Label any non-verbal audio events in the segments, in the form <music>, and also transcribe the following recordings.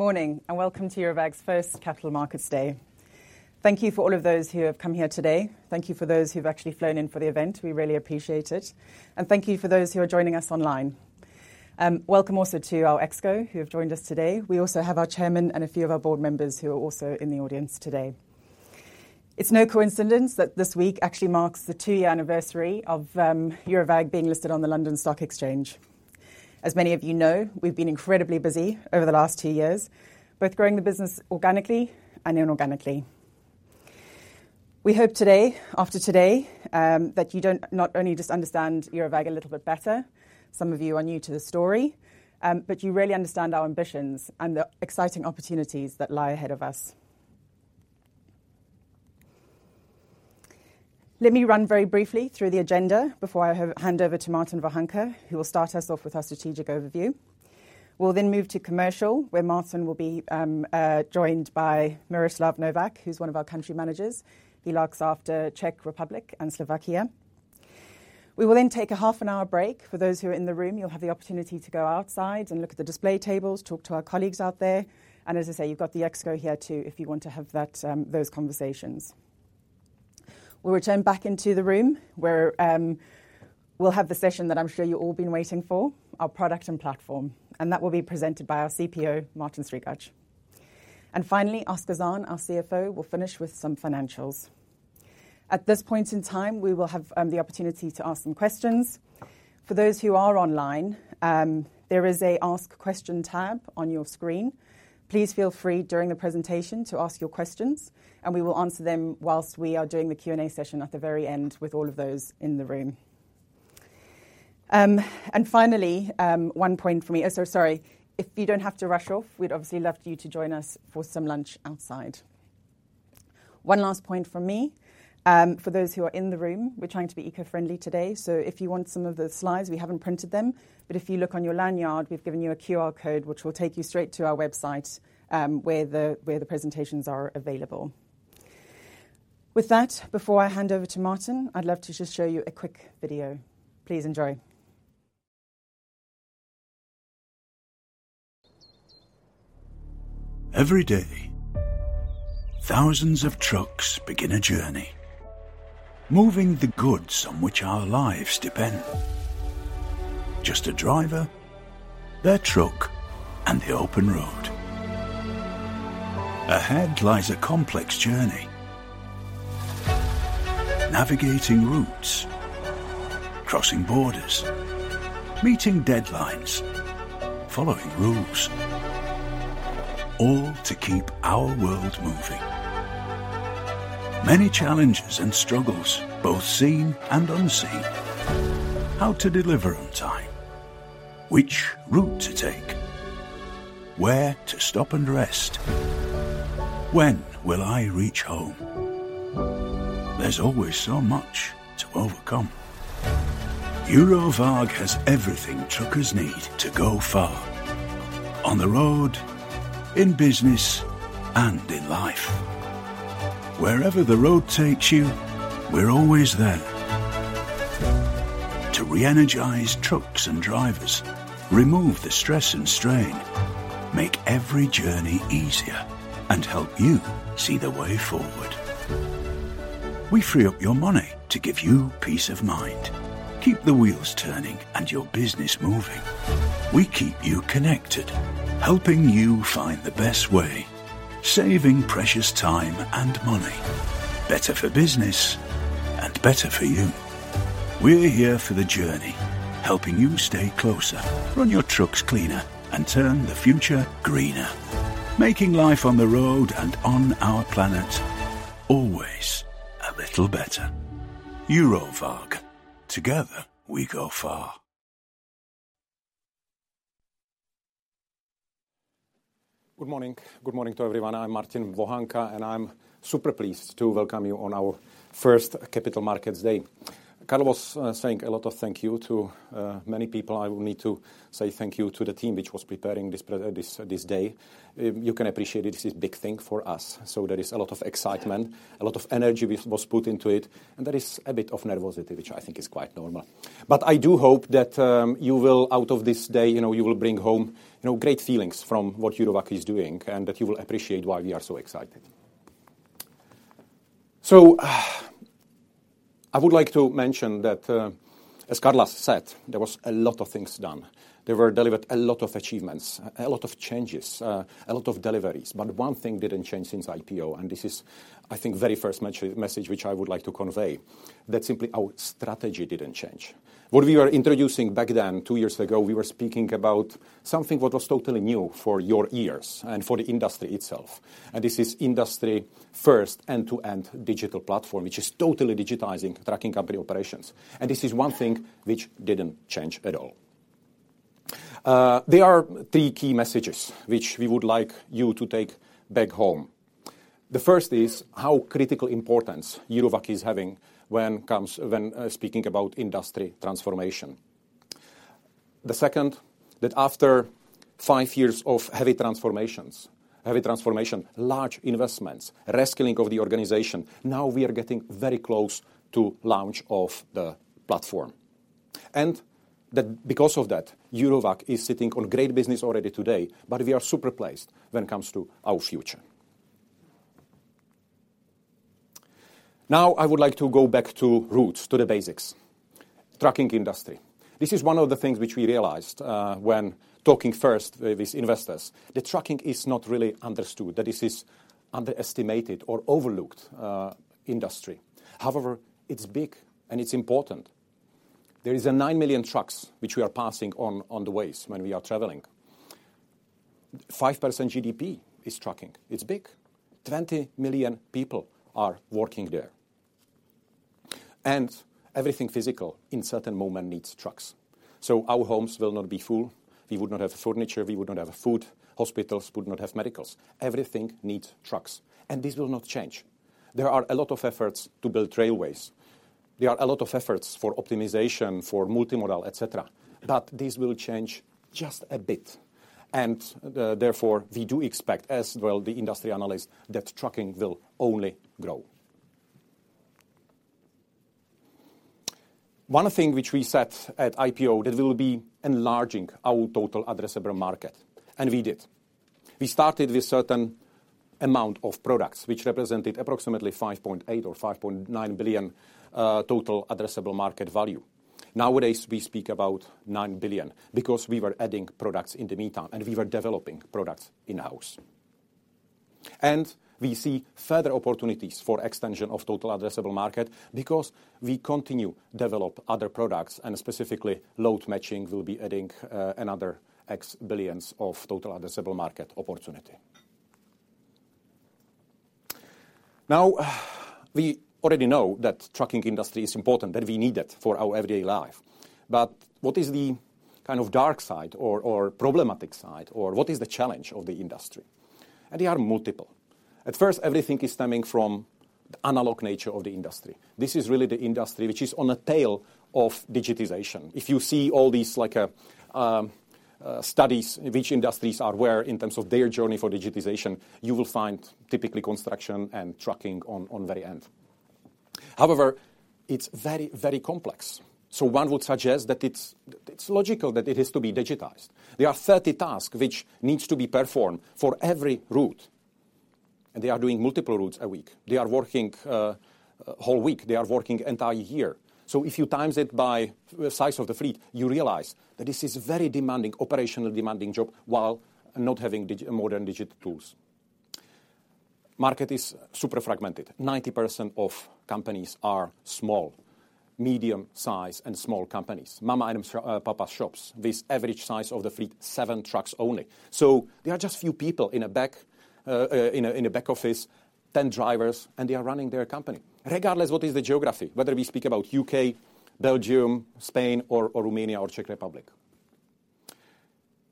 Morning, and welcome to Eurowag's first Capital Markets Day. Thank you for all of those who have come here today. Thank you for those who've actually flown in for the event. We really appreciate it, and thank you for those who are joining us online. Welcome also to our ExCo, who have joined us today. We also have our chairman and a few of our board members who are also in the audience today. It's no coincidence that this week actually marks the two-year anniversary of Eurowag being listed on the London Stock Exchange. As many of you know, we've been incredibly busy over the last two years, both growing the business organically and inorganically. We hope today, after today, that you don't, not only just understand Eurowag a little bit better, some of you are new to the story, but you really understand our ambitions and the exciting opportunities that lie ahead of us. Let me run very briefly through the agenda before I hand over to Martin Vohánka, who will start us off with our strategic overview. We'll then move to commercial, where Martin will be joined by Miroslav Novák, who's one of our country managers. He looks after Czech Republic and Slovakia. We will then take a half an hour break. For those who are in the room, you'll have the opportunity to go outside and look at the display tables, talk to our colleagues out there, and as I say, you've got the ExCo here, too, if you want to have that, those conversations. We'll return back into the room, where we'll have the session that I'm sure you've all been waiting for, our product and platform, and that will be presented by our CPO, Martin Strigač. And finally, Oskar Zahn, our CFO, will finish with some financials. At this point in time, we will have the opportunity to ask some questions. For those who are online, there is a Ask Question tab on your screen. Please feel free during the presentation to ask your questions, and we will answer them whilst we are doing the Q&A session at the very end with all of those in the room. And finally, one point for me. Oh, so sorry, if you don't have to rush off, we'd obviously love you to join us for some lunch outside. One last point from me, for those who are in the room, we're trying to be eco-friendly today, so if you want some of the slides, we haven't printed them. But if you look on your lanyard, we've given you a QR code, which will take you straight to our website, where the presentations are available. With that, before I hand over to Martin, I'd love to just show you a quick video. Please enjoy. Every day, thousands of trucks begin a journey, moving the goods on which our lives depend. Just a driver, their truck, and the open road. Ahead lies a complex journey. Navigating routes, crossing borders, meeting deadlines, following rules, all to keep our world moving. Many challenges and struggles, both seen and unseen. How to deliver on time? Which route to take? Where to stop and rest? When will I reach home? There's always so much to overcome. Eurowag has everything truckers need to go far on the road, in business, and in life. Wherever the road takes you, we're always there to re-energize trucks and drivers, remove the stress and strain, make every journey easier, and help you see the way forward. We free up your money to give you peace of mind, keep the wheels turning and your business moving. We keep you connected, helping you find the best way, saving precious time and money. Better for business and better for you. We're here for the journey, helping you stay closer, run your trucks cleaner, and turn the future greener, making life on the road and on our planet always a little better. Eurowag, together we go far. Good morning. Good morning to everyone. I'm Martin Vohánka, and I'm super pleased to welcome you on our first Capital Markets Day. Carla was saying a lot of thank you to many people. I will need to say thank you to the team which was preparing this day. You can appreciate it. This is big thing for us, so there is a lot of excitement, a lot of energy which was put into it, and there is a bit of nervosity, which I think is quite normal. But I do hope that you will, out of this day, you know, you will bring home, you know, great feelings from what Eurowag is doing, and that you will appreciate why we are so excited. So, I would like to mention that, as Carla said, there was a lot of things done. There were delivered a lot of achievements, a lot of changes, a lot of deliveries, but one thing didn't change since IPO, and this is, I think, very first message which I would like to convey, that simply our strategy didn't change. What we were introducing back then, two years ago, we were speaking about something what was totally new for your ears and for the industry itself, and this is industry first end-to-end digital platform, which is totally digitizing tracking company operations, and this is one thing which didn't change at all. There are three key messages which we would like you to take back home. The first is how critical importance Eurowag is having when it comes when speaking about industry transformation. The second, that after five years of heavy transformations, heavy transformation, large investments, reskilling of the organization, now we are getting very close to launch of the platform. And that because of that, Eurowag is sitting on great business already today, but we are super pleased when it comes to our future. Now, I would like to go back to roots, to the basics. Trucking industry. This is one of the things which we realized when talking first with investors, that trucking is not really understood, that this is underestimated or overlooked industry. However, it's big and it's important. There is nine million trucks which we are passing on the ways when we are traveling. 5% GDP is trucking. It's big. 20 million people are working there. And everything physical, in certain moment, needs trucks. Our homes will not be full, we would not have furniture, we would not have food, hospitals would not have medicals. Everything needs trucks, and this will not change. There are a lot of efforts to build railways. There are a lot of efforts for optimization, for multimodal, et cetera, but this will change just a bit. Therefore, we do expect, as well, the industry analyst, that trucking will only grow. One thing which we set at IPO, that we will be enlarging our total addressable market, and we did. We started with certain amount of products, which represented approximately 5.8 billion or 5.9 billion total addressable market value. Nowadays, we speak about 9 billion because we were adding products in the meantime, and we were developing products in-house. We see further opportunities for extension of total addressable market because we continue develop other products, and specifically, load matching will be adding another X billions of total addressable market opportunity. Now, we already know that trucking industry is important, that we need it for our everyday life. But what is the kind of dark side or problematic side, or what is the challenge of the industry? They are multiple. At first, everything is stemming from the analog nature of the industry. This is really the industry which is on a tail of digitization. If you see all these like studies, which industries are where in terms of their journey for digitization, you will find typically construction and trucking on very end. However, it's very, very complex. So one would suggest that it's logical that it is to be digitized. There are 30 tasks which needs to be performed for every route, and they are doing multiple routes a week. They are working a whole week. They are working entire year. So if you times it by the size of the fleet, you realize that this is very demanding, operationally demanding job, while not having modern digital tools. Market is super fragmented. 90% of companies are small, medium-size and small companies. Mama and Papa shops, with average size of the fleet, seven trucks only. So there are just few people in a back office, 10 drivers, and they are running their company. Regardless, what is the geography, whether we speak about UK, Belgium, Spain or Romania or Czech Republic.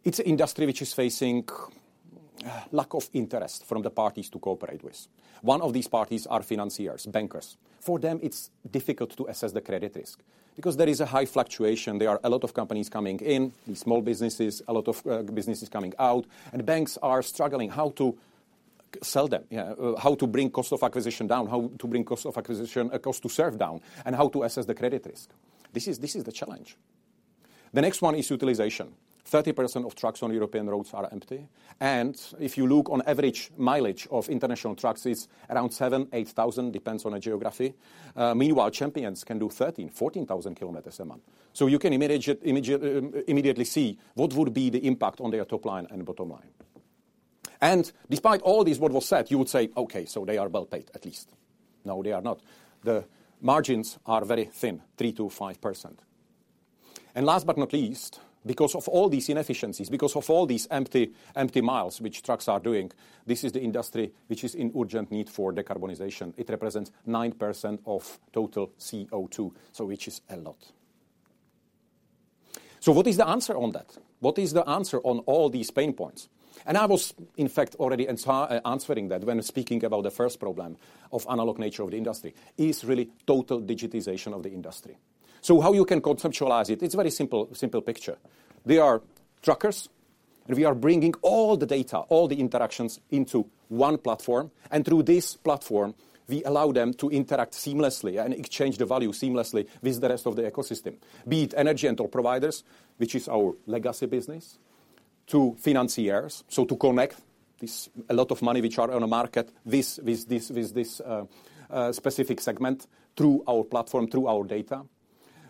It's an industry which is facing lack of interest from the parties to cooperate with. One of these parties are financiers, bankers. For them, it's difficult to assess the credit risk because there is a high fluctuation. There are a lot of companies coming in, these small businesses, a lot of businesses coming out, and banks are struggling how to sell them, yeah. How to bring cost of acquisition down, how to bring cost of acquisition, cost to serve down, and how to assess the credit risk. This is, this is the challenge. The next one is utilization. 30% of trucks on European roads are empty, and if you look on average mileage of international trucks is around 7,000, 8,000, depends on the geography. Meanwhile, champions can do 13,000, 14,000 kilometers a month. You can immediately see what would be the impact on their top line and bottom line. Despite all this, what was said, you would say, "Okay, so they are well paid, at least." No, they are not. The margins are very thin, 3%-5%. Last but not least, because of all these inefficiencies, because of all these empty, empty miles which trucks are doing, this is the industry which is in urgent need for decarbonization. It represents 9% of total CO2, so which is a lot. What is the answer on that? What is the answer on all these pain points? I was, in fact, already answering that when speaking about the first problem of analog nature of the industry, is really total digitization of the industry. How you can conceptualize it? It's a very simple, simple picture. There are truckers, and we are bringing all the data, all the interactions into one platform, and through this platform, we allow them to interact seamlessly and exchange the value seamlessly with the rest of the ecosystem. Be it energy and toll providers, which is our legacy business, to financiers, so to connect this a lot of money, which are on the market, with this, with this, specific segment through our platform, through our data.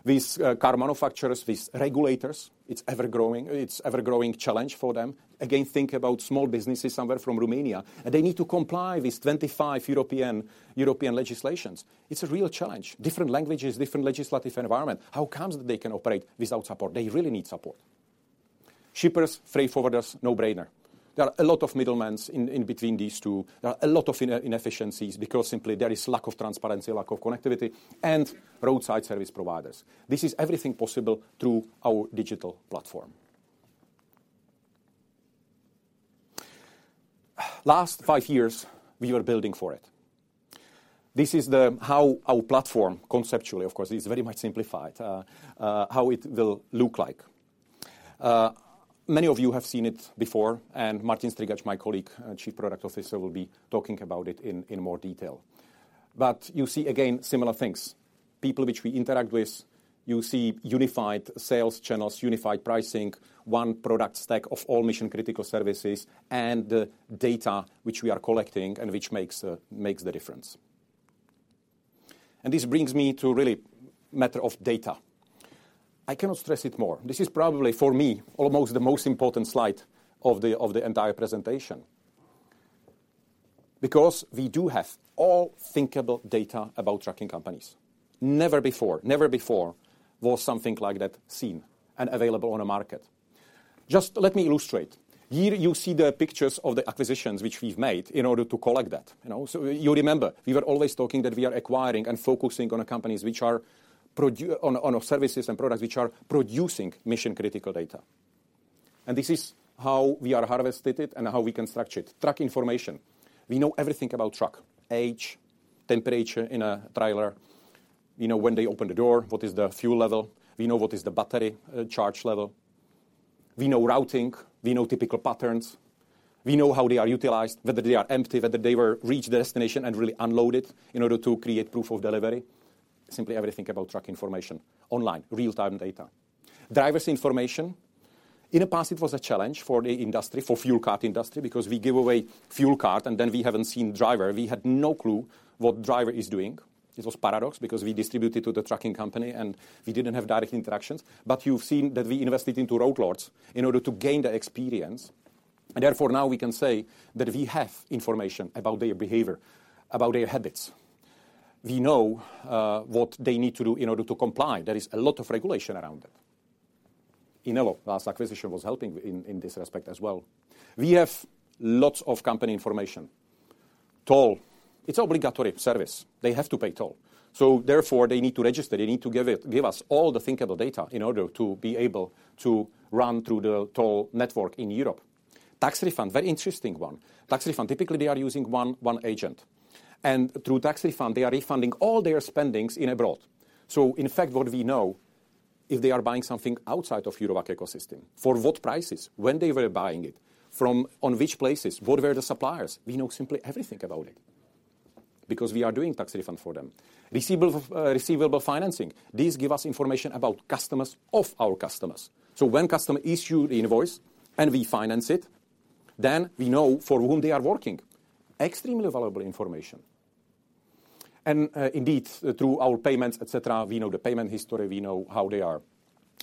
With, car manufacturers, with regulators, it's ever-growing. It's ever-growing challenge for them. Again, think about small businesses somewhere from Romania, and they need to comply with 25 European, European legislations. It's a real challenge. Different languages, different legislative environment. How comes that they can operate without support? They really need support. Shippers, freight forwarders, no-brainer. There are a lot of middlemen in, in between these two. There are a lot of inefficiencies, because simply there is lack of transparency, lack of connectivity, and roadside service providers. This is everything possible through our digital platform. Last five years, we were building for it. This is the how our platform, conceptually, of course, is very much simplified, how it will look like. Many of you have seen it before, and Martin Strigač, my colleague and Chief Product Officer, will be talking about it in more detail. But you see, again, similar things. People which we interact with, you see unified sales channels, unified pricing, one product stack of all mission-critical services, and the data which we are collecting and which makes the difference. And this brings me to really matter of data. I cannot stress it more. This is probably, for me, almost the most important slide of the entire presentation. Because we do have all thinkable data about trucking companies. Never before, never before was something like that seen and available on the market. Just let me illustrate. Here you see the pictures of the acquisitions which we've made in order to collect that, you know? You remember, we were always talking that we are acquiring and focusing on the companies which are producing, you know, on services and products which are producing mission-critical data. This is how we have harvested it and how we can structure it. Truck information. We know everything about truck: age, temperature in a trailer. We know when they open the door, what is the fuel level. We know what is the battery, charge level. We know routing. We know typical patterns. We know how they are utilized, whether they are empty, whether they reach destination and really unloaded in order to create proof of delivery. Simply everything about truck information, online, real-time data. Drivers' information. In the past, it was a challenge for the industry, for fuel card industry, because we give away fuel card, and then we haven't seen driver. We had no clue what driver is doing. This was paradox, because we distributed to the trucking company, and we didn't have direct interactions. You've seen that we invested into Road Lords in order to gain the experience, and therefore, now we can say that we have information about their behavior, about their habits. We know what they need to do in order to comply. There is a lot of regulation around it. Inelo, last acquisition, was helping in, in this respect as well. We have lots of company information. Toll, it's obligatory service. They have to pay toll, so therefore, they need to register. They need to give it, give us all the thinkable data in order to be able to run through the toll network in Europe. Tax refund, very interesting one. Tax refund, typically, they are using one, one agent, and through tax refund, they are refunding all their spendings abroad. So in fact, what we know, if they are buying something outside of Eurowag ecosystem, for what prices, when they were buying it, from which places, what were the suppliers? We know simply everything about it because we are doing tax refund for them. Receivable, receivable financing, these give us information about customers of our customers. So when customer issue the invoice and we finance it, then we know for whom they are working. Extremely valuable information. Indeed, through our payments, et cetera, we know the payment history, we know how they are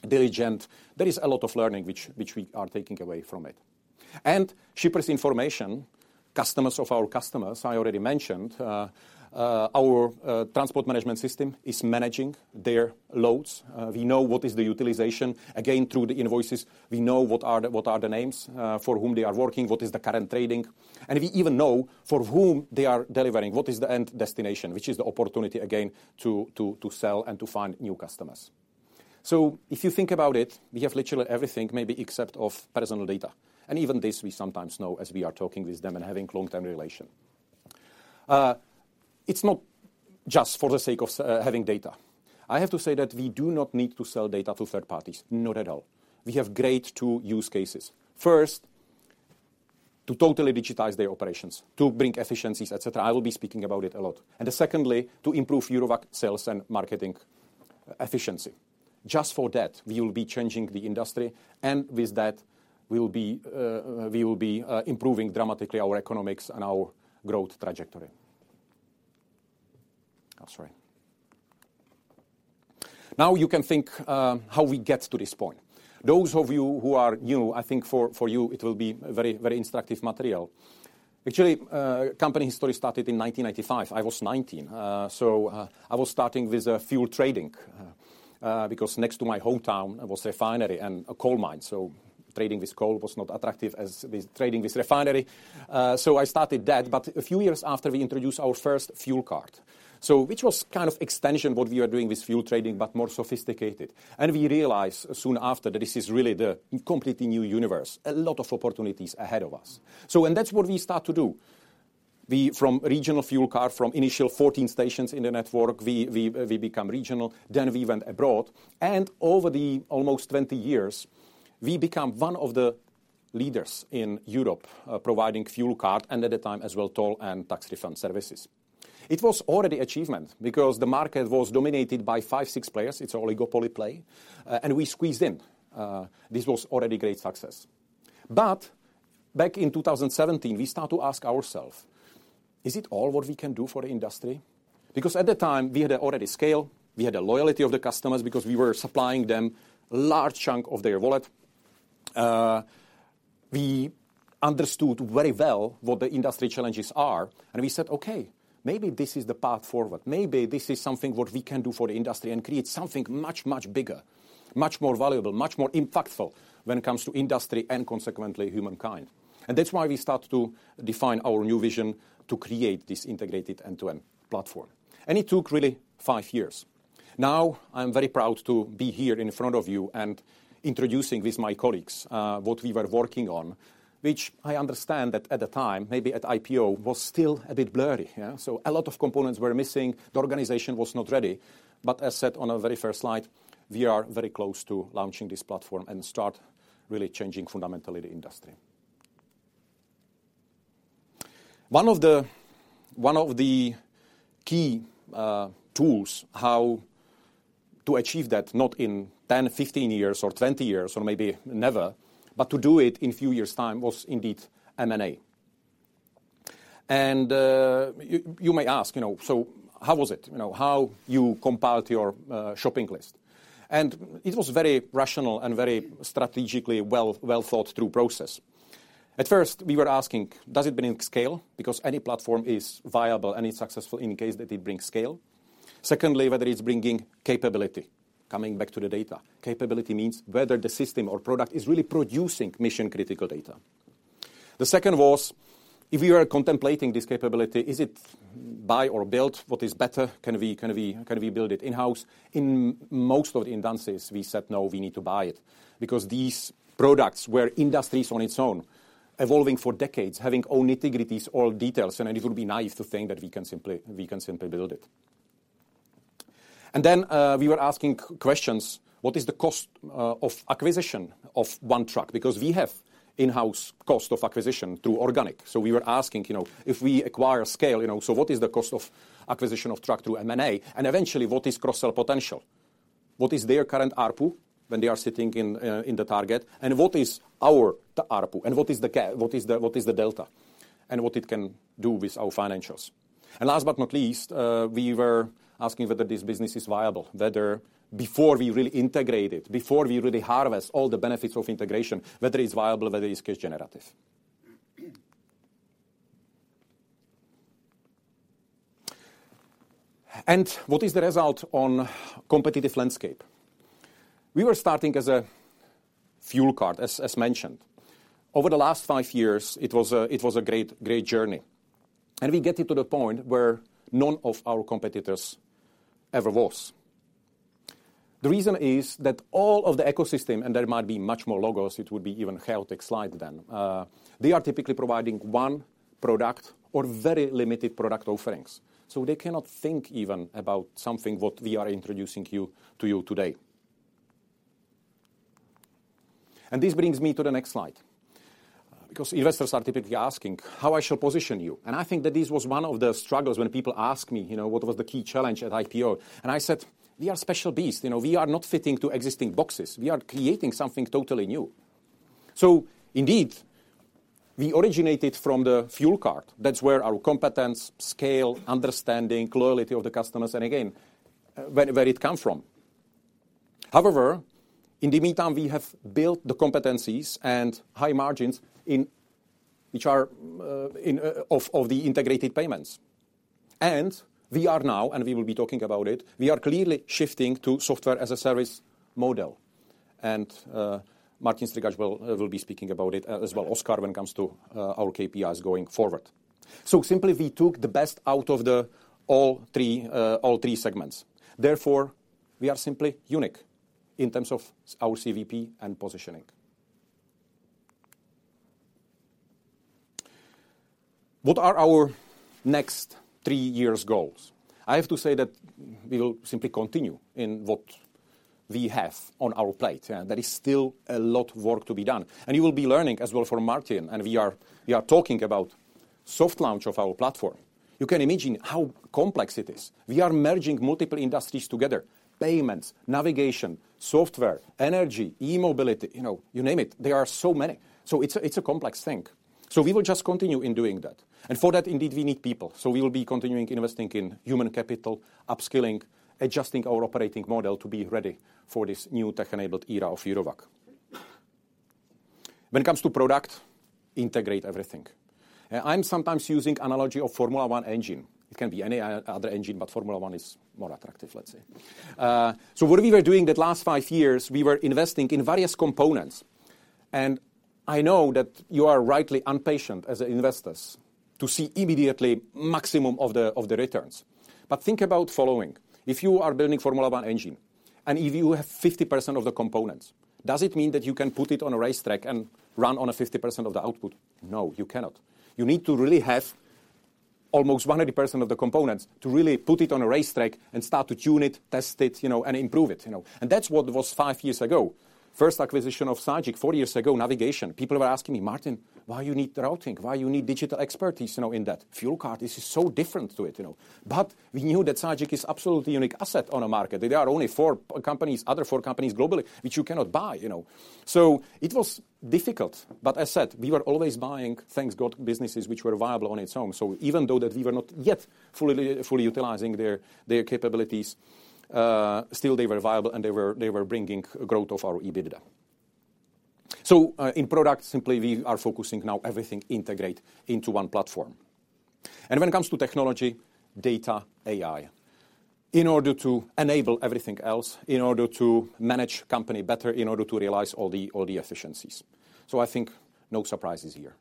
diligent. There is a lot of learning which we are taking away from it. Shippers information, customers of our customers, I already mentioned. Our transport management system is managing their loads. We know what is the utilization. Again, through the invoices, we know what are the names for whom they are working, what is the current trading, and we even know for whom they are delivering, what is the end destination, which is the opportunity, again, to sell and to find new customers. So if you think about it, we have literally everything, maybe except of personal data, and even this we sometimes know as we are talking with them and having long-term relation. It's not just for the sake of, having data. I have to say that we do not need to sell data to third parties, not at all. We have great two use cases. First, to totally digitize their operations, to bring efficiencies, et cetera. I will be speaking about it a lot. And secondly, to improve Eurowag sales and marketing efficiency. Just for that, we will be changing the industry, and with that, we will be improving dramatically our economics and our growth trajectory. Oh, sorry. Now, you can think, how we get to this point. Those of you who are new, I think for you, it will be very, very instructive material. Actually, company history started in 1995. I was 19. I was starting with fuel trading because next to my hometown, there was a refinery and a coal mine, so trading with coal was not as attractive as trading with refinery. I started that, but a few years after, we introduced our first fuel card, which was kind of extension of what we were doing with fuel trading, but more sophisticated. We realized soon after that this is really a completely new universe, a lot of opportunities ahead of us. That's what we started to do. From regional fuel card, from initial 14 stations in the network, we became regional, then we went abroad, and over almost 20 years, we became one of the leaders in Europe, providing fuel card and at the time, as well, toll and tax refund services. It was already achievement because the market was dominated by five, six players. It's oligopoly play, and we squeezed in. This was already great success. Back in 2017, we start to ask ourself: Is it all what we can do for the industry? Because at the time, we had already scale, we had the loyalty of the customers because we were supplying them large chunk of their wallet. We understood very well what the industry challenges are, and we said, "Okay, maybe this is the path forward. Maybe this is something what we can do for the industry and create something much, much bigger, much more valuable, much more impactful when it comes to industry, and consequently, humankind." That's why we start to define our new vision to create this integrated end-to-end platform. It took really five years. Now, I'm very proud to be here in front of you and introducing with my colleagues what we were working on, which I understand that at the time, maybe at IPO, was still a bit blurry, yeah? So a lot of components were missing. The organization was not ready, but as said on our very first slide, we are very close to launching this platform and start really changing fundamentally the industry... One of the key tools how to achieve that, not in 10, 15 years or 20 years, or maybe never, but to do it in few years' time, was indeed M&A. And you may ask, you know, "So how was it?" You know, "How you compiled your shopping list?" And it was very rational and very strategically well, well-thought-through process. At first, we were asking, does it bring scale? Because any platform is viable, and it's successful in case that it brings scale. Secondly, whether it's bringing capability. Coming back to the data, capability means whether the system or product is really producing mission-critical data. The second was, if we were contemplating this capability, is it buy or build? What is better? Can we build it in-house? In most of the instances, we said, "No, we need to buy it," because these products were industries on its own, evolving for decades, having own integrities or details, and it would be naive to think that we can simply build it. And then, we were asking questions, "What is the cost of acquisition of one truck?" Because we have in-house cost of acquisition through organic. We were asking, you know, if we acquire scale, you know, what is the cost of acquisition of truck through M&A, and eventually, what is cross-sell potential? What is their current ARPU when they are sitting in the target, and what is our ARPU, and what is the gap? What is the delta, and what it can do with our financials? Last but not least, we were asking whether this business is viable, whether before we really integrate it, before we really harvest all the benefits of integration, whether it's viable, whether it's cash generative. What is the result on competitive landscape? We were starting as a fuel card, as mentioned. Over the last five years, it was a great, great journey, and we get it to the point where none of our competitors ever was. The reason is that all of the ecosystem, and there might be much more logos, it would be even chaotic slide then. They are typically providing one product or very limited product offerings, so they cannot think even about something what we are introducing you, to you today. And this brings me to the next slide, because investors are typically asking how I shall position you, and I think that this was one of the struggles when people ask me, you know, "What was the key challenge at IPO?" And I said, "We are a special beast. You know, we are not fitting to existing boxes. We are creating something totally new." So indeed, we originated from the fuel card. That's where our competence, scale, understanding, loyalty of the customers, and again, where it comes from. However, in the meantime, we have built the competencies and high margins in which are the integrated payments. We are now, and we will be talking about it, we are clearly shifting to software-as-a-service model. Martin Strigač will be speaking about it as well, Oskar, when it comes to our KPIs going forward. So simply, we took the best out of all three segments. Therefore, we are simply unique in terms of our CVP and positioning. What are our next three years' goals? I have to say that we will simply continue in what we have on our plate, there is still a lot of work to be done. You will be learning as well from Martin, and we are talking about soft launch of our platform. You can imagine how complex it is. We are merging multiple industries together: payments, navigation, software, energy, e-mobility, you know, you name it. There are so many. It's a complex thing. We will just continue in doing that. For that, indeed, we need people, so we will be continuing investing in human capital, upskilling, adjusting our operating model to be ready for this new tech-enabled era of Eurowag. When it comes to product, integrate everything. I'm sometimes using analogy of Formula One engine. It can be any other engine, but Formula One is more attractive, let's say. What we were doing the last five years, we were investing in various components, and I know that you are rightly impatient as investors to see immediately maximum of the returns. Think about the following: If you are building a Formula One engine, and if you have 50% of the components, does it mean that you can put it on a racetrack and run on 50% of the output? No, you cannot. You need to really have almost 100% of the components to really put it on a racetrack and start to tune it, test it, you know, and improve it, you know? That's what it was five years ago. First acquisition of Sygic, four years ago, navigation. People were asking me, "Martin, why you need routing? Why you need digital expertise, you know, in that? Fuel card, this is so different to it, you know." We knew that Sygic is absolutely unique asset on the market. There are only four companies, other four companies globally, which you cannot buy, you know. It was difficult, but I said, we were always buying, thank God, businesses which were viable on their own. Even though we were not yet fully utilizing their capabilities, still they were viable, and they were bringing growth of our EBITDA. In product, simply, we are focusing now everything integrate into one platform. When it comes to technology, data, AI, in order to enable everything else, in order to manage company better, in order to realize all the efficiencies. I think no surprises here.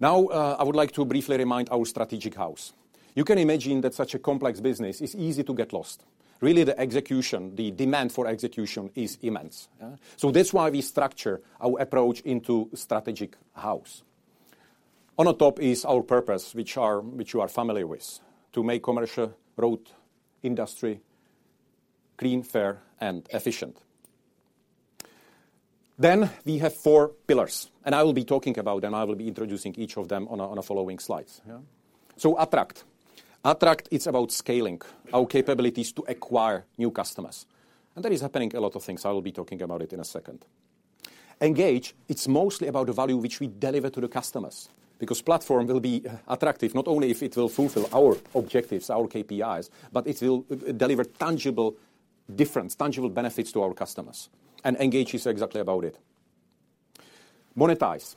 Now, I would like to briefly remind our strategic house. You can imagine that such a complex business, it's easy to get lost. Really, the execution, the demand for execution is immense, yeah? That's why we structure our approach into strategic house. On the top is our purpose, which you are familiar with: to make commercial road industry clean, fair, and efficient. We have four pillars, and I will be talking about them. I will be introducing each of them on the following slides, yeah? Attract. Attract, it's about scaling our capabilities to acquire new customers, and that is happening, a lot of things. I will be talking about it in a second. Engage, it's mostly about the value which we deliver to the customers, because platform will be attractive, not only if it will fulfill our objectives, our KPIs, but it will deliver tangible difference, tangible benefits to our customers, and Engage is exactly about it. Monetize.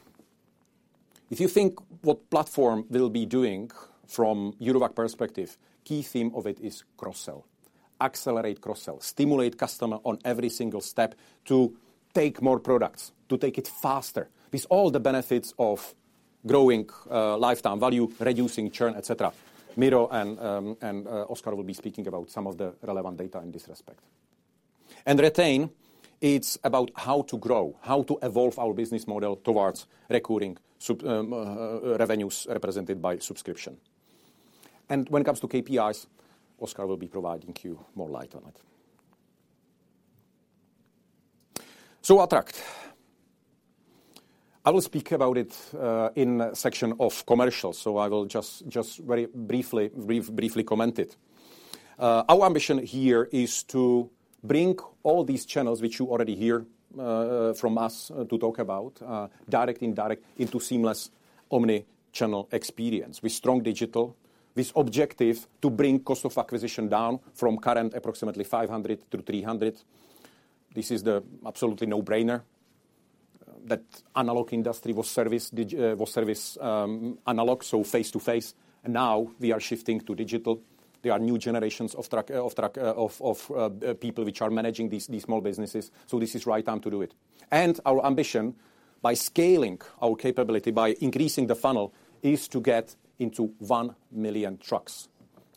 If you think what platform will be doing from Eurowag perspective, key theme of it is cross-sell. Accelerate cross-sell. Stimulate customer on every single step to take more products, to take it faster, with all the benefits of growing, lifetime value, reducing churn, et cetera. Miro and, and, Oskar will be speaking about some of the relevant data in this respect. Retain, it's about how to grow, how to evolve our business model towards recurring sub, revenues represented by subscription. And when it comes to KPIs, Oskar will be providing you more light on it. Attract. I will speak about it, in a section of commercial, so I will just, just very briefly, briefly comment it. Our ambition here is to bring all these channels, which you already hear from us, to talk about direct and indirect, into seamless omni-channel experience, with strong digital, with objective to bring cost of acquisition down from current approximately 500-300. This is the absolutely no-brainer, that analog industry was serviced analog, so face-to-face, and now we are shifting to digital. There are new generations of people which are managing these small businesses, so this is right time to do it. And our ambition, by scaling our capability, by increasing the funnel, is to get into 1 million trucks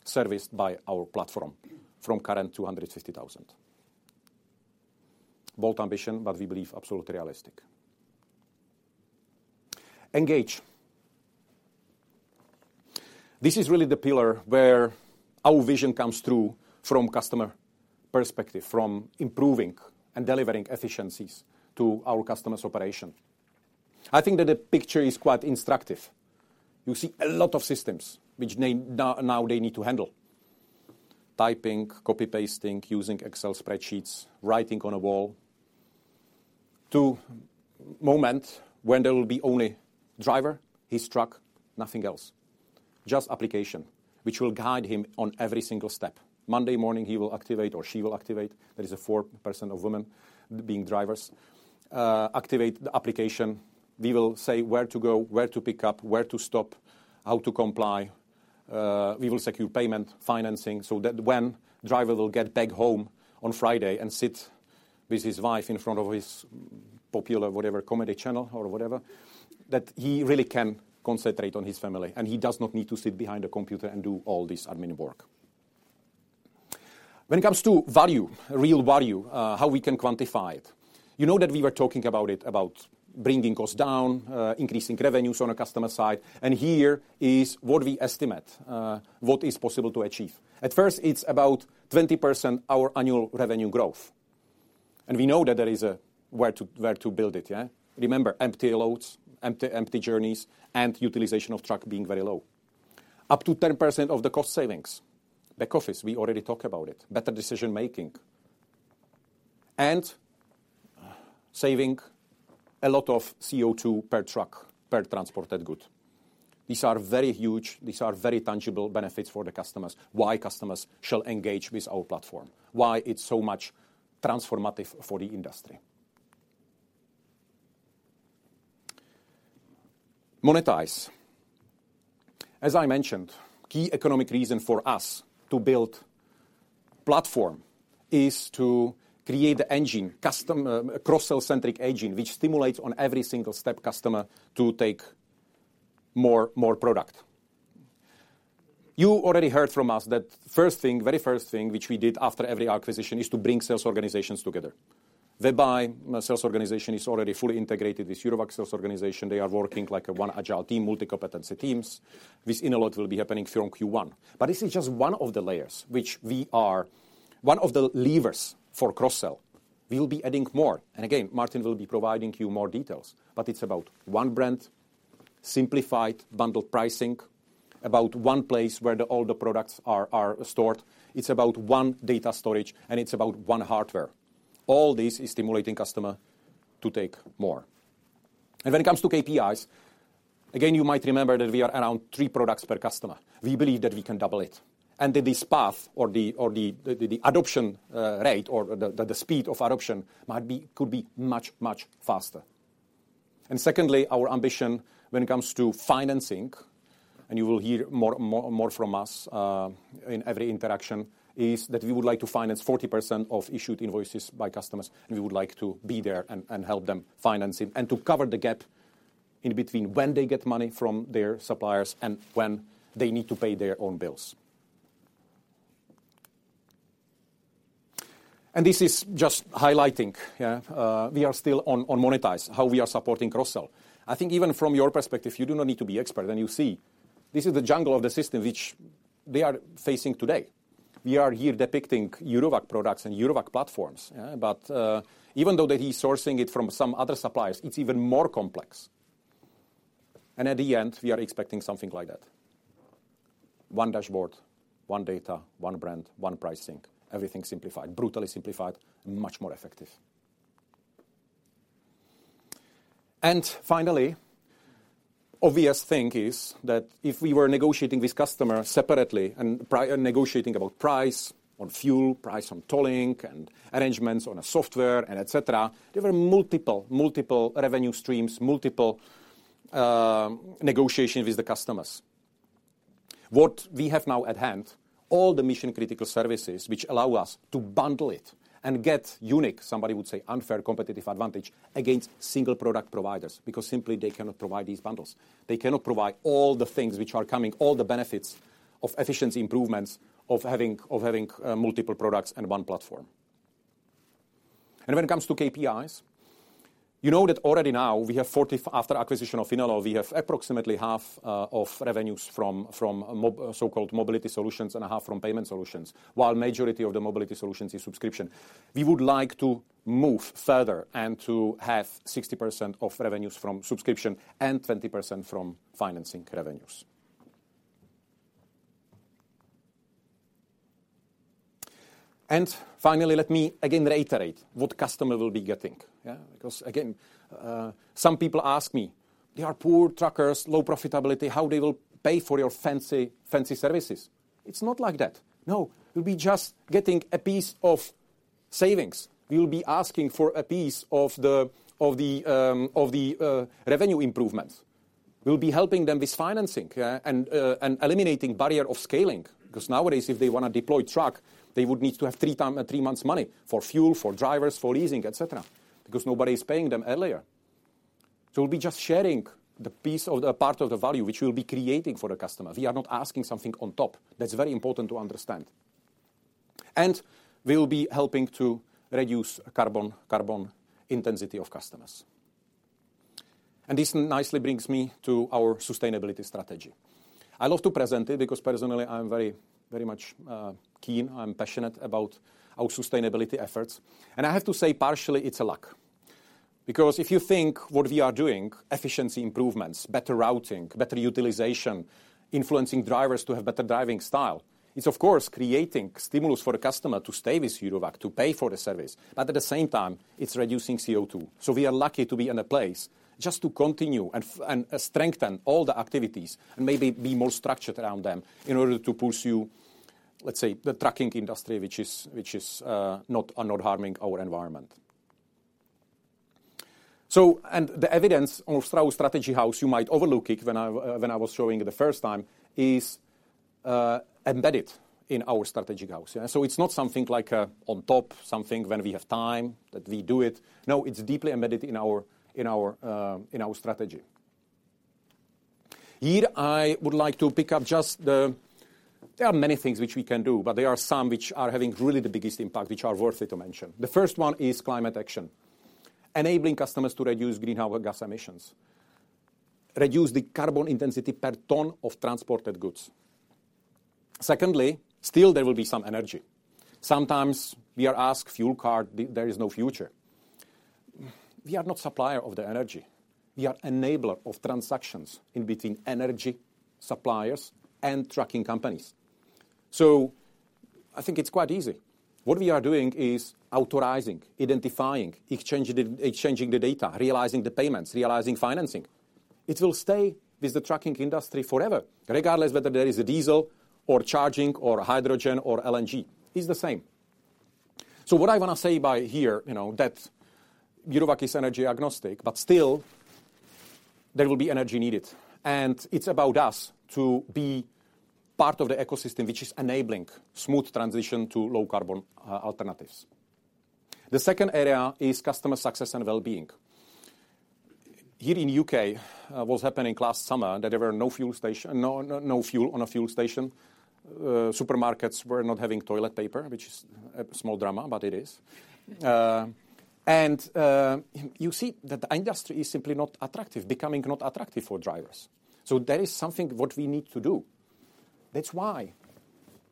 serviced by our platform from current 250,000. Bold ambition, but we believe absolutely realistic. Engage. This is really the pillar where our vision comes through from customer perspective, from improving and delivering efficiencies to our customers' operation. I think that the picture is quite instructive. You see a lot of systems which they now they need to handle, typing, copy-pasting, using Excel spreadsheets, writing on a wall. To moment when there will be only driver, his truck, nothing else, just application, which will guide him on every single step. Monday morning, he will activate or she will activate, there is a 4% of women being drivers, activate the application. We will say where to go, where to pick up, where to stop, how to comply. We will secure payment, financing, so that when driver will get back home on Friday and sit with his wife in front of his popular whatever, comedy channel or whatever, that he really can concentrate on his family, and he does not need to sit behind a computer and do all this admin work. When it comes to value, real value, how we can quantify it? You know that we were talking about it, about bringing costs down, increasing revenues on a customer side, and here is what we estimate, what is possible to achieve. At first, it's about 20% our annual revenue growth, and we know that there is a where to, where to build it, yeah? Remember, empty loads, empty, empty journeys, and utilization of truck being very low. Up to 10% of the cost savings. Back office, we already talked about it, better decision-making. Saving a lot of CO2 per truck, per transported good. These are very huge, these are very tangible benefits for the customers, why customers shall engage with our platform, why it's so much transformative for the industry. Monetize. As I mentioned, key economic reason for us to build platform is to create the engine, custom, a cross-sell-centric engine, which stimulates on every single step customer to take more, more product. You already heard from us that first thing, very first thing, which we did after every acquisition is to bring sales organizations together, whereby my sales organization is already fully integrated with Eurowag sales organization. They are working like a one agile team, multi-competency teams. This in a lot will be happening from Q1. This is just one of the layers which we are, one of the levers for cross-sell. We will be adding more, and again, Martin will be providing you more details, but it's about one brand, simplified bundle pricing, about one place where all the products are stored. It's about one data storage, and it's about one hardware. All this is stimulating customer to take more. And when it comes to KPIs, again, you might remember that we are around three products per customer. We believe that we can double it, and that this path or the adoption rate, or the speed of adoption might be, could be much, much faster. Secondly, our ambition when it comes to financing, and you will hear more, more from us in every interaction, is that we would like to finance 40% of issued invoices by customers, and we would like to be there and help them financing and to cover the gap in between when they get money from their suppliers and when they need to pay their own bills. This is just highlighting, yeah, we are still on Monetize, how we are supporting cross-sell. I think even from your perspective, you do not need to be expert, and you see—this is the jungle of the system which they are facing today. We are here depicting Eurowag products and Eurowag platforms, yeah? Even though they're sourcing it from some other suppliers, it's even more complex. At the end, we are expecting something like that. One dashboard, one data, one brand, one pricing, everything simplified, brutally simplified, and much more effective. Finally, obvious thing is that if we were negotiating with customer separately and negotiating about price on fuel, price on tolling, and arrangements on a software and et cetera, there were multiple, multiple revenue streams, multiple negotiations with the customers. What we have now at hand, all the mission-critical services, which allow us to bundle it and get unique, somebody would say unfair competitive advantage against single product providers, because simply they cannot provide these bundles. They cannot provide all the things which are coming, all the benefits of efficiency improvements of having multiple products in one platform. When it comes to KPIs, you know that already now, we have 40. After acquisition of Inelo, we have approximately half of revenues from so-called mobility solutions and a half from payment solutions, while majority of the mobility solutions is subscription. We would like to move further and to have 60% of revenues from subscription and 20% from financing revenues. And finally, let me again reiterate what customer will be getting, yeah? Because, again, some people ask me, "They are poor truckers, low profitability, how they will pay for your fancy, fancy services?" It's not like that. No, we'll be just getting a piece of savings. We'll be asking for a piece of the revenue improvements. We'll be helping them with financing, and, and eliminating barrier of scaling, because nowadays, if they want to deploy truck, they would need to have three months money for fuel, for drivers, for leasing, et cetera, because nobody's paying them earlier. So we'll be just sharing the piece of the part of the value which we'll be creating for the customer. We are not asking something on top. That's very important to understand. And we'll be helping to reduce carbon, carbon intensity of customers. And this nicely brings me to our sustainability strategy. I love to present it because personally, I'm very, very much keen, I'm passionate about our sustainability efforts. And I have to say partially, it's a luck. Because if you think what we are doing, efficiency improvements, better routing, better utilization, influencing drivers to have better driving style, it's of course, creating stimulus for the customer to stay with Eurowag, to pay for the service, but at the same time, it's reducing CO2. We are lucky to be in a place just to continue and strengthen all the activities and maybe be more structured around them in order to pursue, let's say, the trucking industry, which is not harming our environment. The evidence on our strategy house, you might overlook it when I was showing you the first time, is embedded in our strategy house, yeah? It's not something like on top, something when we have time, that we do it. No, it's deeply embedded in our, in our, in our strategy. Here, I would like to pick up just the... There are many things which we can do, but there are some which are having really the biggest impact, which are worthy to mention. The first one is climate action, enabling customers to reduce greenhouse gas emissions, reduce the carbon intensity per ton of transported goods. Secondly, still, there will be some energy. Sometimes we are asked, "Fuel card, there is no future." We are not supplier of the energy. We are enabler of transactions in between energy, suppliers, and trucking companies. I think it's quite easy. What we are doing is authorizing, identifying, exchanging the, exchanging the data, realizing the payments, realizing financing. It will stay with the trucking industry forever, regardless whether there is a diesel or charging or hydrogen or LNG. It's the same. So what I want to say by here, you know, that Eurowag is energy agnostic, but still, there will be energy needed. And it's about us to be part of the ecosystem, which is enabling smooth transition to low carbon alternatives. The second area is customer success and well-being. Here in U.K., what's happening last summer, that there were no fuel station, no, no fuel on a fuel station. Supermarkets were not having toilet paper, which is a small drama, but it is. And you see that the industry is simply not attractive, becoming not attractive for drivers. So there is something what we need to do. That's why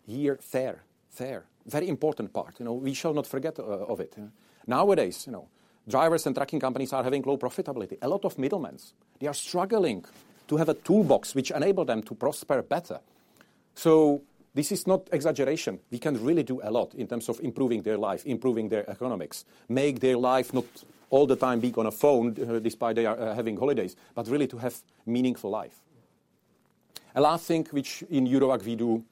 here, fair, fair, very important part. You know, we shall not forget of it. Nowadays, you know, drivers and trucking companies are having low profitability. A lot of middlemen, they are struggling to have a toolbox which enable them to prosper better. This is not exaggeration. We can really do a lot in terms of improving their life, improving their economics, make their life not all the time be on a phone, despite they are having holidays, but really to have meaningful life. A last thing, which in Eurowag we do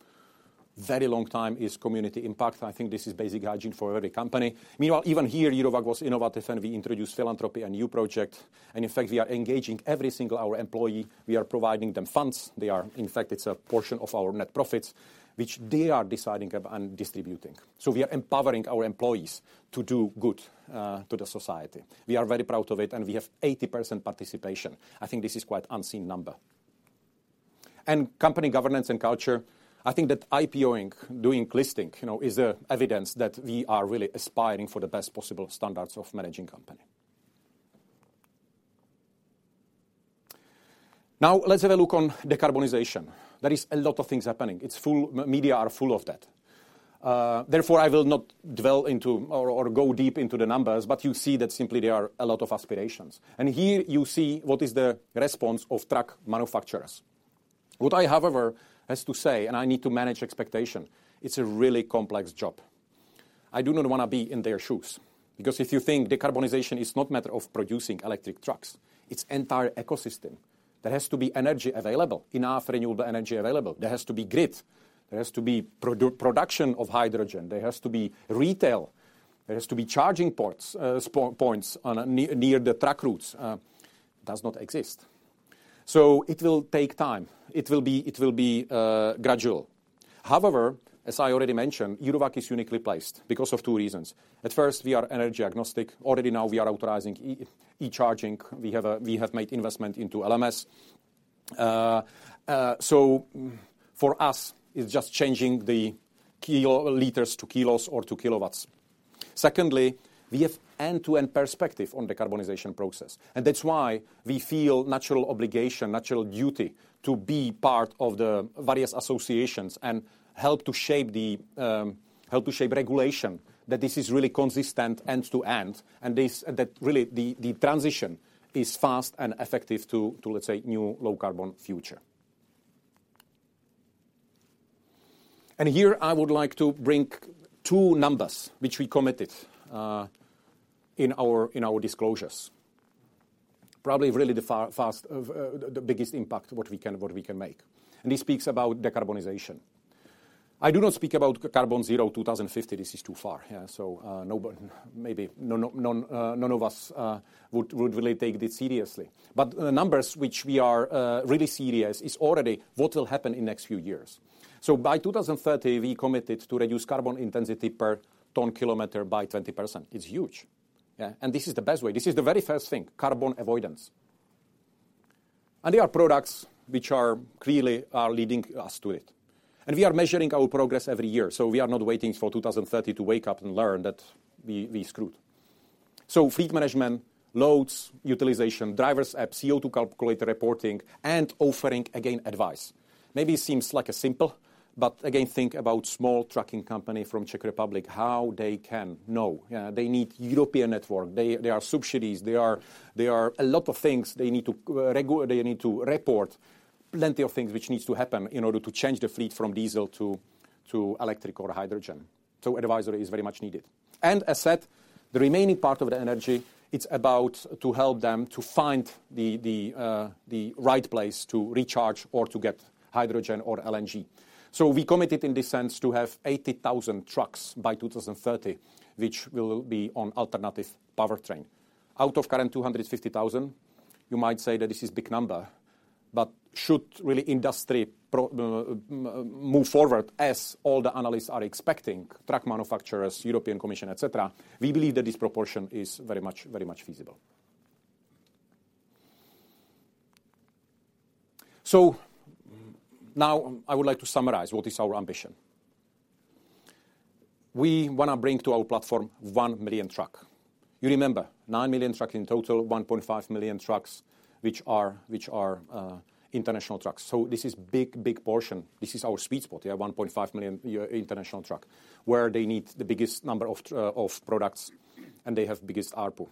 very long time, is community impact. I think this is basic hygiene for every company. Meanwhile, even here, Eurowag was innovative, and we introduced philanthropy, a new project, and in fact, we are engaging every single our employee. We are providing them funds. In fact, it's a portion of our net profits, which they are deciding and distributing. We are empowering our employees to do good to the society. We are very proud of it, and we have 80% participation. I think this is quite unseen number. And company governance and culture, I think that IPO-ing, doing listing, you know, is a evidence that we are really aspiring for the best possible standards of managing company. Now let's have a look on decarbonization. There is a lot of things happening. It's full. Media are full of that. Therefore, I will not dwell into or, or go deep into the numbers, but you see that simply there are a lot of aspirations. And here you see what is the response of truck manufacturers. What I, however, has to say, and I need to manage expectation, it's a really complex job. I do not wanna be in their shoes, because if you think decarbonization is not matter of producing electric trucks, it's entire ecosystem. There has to be energy available, enough renewable energy available. There has to be grid. There has to be production of hydrogen. There has to be retail. There has to be charging ports, points near the truck routes, does not exist. So it will take time. It will be, it will be, gradual. However, as I already mentioned, Eurowag is uniquely placed because of two reasons. At first, we are energy agnostic. Already now we are authorizing e-charging. We have we have made investment into LMS. So for us, it's just changing the liters to kilos or to kilowatts. Secondly, we have end-to-end perspective on the decarbonization process, and that's why we feel natural obligation, natural duty to be part of the various associations and help to shape the, help to shape regulation, that this is really consistent end to end, and this, that really the transition is fast and effective to, let's say, new low-carbon future. And here I would like to bring two numbers which we committed in our disclosures. Probably really the far fast of the biggest impact what we can make, and this speaks about decarbonization. I do not speak about carbon zero 2050. This is too far, yeah, so, nobody maybe no, none of us would really take this seriously. But, numbers which we are really serious is already what will happen in next few years. So by 2030, we committed to reduce carbon intensity per ton kilometer by 20%. It's huge. Yeah, and this is the best way. This is the very first thing, carbon avoidance. There are products which are clearly leading us to it, and we are measuring our progress every year. We are not waiting for 2030 to wake up and learn that we, we screwed. Fleet management, loads, utilization, drivers, app, CO2 calculator, reporting, and offering, again, advice. Maybe it seems like a simple, but again, think about small trucking company from Czech Republic, how they can know, yeah. They need European network. There are subsidies. There are a lot of things they need to report. Plenty of things which needs to happen in order to change the fleet from diesel to electric or hydrogen. Advisory is very much needed. As said, the remaining part of the energy, it's about to help them to find the, the, the right place to recharge or to get hydrogen or LNG. So we committed, in this sense, to have 80,000 trucks by 2030, which will be on alternative powertrain. Out of current 250,000, you might say that this is big number, but should really industry pro, move forward, as all the analysts are expecting, truck manufacturers, European Commission, et cetera, we believe that this proportion is very much, very much feasible. So now I would like to summarize what is our ambition. We wanna bring to our platform one million truck. You remember, nine million truck in total, 1.5 million trucks which are, which are, international trucks, so this is big, big portion. This is our sweet spot, yeah, 1.5 million international truck, where they need the biggest number of tr- of products, and they have biggest ARPU,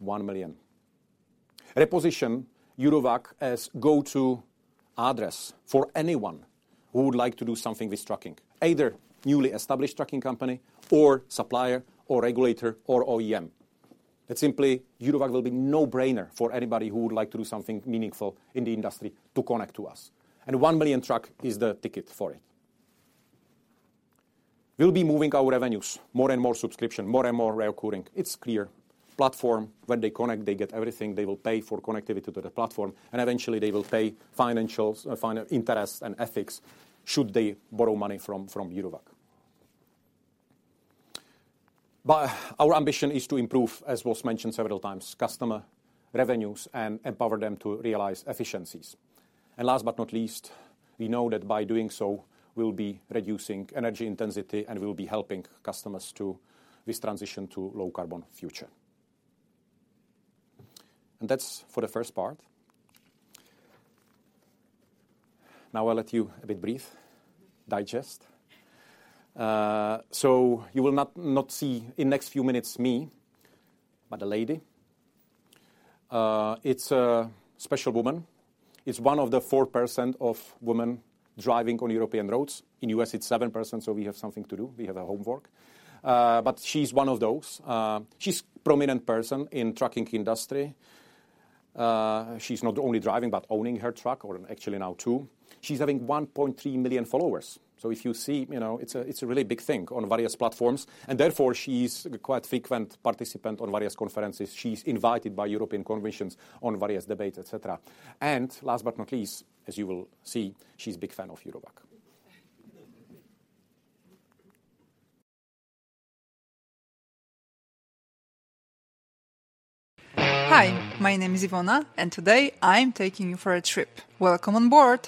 1 million. Reposition Eurowag as go-to address for anyone who would like to do something with trucking, either newly established trucking company or supplier or regulator or OEM. Simply, Eurowag will be no-brainer for anybody who would like to do something meaningful in the industry to connect to us, and 1 million truck is the ticket for it. We'll be moving our revenues, more and more subscription, more and more recurring. It's clear. Platform, when they connect, they get everything. They will pay for connectivity to the platform, and eventually they will pay financials, final interest and ethics, should they borrow money from, from Eurowag. Our ambition is to improve, as was mentioned several times, customer revenues and empower them to realize efficiencies. Last but not least, we know that by doing so, we'll be reducing energy intensity, and we'll be helping customers to this transition to low-carbon future. That's for the first part. Now I'll let you breathe, digest. You will not see in next few minutes me, but a lady. It's a special woman. It's one of the 4% of women driving on European roads. In the U.S., it's 7%, so we have something to do. We have a homework. She's one of those... She's a prominent person in trucking industry. She's not only driving, but owning her truck, or actually now two. She's having 1.3 million followers. So if you see, you know, it's a really big thing on various platforms, and therefore, she's a quite frequent participant on various conferences. She's invited by the European Commission on various debates, et cetera. And last but not least, as you will see, she's a big fan of Eurowag. Hi, my name is Ivona, and today I'm taking you for a trip. Welcome on board!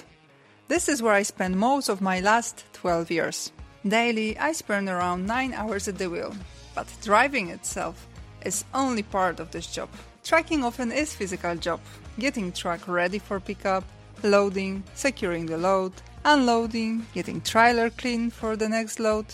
This is where I spent most of my last 12 years. Daily, I spend around nine hours at the wheel, but driving itself is only part of this job. Trucking often is physical job: getting truck ready for pickup, loading, securing the load, unloading, getting trailer clean for the next load,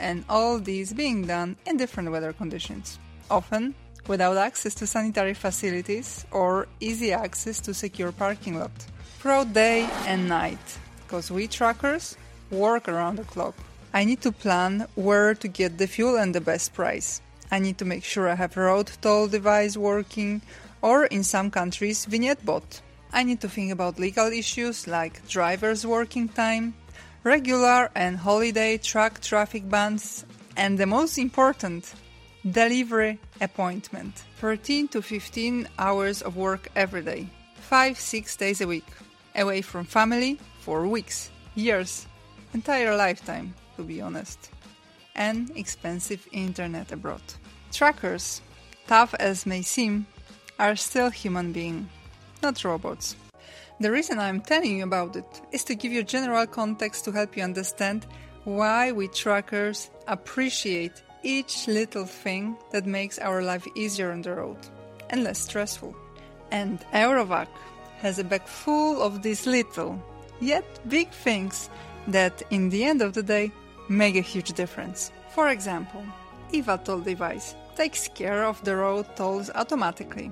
and all this being done in different weather conditions, often without access to sanitary facilities or easy access to secure parking lot. Throughout day and night, 'cause we truckers work around the clock. I need to plan where to get the fuel and the best price. I need to make sure I have road toll device working, or in some countries, vignette bought. I need to think about legal issues like driver's working time, regular and holiday truck traffic bans, and the most important, delivery appointment. 13-15 hours of work every day, 5-6 days a week, away from family for weeks, years, entire lifetime, to be honest, and expensive internet abroad. Truckers, tough as may seem, are still human being, not robots. The reason I'm telling you about it is to give you a general context to help you understand why we truckers appreciate each little thing that makes our life easier on the road and less stressful. Eurowag has a bag full of these little, yet big things that, in the end of the day, make a huge difference. For example, EVA toll device takes care of the road tolls automatically.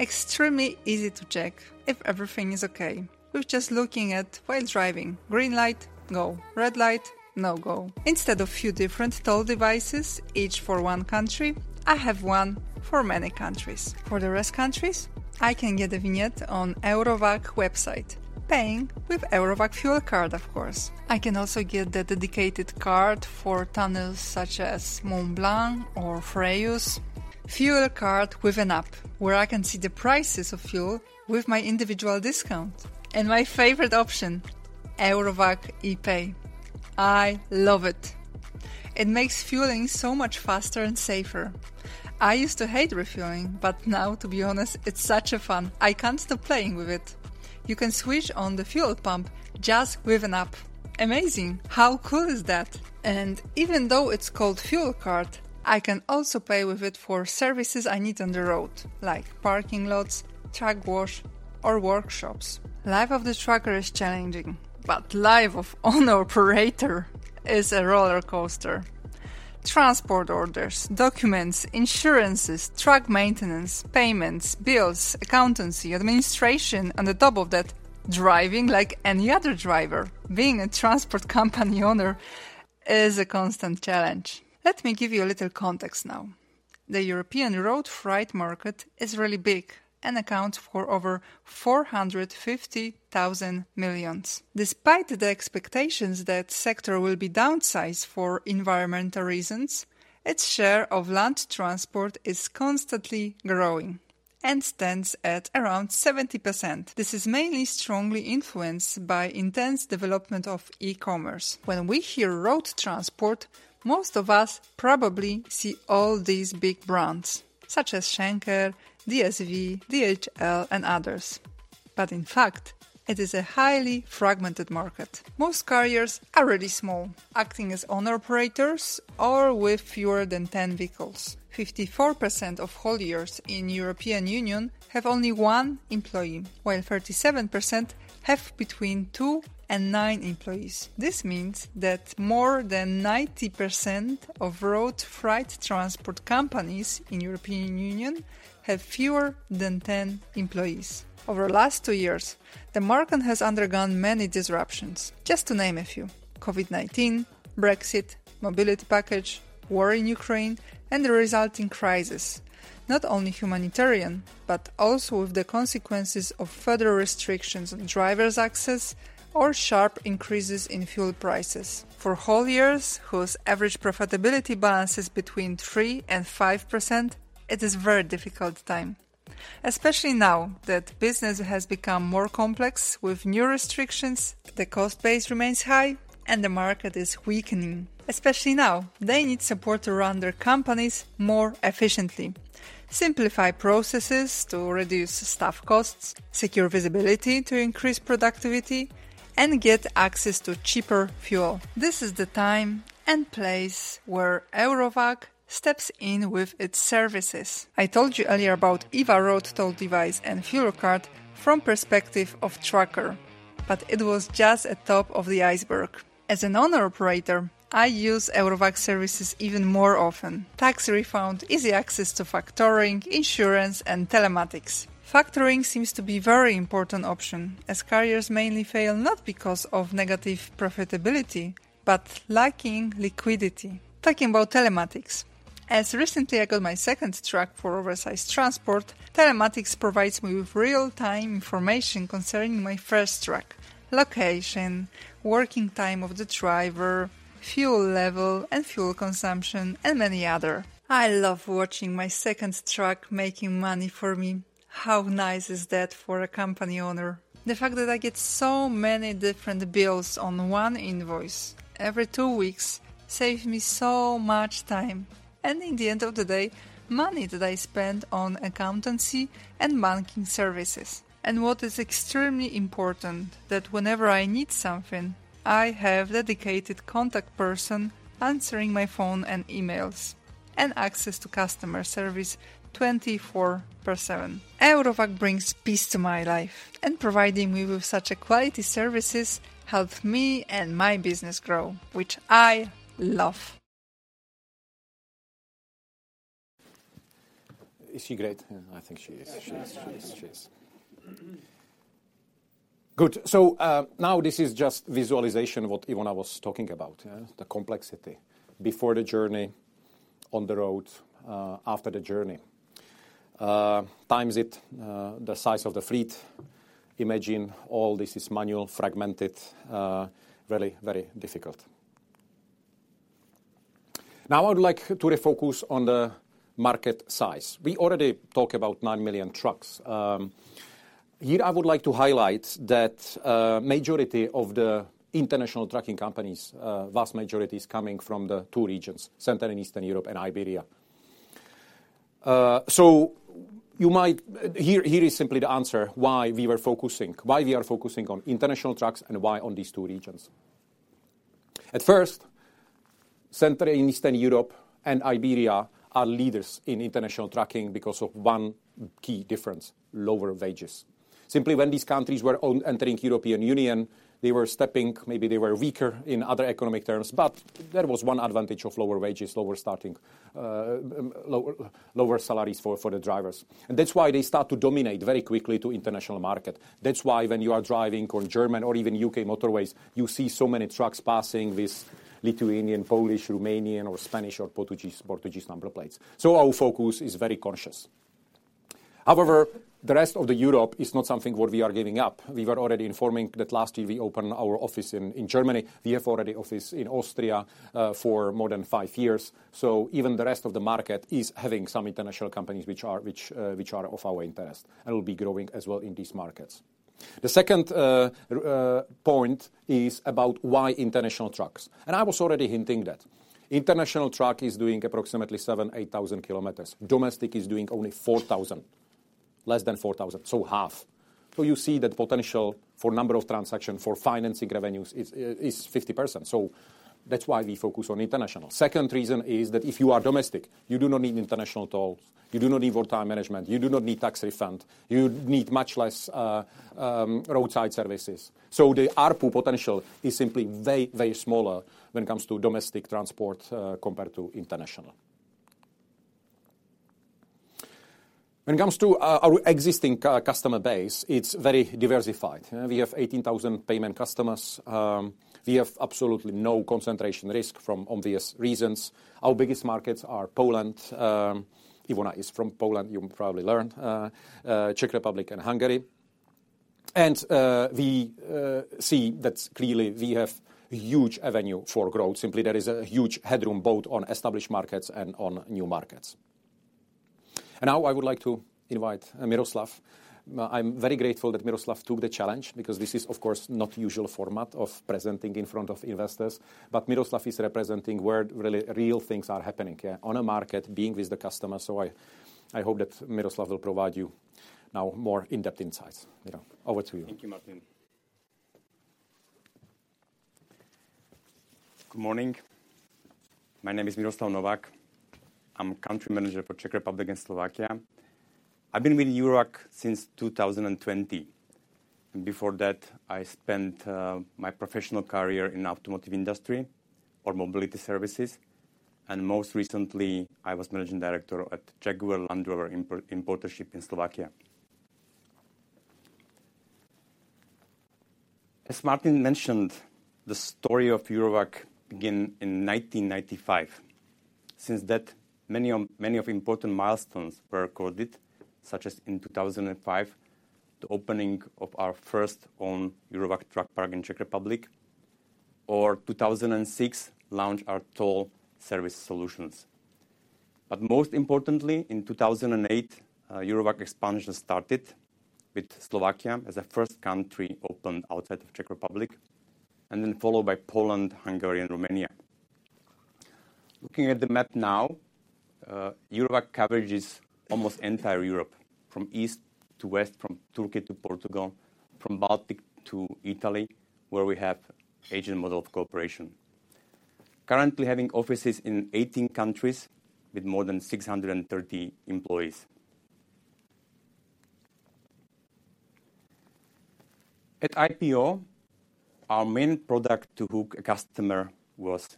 Extremely easy to check if everything is okay with just looking at while driving. Green light, go. Red light, no go. Instead of few different toll devices, each for one country, I have one for many countries. For the rest countries, I can get a vignette on Eurowag website, paying with Eurowag fuel card, of course. I can also get the dedicated card for tunnels such as Mont Blanc or Frejus. Fuel card with an app, where I can see the prices of fuel with my individual discount. And my favorite option, Eurowag ePay. I love it! It makes refueling so much faster and safer. I used to hate refueling, but now, to be honest, it's such a fun. I can't stop playing with it. You can switch on the fuel pump just with an app. Amazing. How cool is that? Even though it's called fuel card, I can also pay with it for services I need on the road, like parking lots, truck wash, or workshops. Life of the trucker is challenging, but life of owner operator is a roller coaster. Transport orders, documents, insurances, truck maintenance, payments, bills, accountancy, administration, on the top of that, driving like any other driver. Being a transport company owner is a constant challenge. Let me give you a little context now. The European road freight market is really big and accounts for over 450 billion. Despite the expectations that sector will be downsized for environmental reasons, its share of land transport is constantly growing and stands at around 70%. This is mainly strongly influenced by intense development of e-commerce. When we hear road transport, most of us probably see all these big brands, such as Schenker, DSV, DHL, and others. But in fact, it is a highly fragmented market. Most carriers are really small, acting as owner-operators or with fewer than 10 vehicles. 54% of hauliers in European Union have only one employee, while 37% have between two and nine employees. This means that more than 90% of road freight transport companies in European Union have fewer than 10 employees. Over the last two years, the market has undergone many disruptions. Just to name a few: COVID-19, Brexit, mobility package, war in Ukraine, and the resulting crisis, not only humanitarian, but also with the consequences of further restrictions on drivers' access or sharp increases in fuel prices. For hauliers, whose average profitability balance is between 3%-5%, it is very difficult time, especially now that business has become more complex with new restrictions, the cost base remains high, and the market is weakening. Especially now, they need support to run their companies more efficiently, simplify processes to reduce staff costs, secure visibility to increase productivity, and get access to cheaper fuel. This is the time and place where Eurowag steps in with its services. I told you earlier about EVA road toll device and fuel card from perspective of trucker, but it was just a top of the iceberg. As an owner operator, I use Eurowag services even more often. Tax refund, easy access to factoring, insurance, and telematics. Factoring seems to be very important option, as carriers mainly fail not because of negative profitability, but lacking liquidity. Talking about telematics, as recently I got my second truck for oversized transport, telematics provides me with real-time information concerning my first truck: location, working time of the driver, fuel level, and fuel consumption, and many other. I love watching my second truck making money for me.... How nice is that for a company owner? The fact that I get so many different bills on one invoice every two weeks saves me so much time, and in the end of the day, money that I spend on accountancy and banking services. What is extremely important, that whenever I need something, I have dedicated contact person answering my phone and emails, and access to customer service twenty-four seven. Eurowag brings peace to my life, and providing me with such a quality services help me and my business grow, which I love. Is she great? I think she is. She is. She is Good. So, now this is just visualization of what Ivona was talking about, yeah, the complexity before the journey, on the road, after the journey. Times it, the size of the fleet, imagine all this is manual, fragmented, very, very difficult. Now I would like to refocus on the market size. We already talk about nine million trucks. Here I would like to highlight that, majority of the international trucking companies, vast majority is coming from the two regions, Central and Eastern Europe and Iberia. So you might- here, here is simply the answer why we were focusing. Why we are focusing on international trucks and why on these two regions. At first, Central and Eastern Europe and Iberia are leaders in international trucking because of one key difference: lower wages. Simply, when these countries were on entering European Union, they were stepping, maybe they were weaker in other economic terms, but there was one advantage of lower wages, lower starting salaries for the drivers. And that's why they start to dominate very quickly to international market. That's why when you are driving on German or even UK motorways, you see so many trucks passing with Lithuanian, Polish, Romanian, or Spanish or Portuguese number plates. So our focus is very conscious. However, the rest of the Europe is not something what we are giving up. We were already informing that last year we opened our office in Germany. We have already office in Austria for more than five years. Even the rest of the market is having some international companies, which are of our interest, and will be growing as well in these markets. The second point is about why international trucks, and I was already hinting that. International truck is doing approximately 7,000-8,000 kilometers. Domestic is doing only 4,000, less than 4,000, so half. You see that potential for number of transactions, for financing revenues is 50%. That's why we focus on international. Second reason is that if you are domestic, you do not need international toll, you do not need work time management, you do not need tax refund, you need much less roadside services. The ARPU potential is simply very, very smaller when it comes to domestic transport compared to international. When it comes to our existing customer base, it's very diversified. We have 18,000 payment customers. We have absolutely no concentration risk from obvious reasons. Our biggest markets are Poland, Ivona is from Poland, you probably learned, Czech Republic and Hungary. We see that clearly we have huge avenue for growth. Simply, there is a huge headroom both on established markets and on new markets. Now I would like to invite Miroslav. I'm very grateful that Miroslav took the challenge because this is, of course, not usual format of presenting in front of investors. Miroslav is representing where really, real things are happening, on a market, being with the customer. I hope that Miroslav will provide you now more in-depth insights. Miroslav, over to you. Thank you, Martin. Good morning. My name is Miroslav Novak. I'm Country Manager for Czech Republic and Slovakia. I've been with Eurowag since 2020. Before that, I spent my professional career in automotive industry or mobility services, and most recently, I was managing director at Jaguar Land Rover importership in Slovakia. As Martin mentioned, the story of Eurowag begin in 1995. Since that, many of, many of important milestones were recorded, such as in 2005, the opening of our first own Eurowag truck park in Czech Republic, or 2006, launch our toll service solutions. But most importantly, in 2008, Eurowag expansion started, with Slovakia as a first country opened outside of Czech Republic, and then followed by Poland, Hungary and Romania. Looking at the map now, Eurowag coverage is almost entire Europe, from east to west, from Turkey to Portugal, from Baltic to Italy, where we have agent model of cooperation. Currently having offices in 18 countries with more than 630 employees. At IPO, our main product to hook a customer was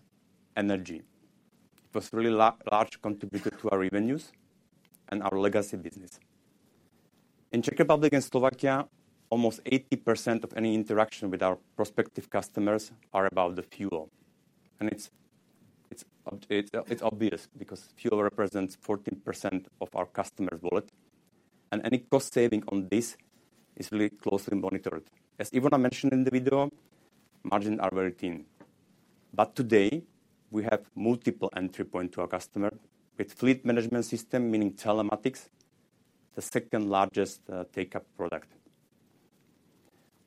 energy. It was really large contributor to our revenues and our legacy business. In Czech Republic and Slovakia, almost 80% of any interaction with our prospective customers are about the fuel. It's obvious, because fuel represents 14% of our customers' wallet, and any cost saving on this is really closely monitored. As Ivona mentioned in the video, margin are very thin. Today, we have multiple entry point to our customer with fleet management system, meaning telematics, the second largest take-up product.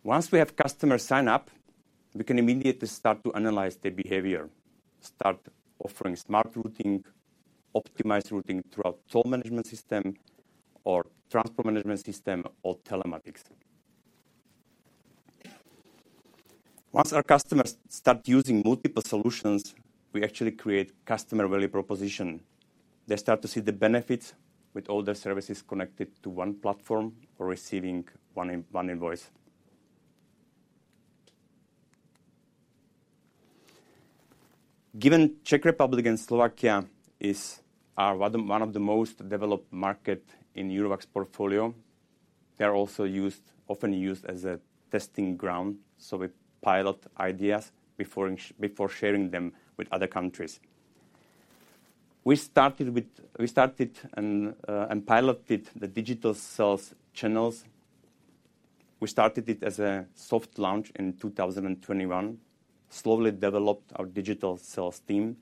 Once we have customer sign up, we can immediately start to analyze their behavior, start offering smart routing, optimized routing throughout toll management system, or transport management system, or telematics. Once our customers start using multiple solutions, we actually create customer value proposition. They start to see the benefits with all their services connected to one platform or receiving one invoice. Given Czech Republic and Slovakia is our one of the most developed market in Eurowag's portfolio, they are also often used as a testing ground, so we pilot ideas before sharing them with other countries. We started and piloted the digital sales channels. We started it as a soft launch in 2021, slowly developed our digital sales team,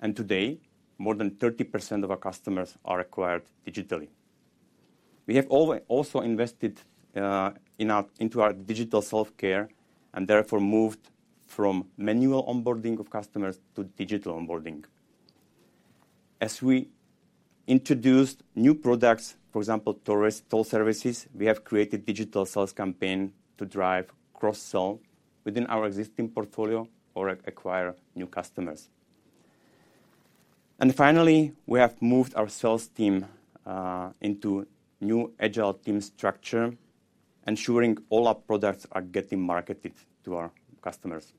and today, more than 30% of our customers are acquired digitally. We have also invested in our digital self-care, and therefore moved from manual onboarding of customers to digital onboarding. As we introduced new products, for example, tourist toll services, we have created digital sales campaign to drive cross-sell within our existing portfolio or acquire new customers. Finally, we have moved our sales team into new agile team structure, ensuring all our products are getting marketed to our customers.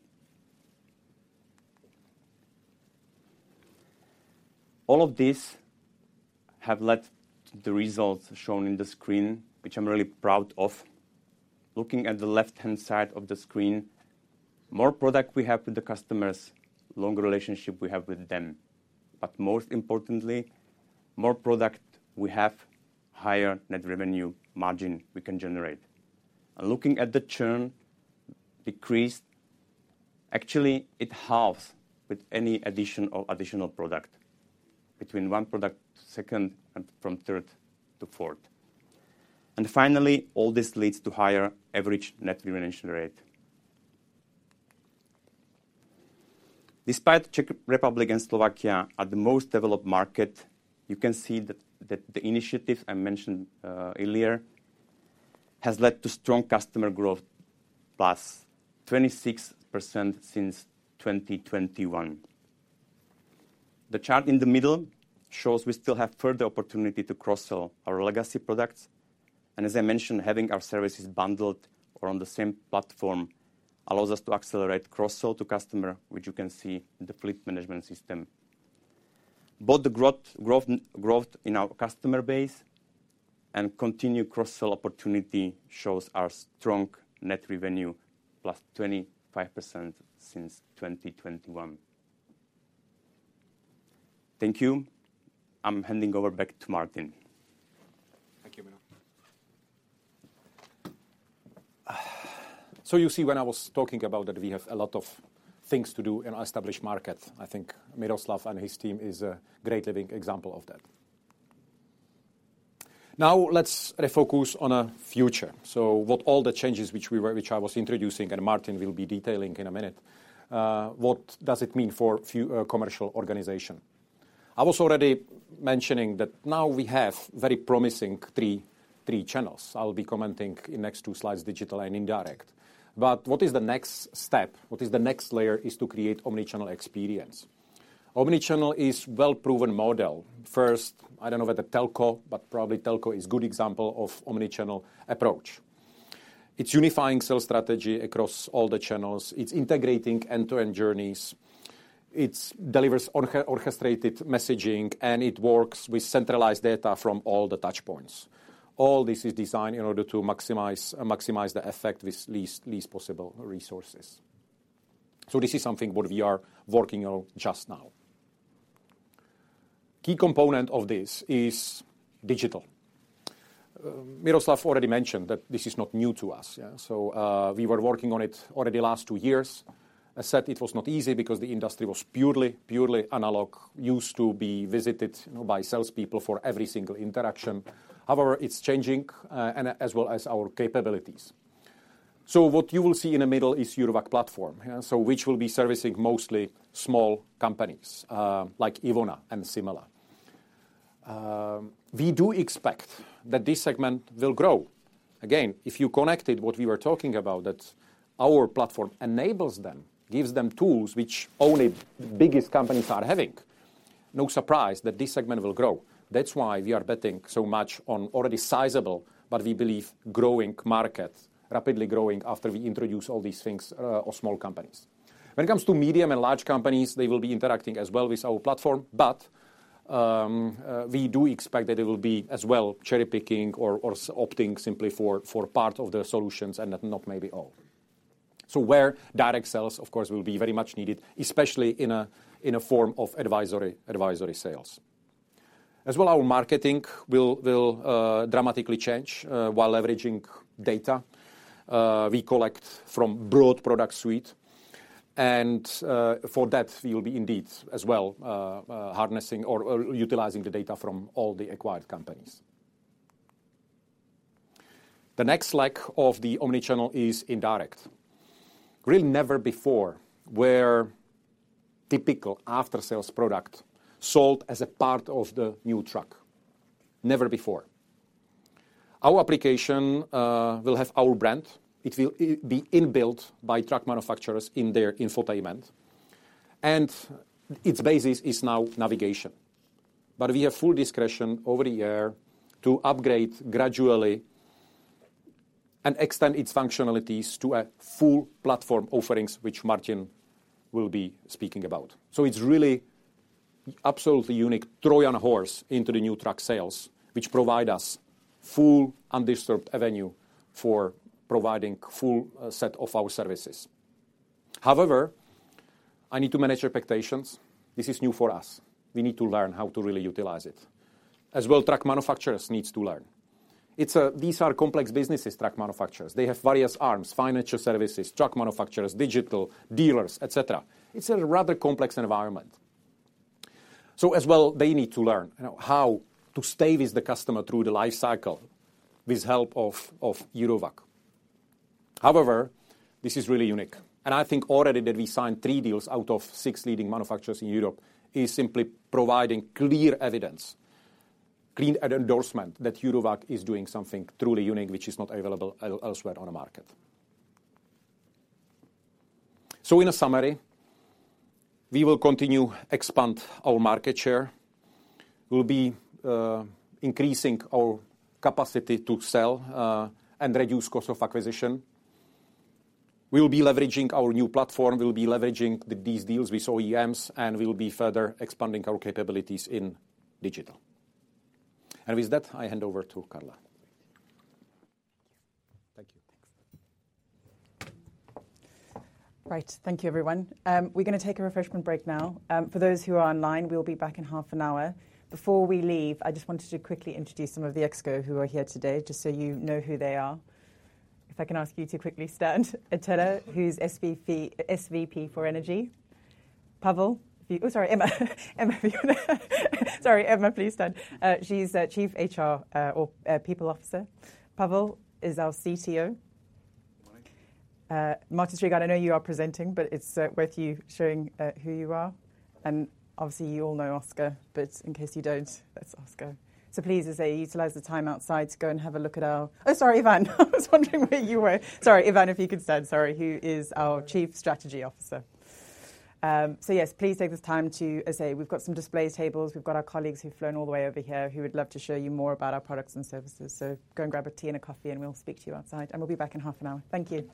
All of these have led to the results shown in the screen, which I'm really proud of. Looking at the left-hand side of the screen, more product we have with the customers, longer relationship we have with them. Most importantly, more product we have, higher net revenue margin we can generate. Looking at the churn decrease, actually, it halves with any addition or additional product, between one product, second, and from third to fourth. Finally, all this leads to higher average net retention rate. Despite Czech Republic and Slovakia are the most developed market, you can see that the initiative I mentioned earlier has led to strong customer growth, +26% since 2021. The chart in the middle shows we still have further opportunity to cross-sell our legacy products, and as I mentioned, having our services bundled or on the same platform allows us to accelerate cross-sell to customer, which you can see in the fleet management system. Both the growth in our customer base and continued cross-sell opportunity shows our strong net revenue, +25% since 2021. Thank you. I'm handing over back to Martin. Thank you, Miroslav. So you see, when I was talking about that we have a lot of things to do in established market, I think Miroslav and his team is a great living example of that. Now, let's refocus on our future. So what all the changes which I was introducing, and Martin will be detailing in a minute, what does it mean for commercial organization? I was already mentioning that now we have very promising three, three channels. I will be commenting in next two slides, digital and indirect. But what is the next step? What is the next layer, is to create omnichannel experience. Omnichannel is well-proven model. First, I don't know whether Telco, but probably Telco is good example of omnichannel approach. It's unifying sales strategy across all the channels. It's integrating end-to-end journeys. It delivers orchestrated messaging, and it works with centralized data from all the touchpoints. All this is designed in order to maximize the effect with least possible resources. So this is something what we are working on just now. Key component of this is digital. Miroslav already mentioned that this is not new to us. So, we were working on it already last two years. I said it was not easy because the industry was purely analog, used to be visited by salespeople for every single interaction. However, it's changing, and as well as our capabilities. So what you will see in the middle is Eurowag platform, which will be servicing mostly small companies, like Ivona and similar. We do expect that this segment will grow. Again, if you connected what we were talking about, that our platform enables them, gives them tools which only the biggest companies are having, no surprise that this segment will grow. That's why we are betting so much on already sizable, but we believe, growing market, rapidly growing after we introduce all these things, of small companies. When it comes to medium and large companies, they will be interacting as well with our platform, but we do expect that it will be, as well, cherry-picking or opting simply for part of the solutions and not maybe all. So where direct sales, of course, will be very much needed, especially in a form of advisory sales. As well, our marketing will dramatically change while leveraging data we collect from broad product suite. For that, we will be indeed as well harnessing or utilizing the data from all the acquired companies. The next leg of the omni-channel is indirect. Really never before were typical after-sales product sold as a part of the new truck. Never before. Our application will have our brand. It will be inbuilt by truck manufacturers in their infotainment, and its basis is now navigation. But we have full discretion over the year to upgrade gradually and extend its functionalities to a full platform offerings, which Martin will be speaking about. So it's really absolutely unique Trojan horse into the new truck sales, which provide us full, undisturbed avenue for providing full set of our services. However, I need to manage expectations. This is new for us. We need to learn how to really utilize it, as well truck manufacturers needs to learn. It's-- These are complex businesses, truck manufacturers. They have various arms, financial services, truck manufacturers, digital, dealers, et cetera. It's a rather complex environment. So as well, they need to learn, you know, how to stay with the customer through the life cycle with help of Eurowag. However, this is really unique, and I think already that we signed three deals out of six leading manufacturers in Europe, is simply providing clear evidence, clear endorsement, that Eurowag is doing something truly unique, which is not available elsewhere on the market. So in a summary, we will continue expand our market share. We'll be increasing our capacity to sell and reduce cost of acquisition. We will be leveraging our new platform. We'll be leveraging these deals with OEMs, and we will be further expanding our capabilities in digital. With that, I hand over to Carla. Thank you. Right. Thank you, everyone. We're gonna take a refreshment break now. For those who are online, we'll be back in half an hour. Before we leave, I just wanted to quickly introduce some of the Exco who are here today, just so you know who they are. If I can ask you to quickly stand, Etela, who's SVP for Energy. Pavel? Oh, sorry, Emma. Emma Fiona. Sorry, Emma, please stand. She's the Chief HR or People Officer. Pavel is our CTO. Morning. Martin Strigač, I know you are presenting, but it's worth you showing who you are. And obviously, you all know Oskar, but in case you don't, that's Oskar. So please, as I utilize the time outside to go and have a look at our... Oh, sorry, Ivan. I was wondering where you were. Sorry, Ivan, if you could stand, sorry, who is our Chief Strategy Officer. So yes, please take this time to, as I say, we've got some display tables. We've got our colleagues who've flown all the way over here, who would love to show you more about our products and services. So go and grab a tea and a coffee, and we'll speak to you outside, and we'll be back in half an hour. Thank you.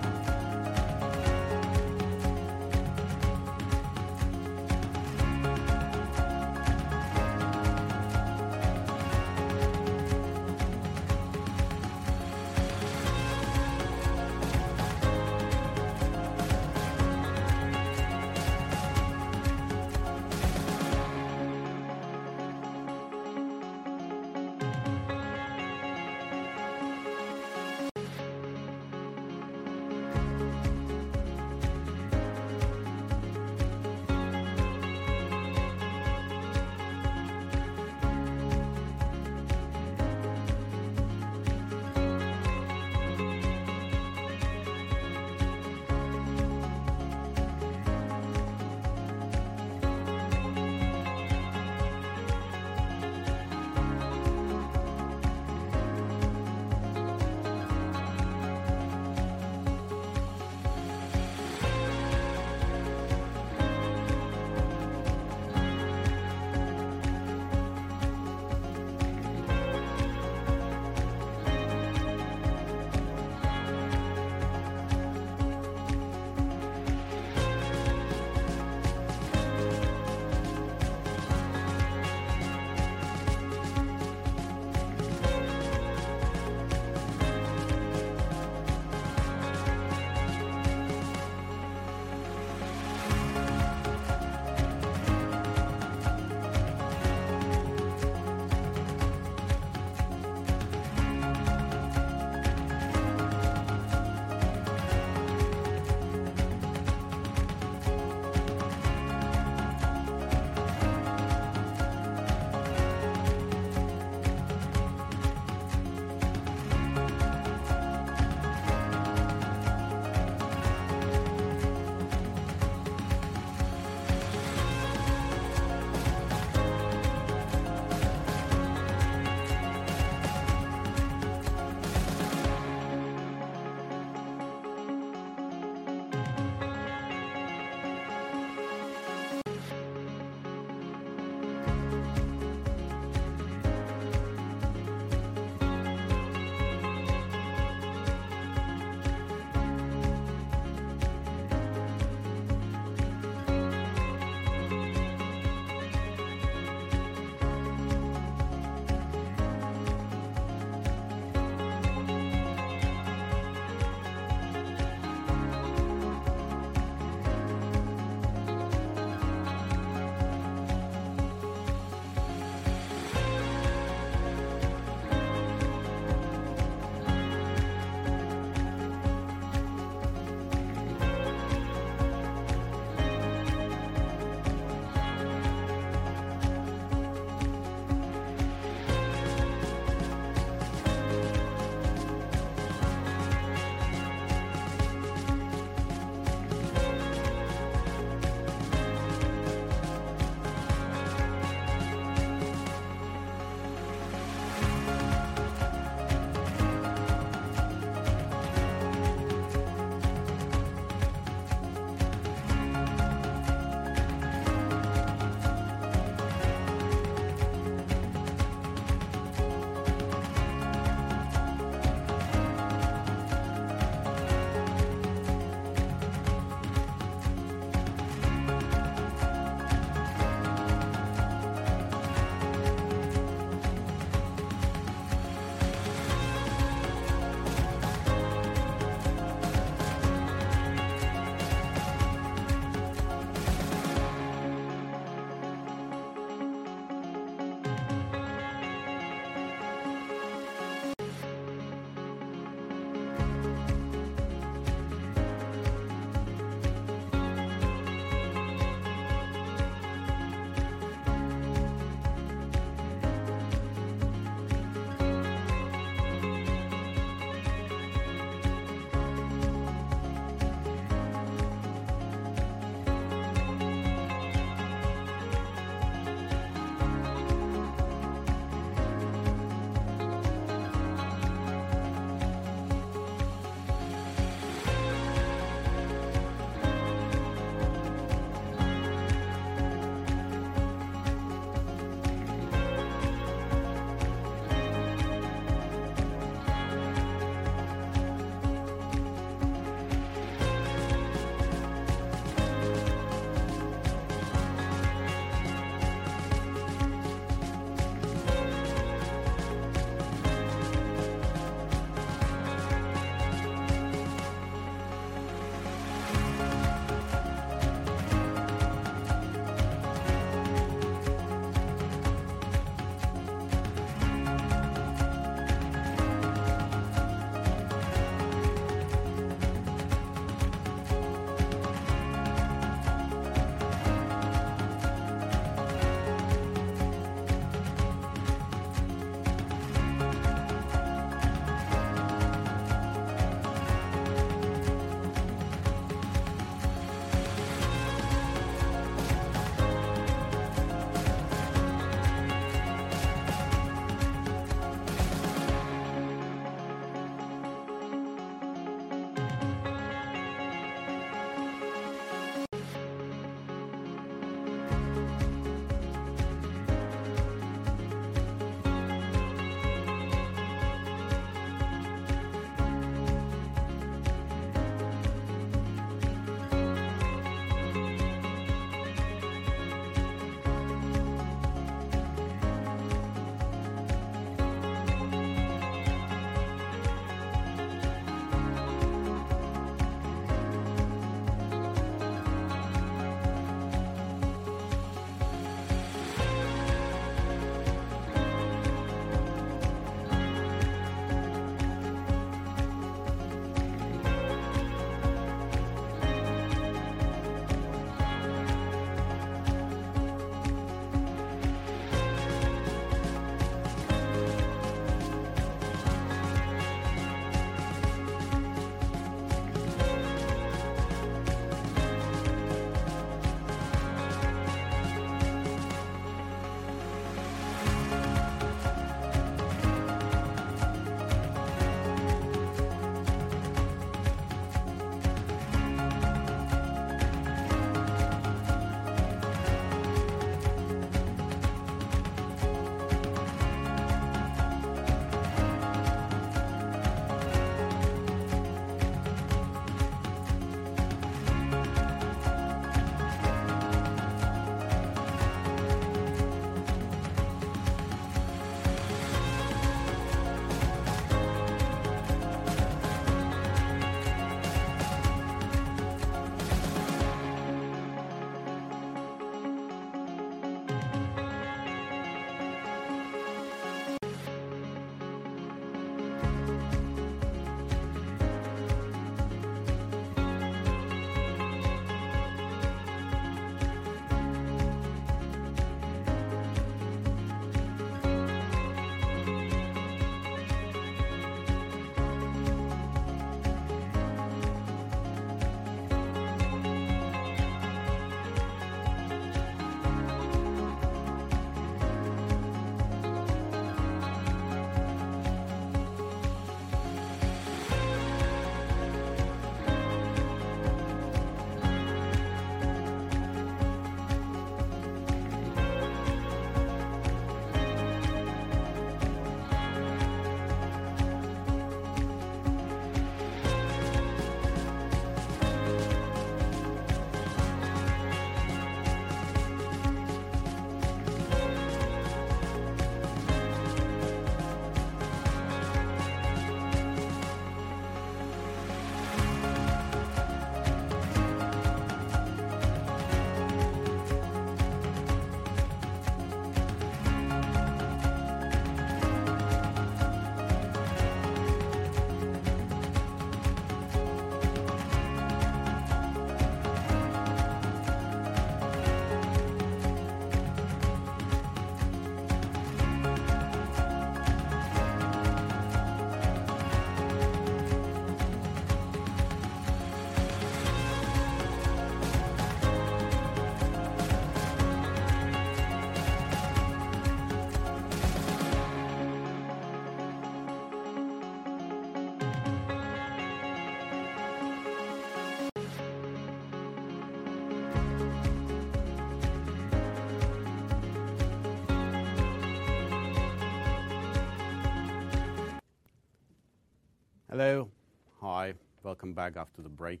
.Hello. Hi, welcome back after the break.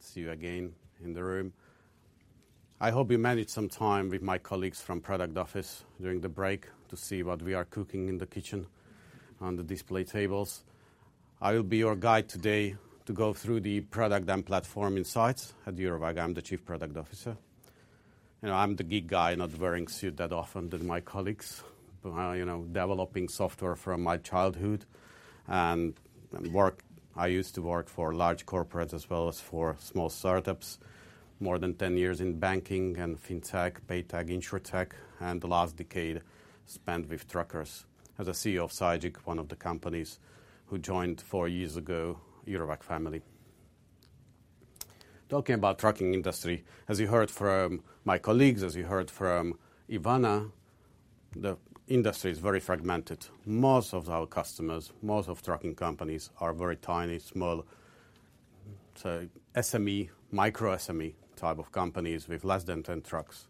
See you again in the room. I hope you managed some time with my colleagues from product office during the break to see what we are cooking in the kitchen on the display tables. I will be your guide today to go through the product and platform insights at Eurowag. I'm the Chief Product Officer. You know, I'm the geek guy, not wearing suit that often than my colleagues. But, you know, developing software from my childhood and work—I used to work for large corporates as well as for small startups. More than 10 years in banking and fintech, paytech, insurtech, and the last decade spent with truckers as a CEO of Sygic, one of the companies who joined four years ago, Eurowag family. Talking about trucking industry, as you heard from my colleagues, as you heard from Ivona, the industry is very fragmented. Most of our customers, most of trucking companies, are very tiny, small, so SME, micro SME type of companies with less than 10 trucks.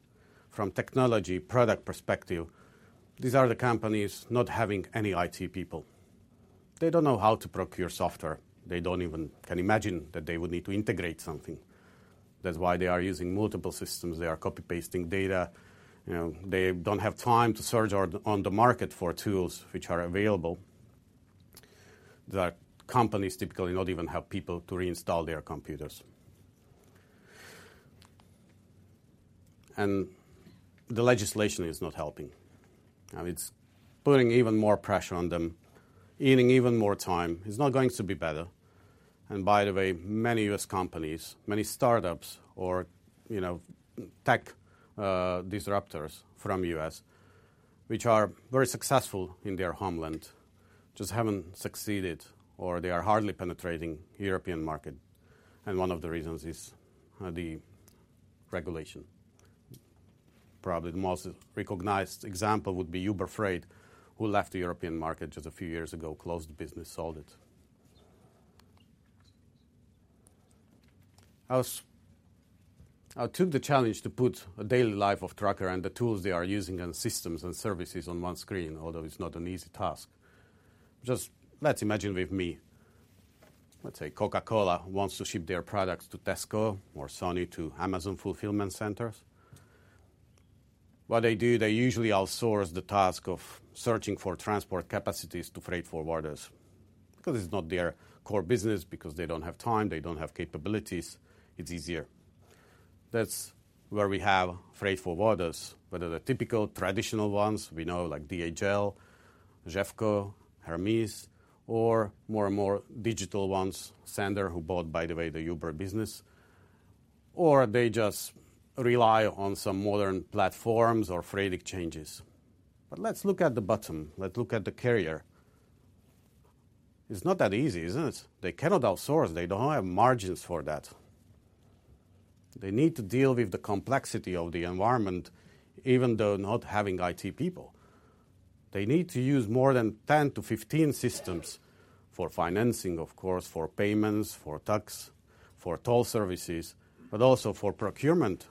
From technology product perspective, these are the companies not having any IT people. They don't know how to procure software. They don't even can imagine that they would need to integrate something. That's why they are using multiple systems. They are copy-pasting data. You know, they don't have time to search on the market for tools which are available. The companies typically not even have people to reinstall their computers. And the legislation is not helping. I mean, it's putting even more pressure on them, eating even more time. It's not going to be better. And by the way, many U.S. companies, many startups or, you know, tech, uh, disruptors from U.S., which are very successful in their homeland, just haven't succeeded or they are hardly penetrating the European market, and one of the reasons is, uh, the regulation. Probably the most recognized example would be Uber Freight, who left the European market just a few years ago, closed the business, sold it. I took the challenge to put a daily life of trucker and the tools they are using, and systems, and services on one screen, although it's not an easy task. Just let's imagine with me, let's say, Coca-Cola wants to ship their products to Tesco or Sony to Amazon Fulfillment centers. What they do, they usually outsource the task of searching for transport capacities to freight forwarders, because it's not their core business, because they don't have time, they don't have capabilities. It's easier. That's where we have freight forwarders, whether the typical traditional ones we know, like DHL, GEFCO, Hermes, or more and more digital ones, sennder, who bought, by the way, the Uber business. Or they just rely on some modern platforms or freight exchanges. But let's look at the bottom. Let's look at the carrier. It's not that easy, isn't it? They cannot outsource. They don't have margins for that. They need to deal with the complexity of the environment, even though not having IT people. They need to use more than 10-15 systems for financing, of course, for payments, for tax, for toll services, but also for procurement,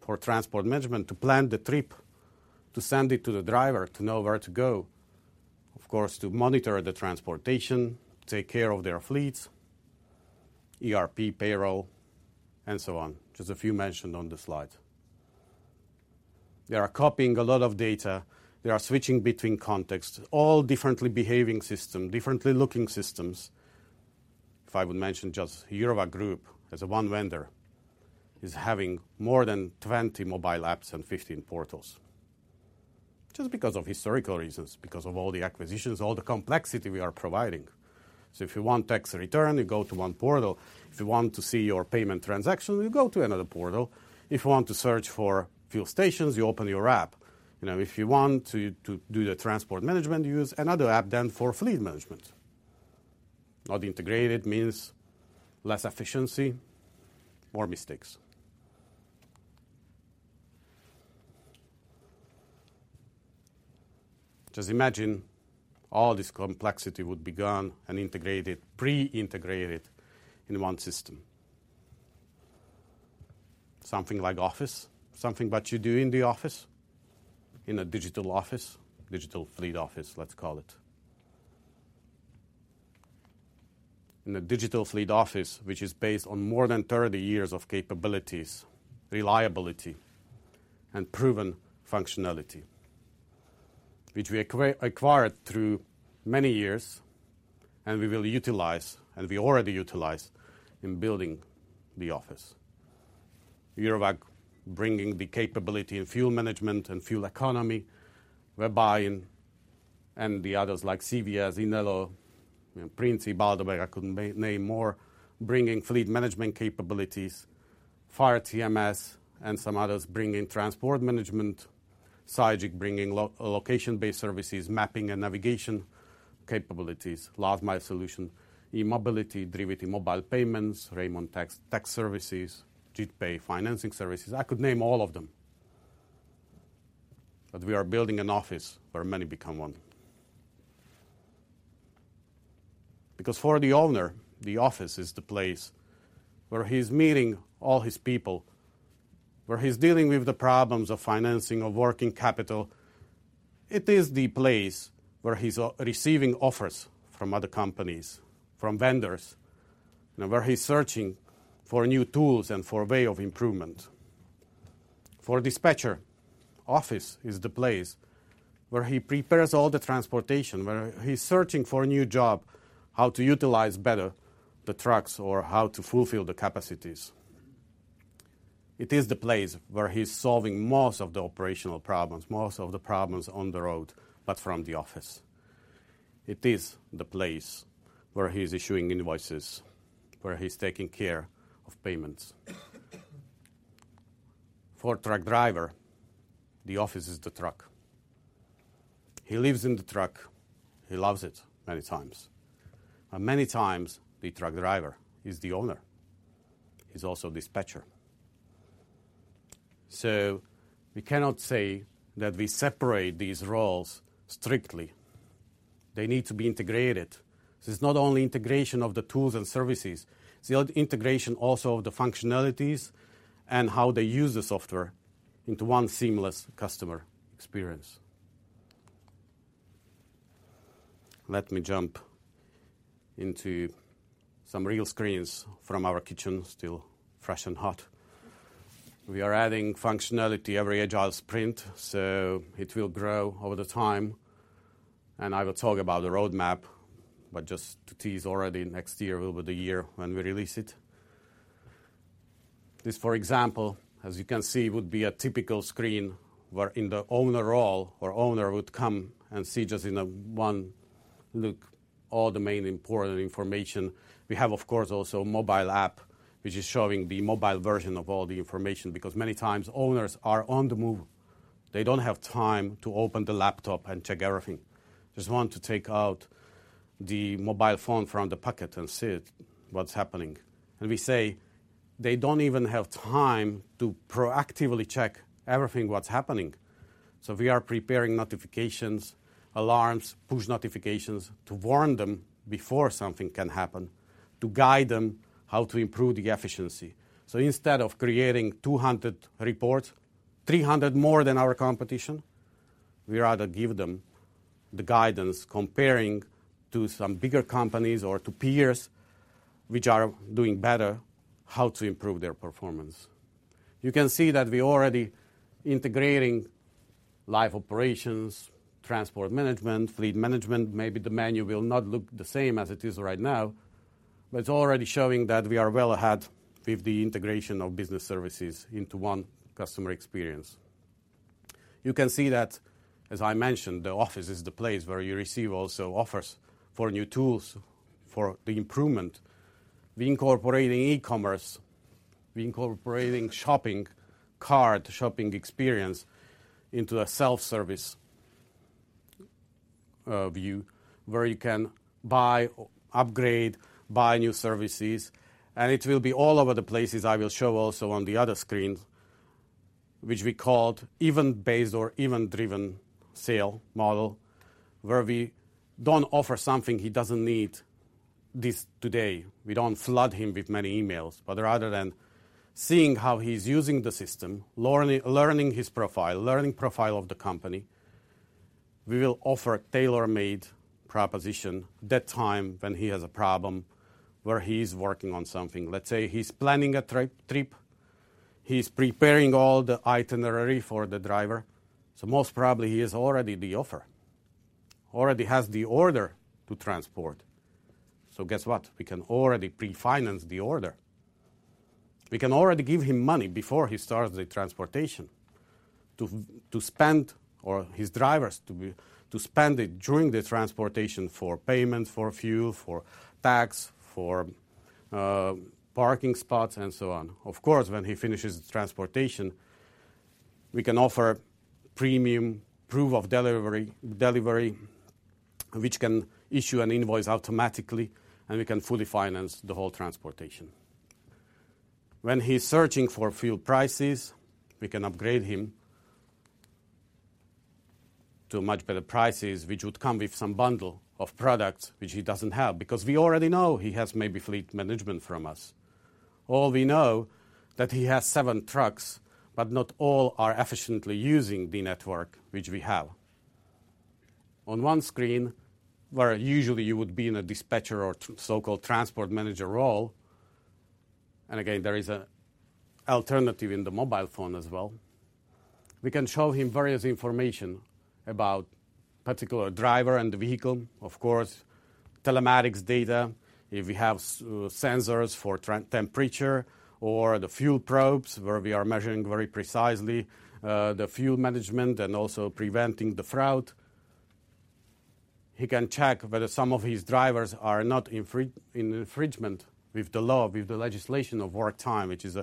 for transport management, to plan the trip, to send it to the driver, to know where to go, of course, to monitor the transportation, take care of their fleets, ERP, payroll, and so on. Just a few mentioned on the slide. They are copying a lot of data. They are switching between contexts, all differently behaving system, differently looking systems. If I would mention just Eurowag Group as a one vendor, is having more than 20 mobile apps and 15 portals. Just because of historical reasons, because of all the acquisitions, all the complexity we are providing. So if you want tax return, you go to one portal. If you want to see your payment transaction, you go to another portal. If you want to search for fuel stations, you open your app. You know, if you want to, to do the transport management, you use another app than for fleet management. Not integrated means less efficiency, more mistakes. Just imagine all this complexity would be gone and integrated, pre-integrated in one system. Something like office, something that you do in the office, in a digital office, digital fleet office, let's call it. In a digital fleet office, which is based on more than thirty years of capabilities, reliability, and proven functionality, which we acquired through many years, and we will utilize, and we already utilize in building the office. We are bringing the capability in fuel management and fuel economy. Whereby in the others like CVS, Inelo, you know, Princip, Baldauer, I couldn't name more, bringing fleet management capabilities, FireTMS, and some others bringing transport management, Sygic bringing location-based services, mapping and navigation capabilities. Last Mile Solutions, eMobility, Drivety Mobile Payments, Raymond Tax, tax services, JITpay financing services. I could name all of them. We are building an office where many become one. Because for the owner, the office is the place where he's meeting all his people, where he's dealing with the problems of financing, of working capital. It is the place where he's receiving offers from other companies, from vendors, and where he's searching for new tools and for a way of improvement. For dispatcher, office is the place where he prepares all the transportation, where he's searching for a new job, how to utilize better the trucks or how to fulfill the capacities. It is the place where he's solving most of the operational problems, most of the problems on the road, but from the office. It is the place where he's issuing invoices, where he's taking care of payments. For truck driver, the office is the truck. He lives in the truck. He loves it many times, and many times the truck driver is the owner. He's also dispatcher. So we cannot say that we separate these roles strictly. They need to be integrated. This is not only integration of the tools and services. It's the integration also of the functionalities and how they use the software into one seamless customer experience. Let me jump into some real screens from our kitchen, still fresh and hot. We are adding functionality every agile sprint, so it will grow over the time. I will talk about the roadmap, but just to tease already, next year will be the year when we release it. This, for example, as you can see, would be a typical screen where in the owner role or owner would come and see just in a one look, all the main important information. We have, of course, also a mobile app, which is showing the mobile version of all the information, because many times owners are on the move. They don't have time to open the laptop and check everything. Just want to take out the mobile phone from the pocket and see it, what's happening. And we say they don't even have time to proactively check everything what's happening. So we are preparing notifications, alarms, push notifications to warn them before something can happen, to guide them how to improve the efficiency. So instead of creating 200 reports, 300 more than our competition, we rather give them the guidance, comparing to some bigger companies or to peers which are doing better, how to improve their performance. You can see that we already integrating live operations, transport management, fleet management. Maybe the menu will not look the same as it is right now, but it's already showing that we are well ahead with the integration of business services into one customer experience. You can see that, as I mentioned, the office is the place where you receive also offers for new tools for the improvement. We incorporating e-commerce, we incorporating shopping cart, shopping experience into a self-service view, where you can buy, upgrade, buy new services, and it will be all over the places. I will show also on the other screens, which we called event-based or event-driven sale model, where we don't offer something he doesn't need this today. We don't flood him with many emails, but rather than seeing how he's using the system, learning his profile, learning profile of the company, we will offer a tailor-made proposition that time when he has a problem, where he's working on something. Let's say he's planning a trip, he's preparing all the itinerary for the driver, most probably he is already the offer. Already has the order to transport. Guess what? We can already pre-finance the order. We can already give him money before he starts the transportation to, to spend or his drivers to be, to spend it during the transportation for payment, for fuel, for tax, for parking spots, and so on. Of course, when he finishes the transportation, we can offer premium proof of delivery, delivery, which can issue an invoice automatically, and we can fully finance the whole transportation. When he's searching for fuel prices, we can upgrade him to much better prices, which would come with some bundle of products which he doesn't have, because we already know he has maybe fleet management from us. Or we know that he has seven trucks, but not all are efficiently using the network which we have. On one screen, where usually you would be in a dispatcher or so-called transport manager role, and again, there is an alternative in the mobile phone as well. We can show him various information about particular driver and the vehicle. Of course, telematics data, if we have sensors for temperature or the fuel probes, where we are measuring very precisely, the fuel management and also preventing the fraud. He can check whether some of his drivers are not in infringement with the law, with the legislation of work time, which is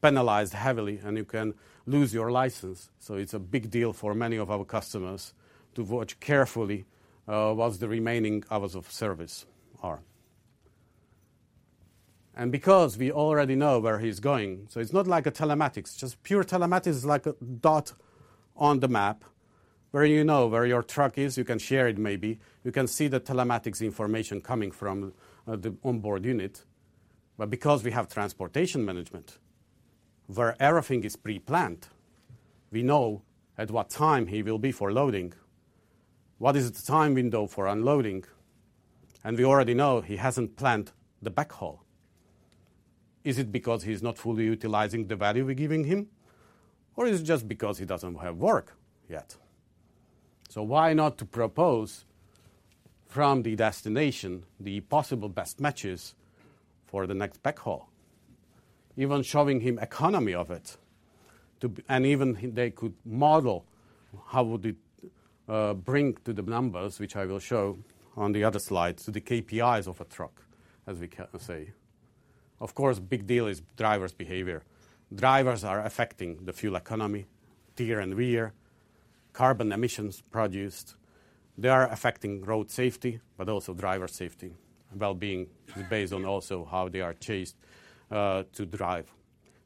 penalized heavily, and you can lose your license. So it's a big deal for many of our customers to watch carefully, what the remaining hours of service are. And because we already know where he's going, so it's not like a telematics. Just pure telematics is like a dot on the map where you know where your truck is, you can share it maybe. You can see the telematics information coming from the onboard unit. But because we have transportation management, where everything is pre-planned, we know at what time he will be for loading, what is the time window for unloading, and we already know he hasn't planned the backhaul. Is it because he's not fully utilizing the value we're giving him, or is it just because he doesn't have work yet? So why not to propose from the destination the possible best matches for the next backhaul, even showing him economy of it, to... And even they could model how would it bring to the numbers, which I will show on the other slides, so the KPIs of a truck, as we say. Of course, big deal is driver's behavior. Drivers are affecting the fuel economy, tire and wear, carbon emissions produced. They are affecting road safety, but also driver safety, well-being, based on also how they are chased to drive.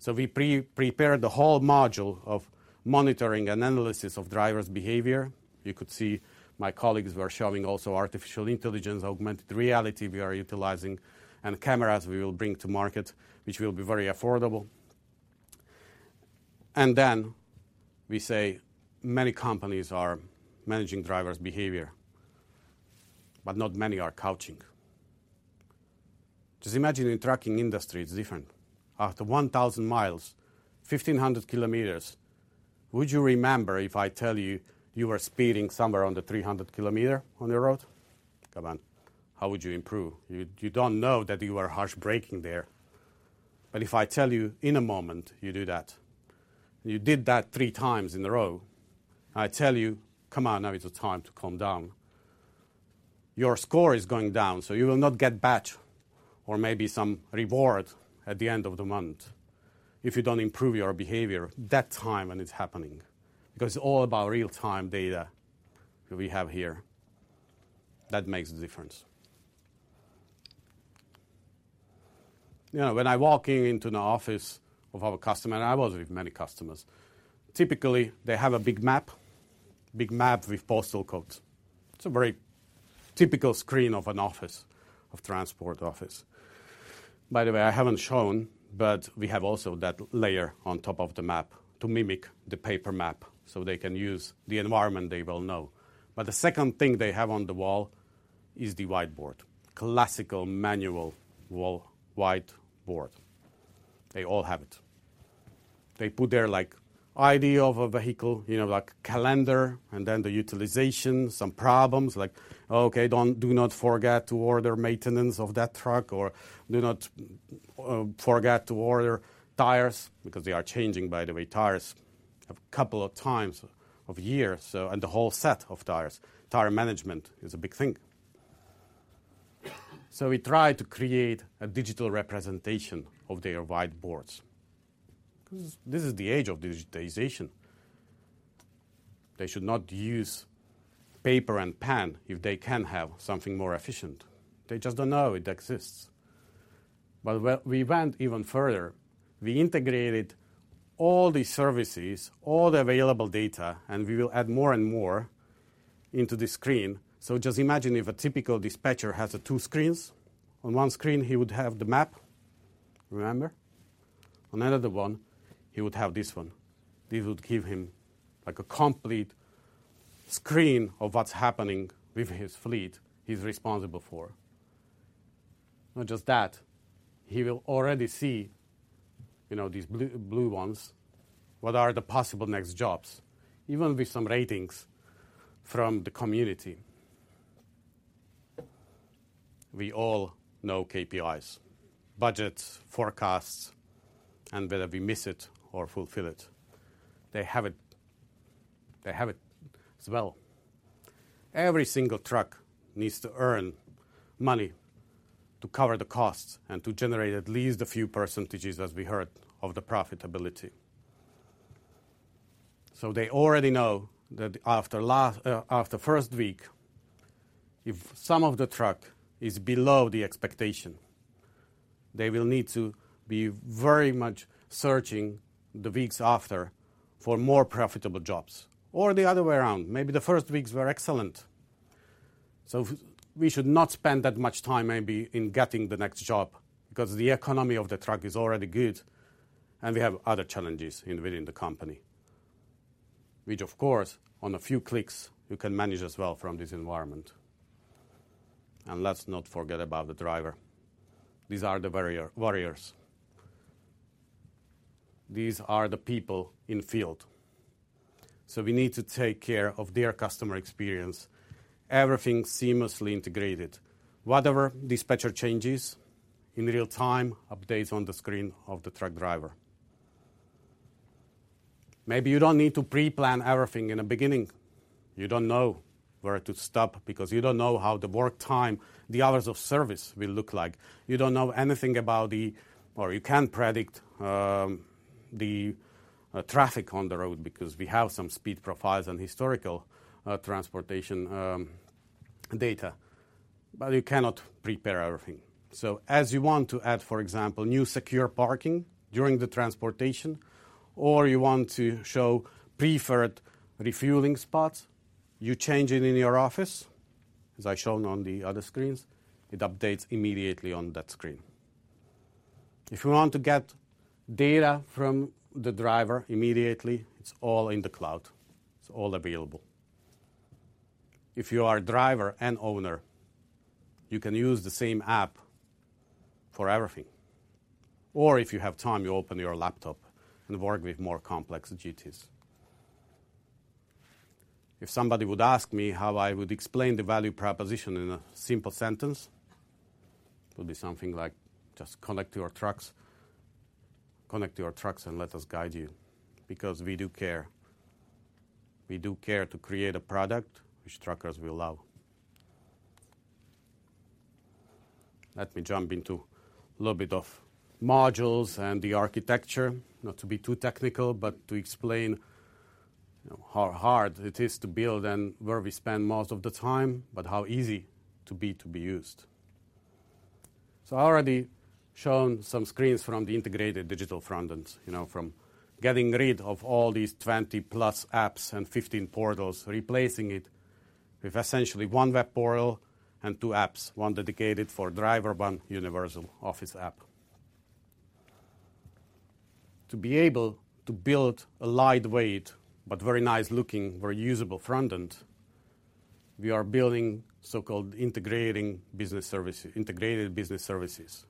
So we pre-prepared the whole module of monitoring and analysis of driver's behavior. You could see my colleagues were showing also artificial intelligence, augmented reality we are utilizing, and cameras we will bring to market, which will be very affordable. And then we say many companies are managing driver's behavior, but not many are coaching. Just imagine, in trucking industry, it's different. After 1,000 miles, 1,500 kilometers, would you remember if I tell you, you were speeding somewhere on the 300 kilometer on the road? Come on, how would you improve? You, you don't know that you are harsh braking there. But if I tell you in a moment, you do that. You did that three times in a row. I tell you, "Come on, now is the time to calm down." Your score is going down, so you will not get back or maybe some reward at the end of the month if you don't improve your behavior that time when it's happening, because it's all about real-time data we have here. That makes a difference. You know, when I walk in, into the office of our customer, and I was with many customers, typically, they have a big map, big map with postal codes. It's a very typical screen of an office, of transport office. By the way, I haven't shown, but we have also that layer on top of the map to mimic the paper map, so they can use the environment they will know. But the second thing they have on the wall is the whiteboard, classical, manual, wall whiteboard. They all have it. They put their, like, ID of a vehicle, you know, like calendar, and then the utilization, some problems like, "Okay, don't, do not forget to order maintenance of that truck," or, "Do not, forget to order tires." Because they are changing, by the way, tires a couple of times a year. And the whole set of tires. Tire management is a big thing. So we try to create a digital representation of their whiteboards. This is the age of digitization. They should not use paper and pen if they can have something more efficient. They just don't know it exists. But we, we went even further. We integrated all the services, all the available data, and we will add more and more into the screen. So just imagine if a typical dispatcher has two screens. On one screen, he would have the map, remember? On another one, he would have this one. This would give him, like, a complete screen of what's happening with his fleet he's responsible for. Not just that, he will already see, you know, these blue, blue ones, what are the possible next jobs, even with some ratings from the community. We all know KPIs, budgets, forecasts, and whether we miss it or fulfill it, they have it, they have it as well. Every single truck needs to earn money to cover the costs and to generate at least a few percentages, as we heard, of the profitability. So they already know that after last, after first week, if some of the truck is below the expectation, they will need to be very much searching the weeks after for more profitable jobs. Or the other way around. Maybe the first weeks were excellent, so we should not spend that much time maybe in getting the next job, because the economy of the truck is already good and we have other challenges in within the company. Which of course, on a few clicks, you can manage as well from this environment. Let's not forget about the driver. These are the warrior, warriors. These are the people in field, so we need to take care of their customer experience, everything seamlessly integrated. Whatever dispatcher changes, in real time, updates on the screen of the truck driver. Maybe you don't need to pre-plan everything in the beginning. You don't know where to stop because you don't know how the work time, the hours of service will look like. You don't know anything about the, or you can't predict the traffic on the road because we have some speed profiles and historical transportation data, but you cannot prepare everything. So as you want to add, for example, new secure parking during the transportation, or you want to show preferred refueling spots, you change it in your office, as I shown on the other screens, it updates immediately on that screen. If you want to get data from the driver immediately, it's all in the cloud. It's all available. If you are a driver and owner, you can use the same app for everything. Or if you have time, you open your laptop and work with more complex duties. If somebody would ask me how I would explain the value proposition in a simple sentence, it would be something like, "Just connect your trucks. Connect your trucks and let us guide you," because we do care. We do care to create a product which truckers will love. Let me jump into a little bit of modules and the architecture. Not to be too technical, but to explain, you know, how hard it is to build and where we spend most of the time, but how easy to be, to be used. So I already shown some screens from the integrated digital frontends, you know, from getting rid of all these 20-plus apps and 15 portals, replacing it with essentially one web portal and two apps, one dedicated for driver, one universal office app. To be able to build a lightweight but very nice-looking, very usable frontend, we are building so-called integrating business services, integrated business services.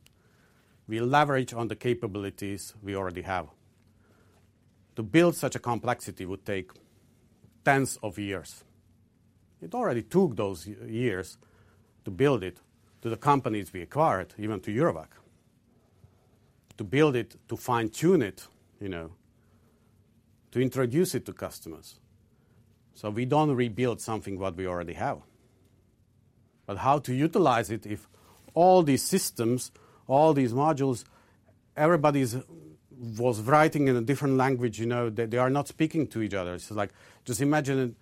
We leverage on the capabilities we already have. To build such a complexity would take tens of years. It already took those years to build it, to the companies we acquired, even to Eurowag. To build it, to fine-tune it, you know, to introduce it to customers. So we don't rebuild something what we already have. But how to utilize it if all these systems, all these modules, everybody was writing in a different language, you know, they are not speaking to each other. So like, just imagine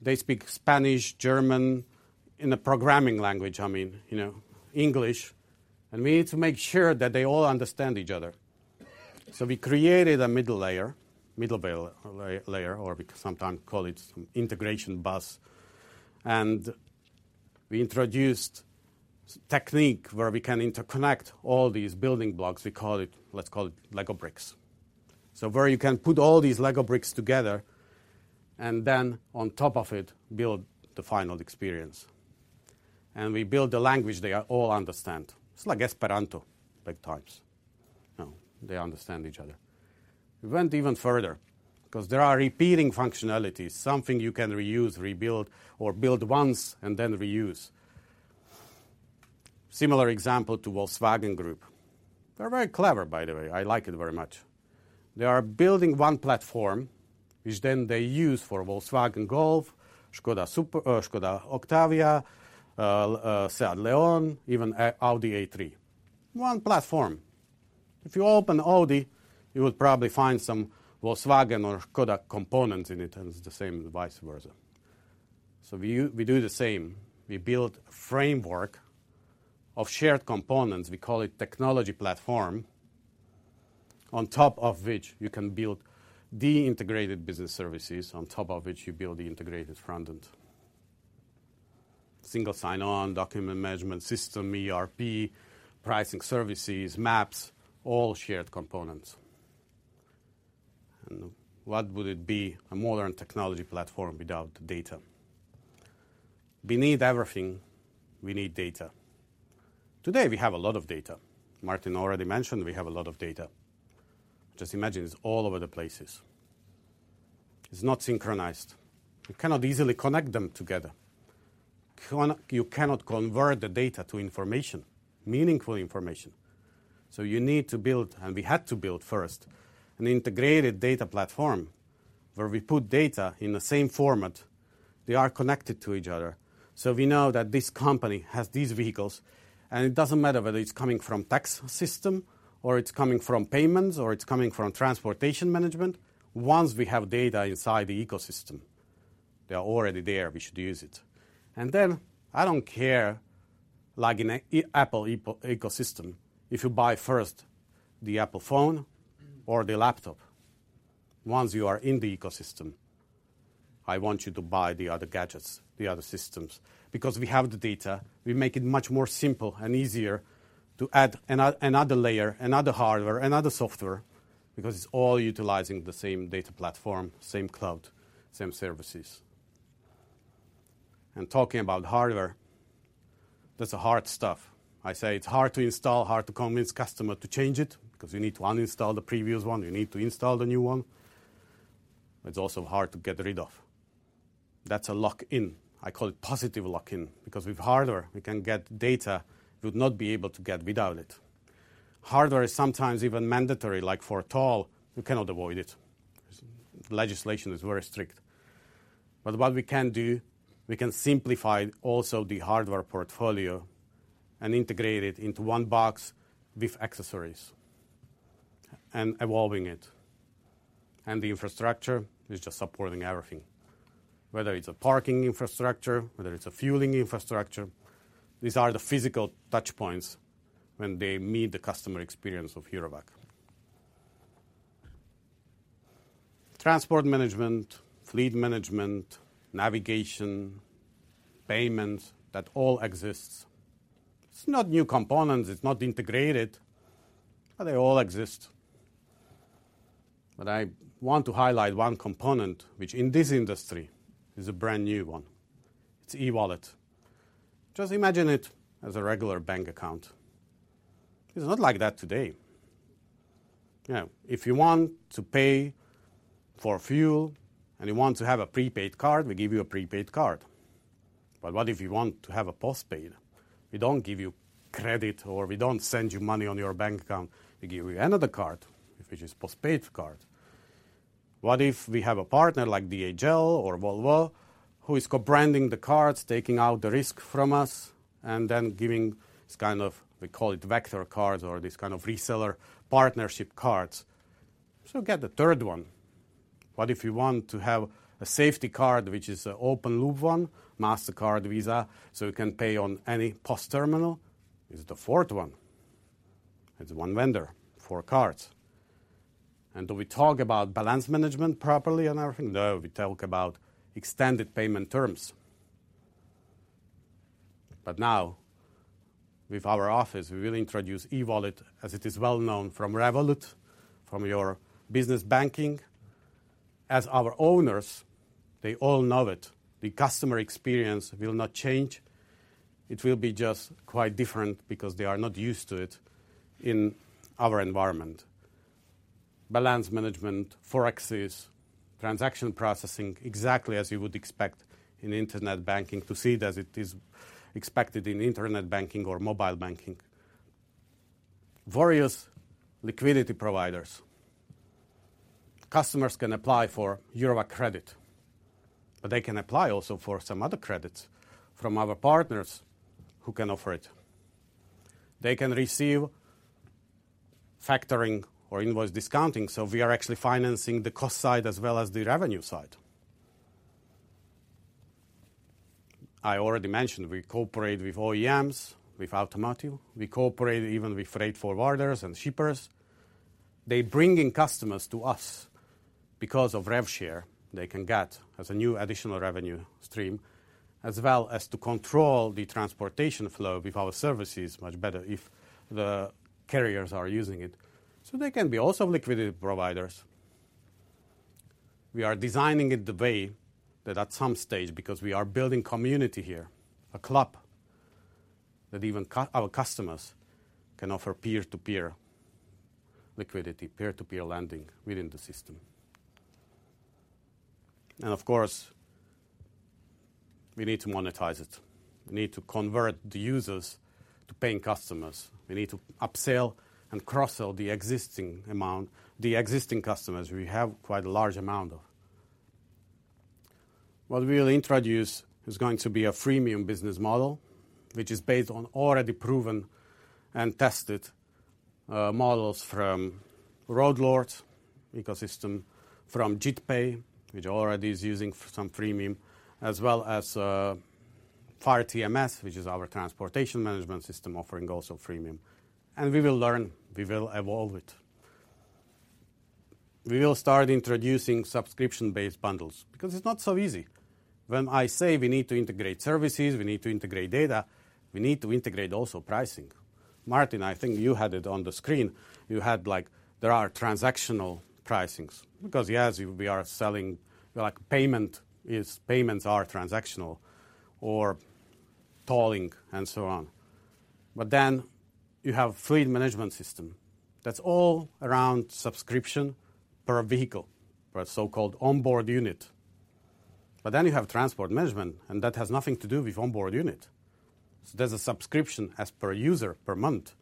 they speak Spanish, German, in a programming language, I mean, you know, English, and we need to make sure that they all understand each other. So we created a middle layer, or we sometimes call it integration bus, and we introduced a technique where we can interconnect all these building blocks. We call it, let's call it Lego bricks. So where you can put all these Lego bricks together and then on top of it, build the final experience. And we build a language they are all understand. It's like Esperanto, like types. You know, they understand each other. We went even further because there are repeating functionalities, something you can reuse, rebuild, or build once and then reuse. Similar example to Volkswagen Group. They're very clever, by the way. I like it very much. They are building one platform, which then they use for Volkswagen Golf, Škoda Superb, Škoda Octavia, Seat Leon, even Audi A3. One platform. If you open Audi, you will probably find some Volkswagen or Škoda components in it, and it's the same vice versa. So we do the same. We build a framework of shared components, we call it technology platform, on top of which you can build the integrated business services, on top of which you build the integrated frontend. Single sign-on, document management system, ERP, pricing services, maps, all shared components. What would it be, a modern technology platform without data? We need everything, we need data. Today, we have a lot of data. Martin already mentioned we have a lot of data. Just imagine it's all over the places... is not synchronized. You cannot easily connect them together. You cannot convert the data to information, meaningful information. You need to build, and we had to build first, an integrated data platform where we put data in the same format. They are connected to each other. So we know that this company has these vehicles, and it doesn't matter whether it's coming from tax system or it's coming from payments or it's coming from transportation management. Once we have data inside the ecosystem, they are already there, we should use it. And then I don't care, like in a Apple ecosystem, if you buy first the Apple phone or the laptop. Once you are in the ecosystem, I want you to buy the other gadgets, the other systems. Because we have the data, we make it much more simple and easier to add another layer, another hardware, another software, because it's all utilizing the same data platform, same cloud, same services. And talking about hardware, that's the hard stuff. I say it's hard to install, hard to convince customer to change it, because you need to uninstall the previous one, you need to install the new one. It's also hard to get rid of. That's a lock-in. I call it positive lock-in because with hardware, we can get data you would not be able to get without it. Hardware is sometimes even mandatory. Like, for toll, you cannot avoid it. Legislation is very strict. But what we can do, we can simplify also the hardware portfolio and integrate it into one box with accessories and evolving it. The infrastructure is just supporting everything. Whether it's a parking infrastructure, whether it's a fueling infrastructure, these are the physical touch points when they meet the customer experience of Eurowag. Transport management, fleet management, navigation, payment, that all exists. It's not new components, it's not integrated, but they all exist. But I want to highlight one component, which in this industry is a brand-new one. It's e-wallet. Just imagine it as a regular bank account. It's not like that today. You know, if you want to pay for fuel and you want to have a prepaid card, we give you a prepaid card. But what if you want to have a postpaid? We don't give you credit, or we don't send you money on your bank account. We give you another card, which is postpaid card. What if we have a partner like DHL or Volvo, who is co-branding the cards, taking out the risk from us, and then giving this kind of, we call it vector cards or this kind of reseller partnership cards. So you get the third one. What if you want to have a safety card, which is an open loop one, MasterCard, Visa, so you can pay on any POS terminal? It's the fourth one. It's one vendor, four cards. Do we talk about balance management properly and everything? No, we talk about extended payment terms. But now, with our office, we will introduce e-wallet, as it is well known, from Revolut, from your business banking. As our owners, they all know it. The customer experience will not change. It will be just quite different because they are not used to it in our environment. Balance management, Forexes, transaction processing, exactly as you would expect in internet banking, to see it as it is expected in internet banking or mobile banking. Various liquidity providers. Customers can apply for Eurowag credit, but they can apply also for some other credits from other partners who can offer it. They can receive factoring or invoice discounting, so we are actually financing the cost side as well as the revenue side. I already mentioned we cooperate with OEMs, with automotive. We cooperate even with freight forwarders and shippers. They bringing customers to us because of rev share they can get as a new additional revenue stream, as well as to control the transportation flow with our services much better if the carriers are using it. So they can be also liquidity providers. We are designing it the way that at some stage, because we are building community here, a club, that even our customers can offer peer-to-peer liquidity, peer-to-peer lending within the system. And of course, we need to monetize it. We need to convert the users to paying customers. We need to upsell and cross-sell the existing amount, the existing customers we have quite a large amount of. What we will introduce is going to be a freemium business model, which is based on already proven and tested, models from Road Lords ecosystem, from JITpay, which already is using some freemium, as well as, FireTMS, which is our transportation management system, offering also freemium. And we will learn, we will evolve it. We will start introducing subscription-based bundles, because it's not so easy. When I say we need to integrate services, we need to integrate data, we need to integrate also pricing. Martin, I think you had it on the screen. You had, like, there are transactional pricings because, yes, we are selling like payment is, payments are transactional or tolling and so on.... But then you have fleet management system. That's all around subscription per vehicle, or a so-called onboard unit. But then you have transport management, and that has nothing to do with onboard unit. So there's a subscription as per user per month,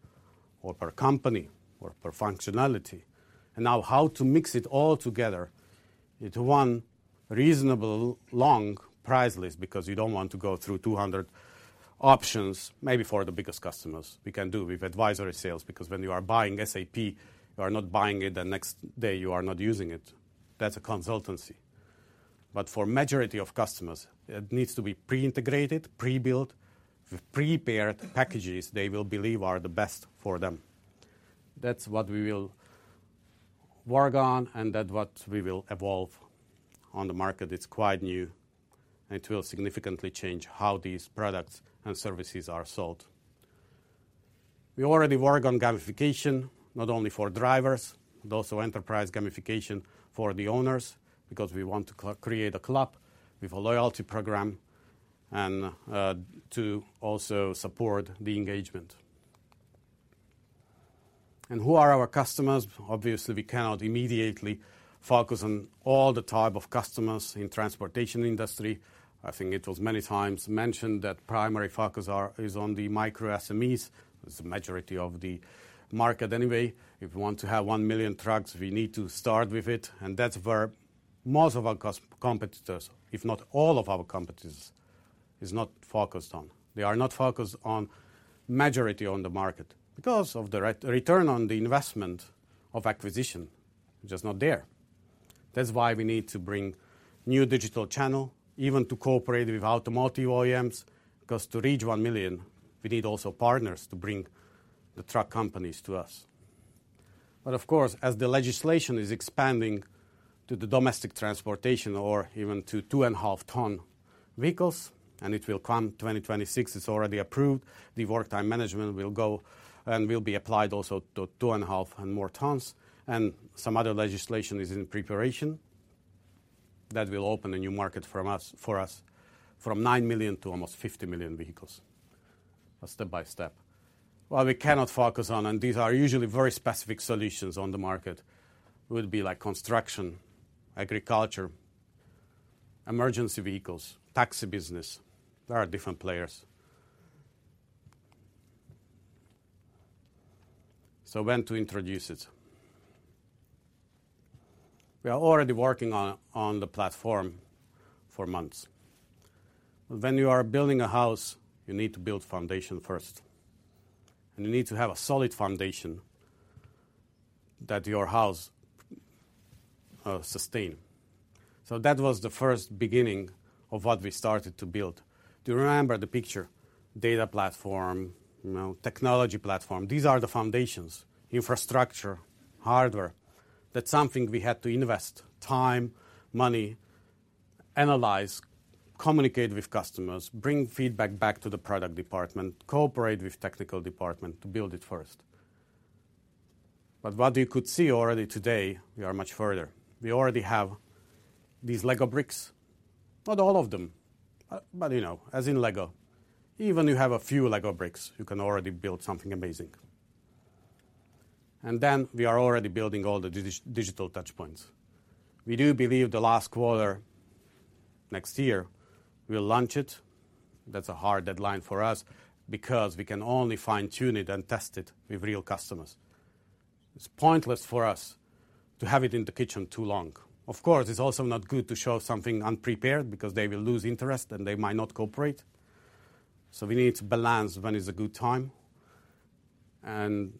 or per company, or per functionality. And now how to mix it all together into one reasonable, long price list, because you don't want to go through 200 options. Maybe for the biggest customers, we can do with advisory sales, because when you are buying SAP, you are not buying it, the next day you are not using it. That's a consultancy. But for majority of customers, it needs to be pre-integrated, pre-built, with prepared packages they will believe are the best for them. That's what we will work on, and that what we will evolve on the market. It's quite new, and it will significantly change how these products and services are sold. We already work on gamification, not only for drivers, but also enterprise gamification for the owners, because we want to create a club with a loyalty program and to also support the engagement. Who are our customers? Obviously, we cannot immediately focus on all the type of customers in transportation industry. I think it was many times mentioned that primary focus are, is on the micro SMEs. It's the majority of the market anyway. If we want to have 1 million trucks, we need to start with it, and that's where most of our competitors, if not all of our competitors, is not focused on. They are not focused on majority on the market because of the return on the investment of acquisition, which is not there. That's why we need to bring new digital channel, even to cooperate with automotive OEMs, because to reach 1 million, we need also partners to bring the truck companies to us. But of course, as the legislation is expanding to the domestic transportation or even to 2.5-ton vehicles, and it will come, 2026, it's already approved, the work time management will go and will be applied also to 2.5 and more tons, and some other legislation is in preparation. That will open a new market for us, from 9 million to almost 50 million vehicles. But step by step. What we cannot focus on, and these are usually very specific solutions on the market, would be like construction, agriculture, emergency vehicles, taxi business. There are different players. So when to introduce it? We are already working on the platform for months. When you are building a house, you need to build foundation first, and you need to have a solid foundation that your house sustain. That was the first beginning of what we started to build. Do you remember the picture? Data platform, you know, technology platform. These are the foundations, infrastructure, hardware. That's something we had to invest time, money, analyze, communicate with customers, bring feedback back to the product department, cooperate with technical department to build it first. What you could see already today, we are much further. We already have these Lego bricks. Not all of them, you know, as in Lego, even you have a few Lego bricks, you can already build something amazing. We are already building all the digi- digital touch points. We do believe the last quarter next year, we'll launch it. That's a hard deadline for us, because we can only fine-tune it and test it with real customers. It's pointless for us to have it in the kitchen too long. Of course, it's also not good to show something unprepared because they will lose interest, and they might not cooperate. So we need to balance when is a good time. And...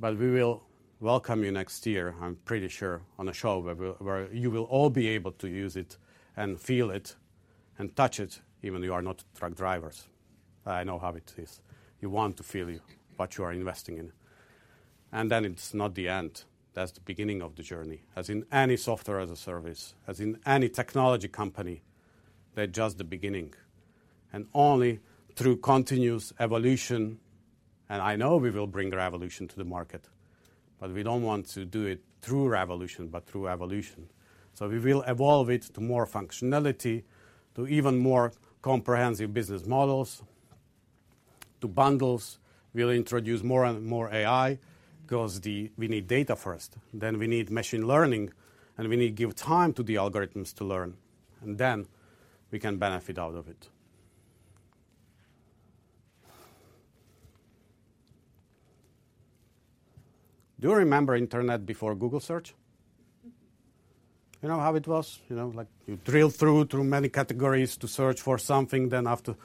But we will welcome you next year, I'm pretty sure, on a show where we, where you will all be able to use it, and feel it, and touch it, even you are not truck drivers. I know how it is. You want to feel you, what you are investing in. And then it's not the end. That's the beginning of the journey, as in any software as a service, as in any technology company, they're just the beginning. And only through continuous evolution, and I know we will bring the revolution to the market, but we don't want to do it through revolution, but through evolution. So we will evolve it to more functionality, to even more comprehensive business models, to bundles. We'll introduce more and more AI, because we need data first, then we need machine learning, and we need to give time to the algorithms to learn, and then we can benefit out of it. Do you remember internet before Google search? You know how it was? You know, like, you drill through to many categories to search for something, then after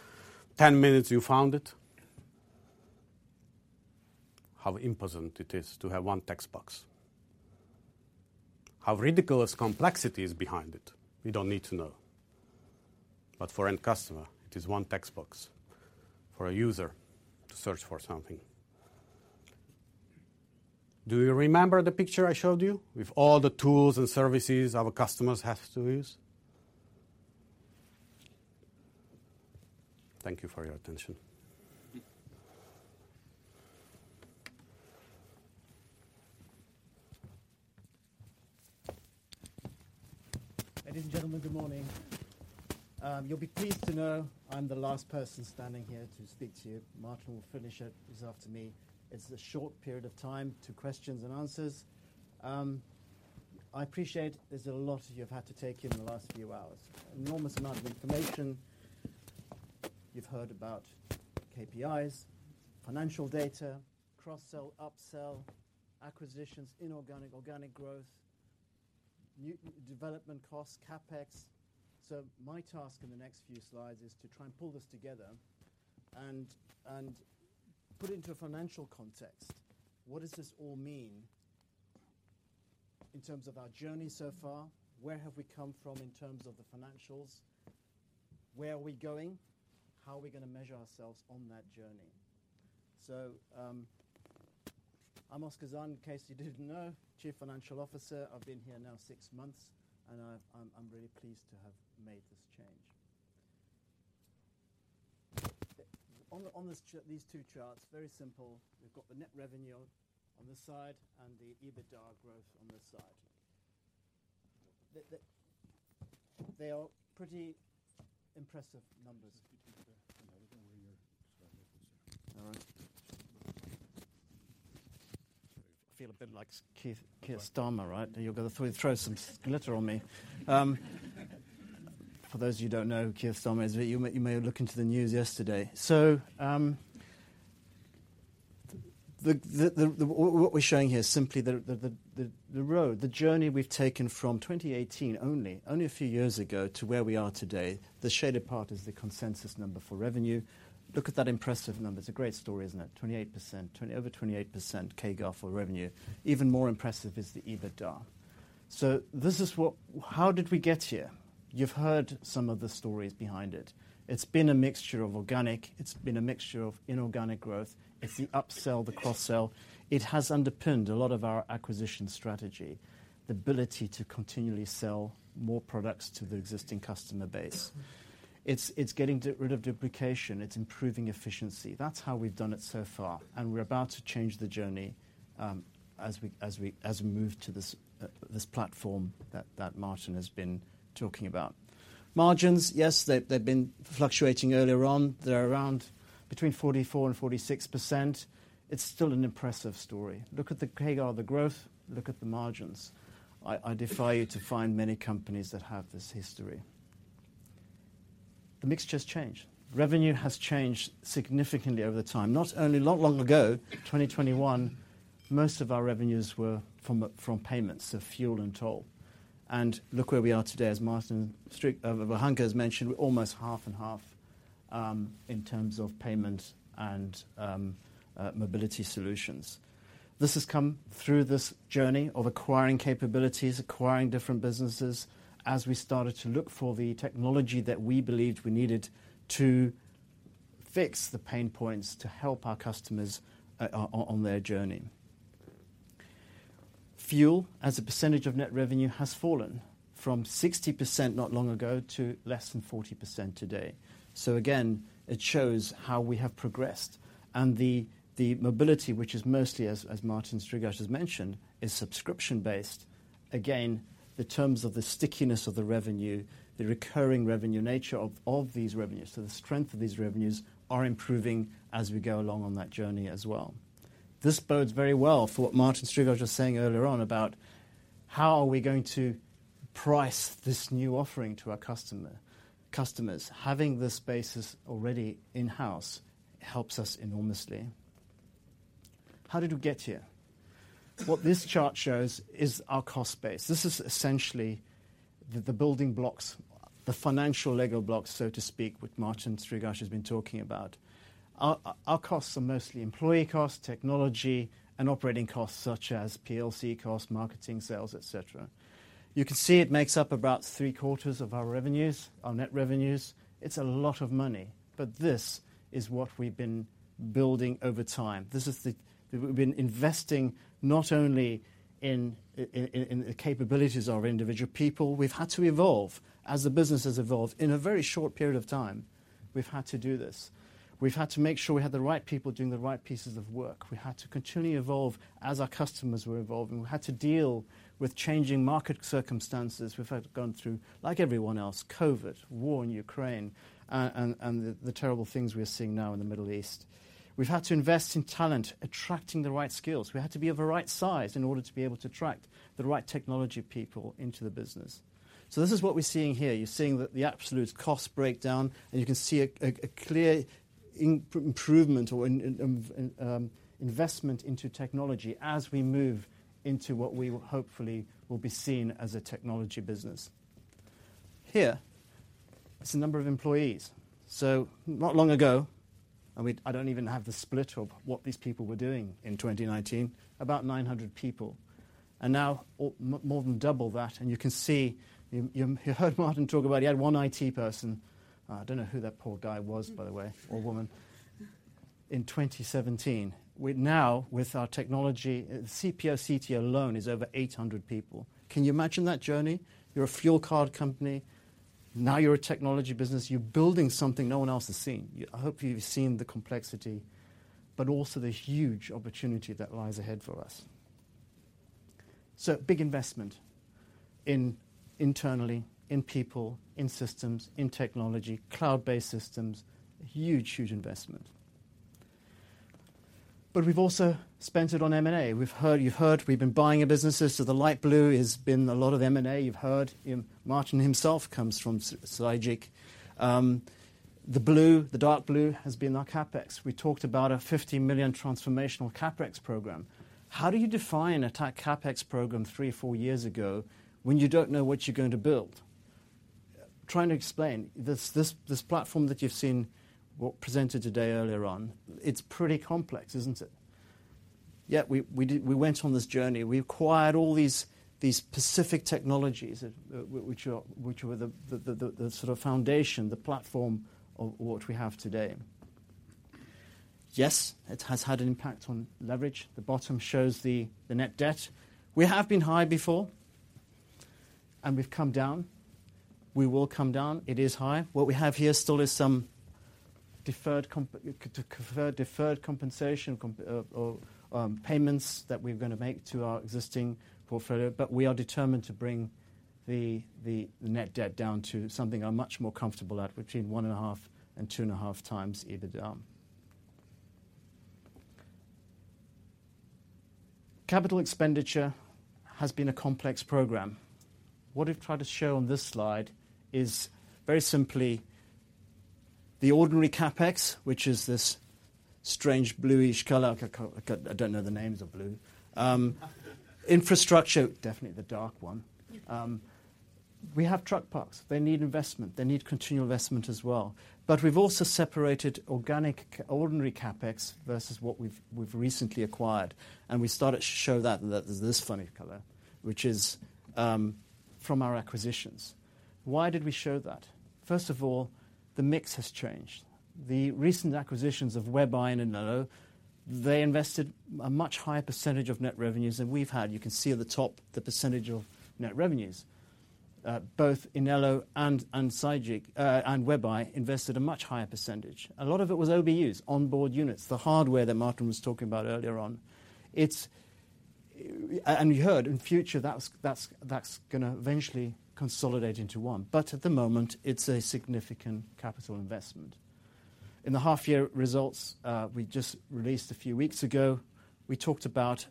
10 minutes, you found it. How important it is to have one text box. How ridiculous complexity is behind it, we don't need to know. But for end customer, it is one text box for a user to search for something. Do you remember the picture I showed you with all the tools and services our customers have to use? Thank you for your attention. Ladies and gentlemen, good morning. You'll be pleased to know I'm the last person standing here to speak to you. Martin will finish it. He's after me. It's a short period of time to questions and answers. I appreciate there's a lot you've had to take in, in the last few hours. An enormous amount of information. You've heard about KPIs, financial data, cross-sell, upsell, acquisitions, inorganic, organic growth, new development costs, CapEx. So my task in the next few slides is to try and pull this together and, and put it into a financial context. What does this all mean in terms of our journey so far? Where have we come from in terms of the financials? Where are we going? How are we gonna measure ourselves on that journey? So, I'm Oskar Zahn, in case you didn't know, Chief Financial Officer. I've been here now six months, and I'm really pleased to have made this change. On these two charts, very simple, we've got the net revenue on this side and the EBITDA growth on this side. They are pretty impressive numbers. I don't know where your starter is. All right. I feel a bit like Keir Starmer, right? You're gonna throw some glitter on me. For those of you who don't know who Keir Starmer is, you may have looked into the news yesterday. What we're showing here is simply the road, the journey we've taken from 2018, only a few years ago, to where we are today. The shaded part is the consensus number for revenue. Look at that impressive number. It's a great story, isn't it? 28%, over 28% CAGR for revenue. Even more impressive is the EBITDA. This is what, how did we get here? You've heard some of the stories behind it. It's been a mixture of organic. It's been a mixture of inorganic growth. It's the upsell, the cross-sell. It has underpinned a lot of our acquisition strategy, the ability to continually sell more products to the existing customer base. It's, it's getting rid of duplication. It's improving efficiency. That's how we've done it so far, and we're about to change the journey, as we move to this platform that Martin has been talking about. Margins, yes, they've been fluctuating earlier on. They're around between 44%-46%. It's still an impressive story. Look at the CAGR, the growth, look at the margins. I defy you to find many companies that have this history. The mixture has changed. Revenue has changed significantly over the time. Not long ago, 2021, most of our revenues were from payments, so fuel and toll. And look where we are today. As Martin Strigač has mentioned, we're almost 50/50 in terms of payment and mobility solutions. This has come through this journey of acquiring capabilities, acquiring different businesses, as we started to look for the technology that we believed we needed to fix the pain points to help our customers on their journey. Fuel, as a percentage of net revenue, has fallen from 60% not long ago to less than 40% today. So again, it shows how we have progressed and the mobility, which is mostly as Martin Strigač has mentioned, is subscription-based. Again, the terms of the stickiness of the revenue, the recurring revenue nature of these revenues, so the strength of these revenues are improving as we go along on that journey as well. This bodes very well for what Martin Strigač was just saying earlier on, about how are we going to price this new offering to our customer, customers. Having this basis already in-house helps us enormously. How did we get here? What this chart shows is our cost base. This is essentially the building blocks, the financial Lego blocks, so to speak, which Martin Strigač has been talking about. Our costs are mostly employee costs, technology, and operating costs, such as PLC costs, marketing, sales, et cetera. You can see it makes up about three-quarters of our revenues, our net revenues. It's a lot of money, but this is what we've been building over time. This is the, we've been investing not only in the capabilities of individual people, we've had to evolve as the business has evolved. In a very short period of time, we've had to do this. We've had to make sure we had the right people doing the right pieces of work. We had to continually evolve as our customers were evolving. We had to deal with changing market circumstances. We've had to gone through, like everyone else, COVID, war in Ukraine, and the terrible things we're seeing now in the Middle East. We've had to invest in talent, attracting the right skills. We had to be of the right size in order to be able to attract the right technology people into the business. So this is what we're seeing here. You're seeing the absolute cost breakdown, and you can see a clear improvement in investment into technology as we move into what we will hopefully will be seen as a technology business. Here is the number of employees. Not long ago, I don't even have the split of what these people were doing in 2019, about 900 people, and now, more than double that, and you can see. You, you, you heard Martin talk about he had one IT person, I don't know who that poor guy was, by the way, or woman, in 2017. We now, with our technology, CPO CT alone is over 800 people. Can you imagine that journey? You're a fuel card company, now you're a technology business. You're building something no one else has seen. I hope you've seen the complexity, but also the huge opportunity that lies ahead for us. Big investment internally, in people, in systems, in technology, cloud-based systems. Huge, huge investment. We've also spent it on M&A. We've heard. You've heard we've been buying a business, so the light blue has been a lot of M&A. You've heard Martin himself comes from Sygic. The blue, the dark blue has been our CapEx. We talked about a 50 million transformational CapEx program. How do you define a tech CapEx program three, four years ago, when you don't know what you're going to build? Trying to explain this platform that you've seen, what was presented today earlier on, it's pretty complex, isn't it? Yet we did. We went on this journey. We acquired all these specific technologies, which were the sort of foundation, the platform of what we have today. Yes, it has had an impact on leverage. The bottom shows the net debt. We have been high before, and we've come down. We will come down. It is high. What we have here still is some deferred compensation or payments that we're gonna make to our existing portfolio, but we are determined to bring the net debt down to something I'm much more comfortable at, between 1.5 and 2.5 times EBITDA. Capital expenditure has been a complex program. What we've tried to show on this slide is, very simply, the ordinary CapEx, which is this strange bluish color. I don't know the names of blue. Infrastructure, definitely the dark one. We have truck parks. They need investment. They need continual investment as well. But we've also separated organic ordinary CapEx versus what we've recently acquired, and we started to show that that is this funny color, which is from our acquisitions. Why did we show that? First of all, the mix has changed. The recent acquisitions of WebEye and Inelo, they invested a much higher percentage of net revenues than we've had. You can see at the top, the percentage of net revenues. Both Inelo and Sygic and WebEye invested a much higher percentage. A lot of it was OBUs, onboard units, the hardware that Martin was talking about earlier on. And we heard in future, that's gonna eventually consolidate into one. But at the moment, it's a significant capital investment. In the half-year results we just released a few weeks ago, we talked about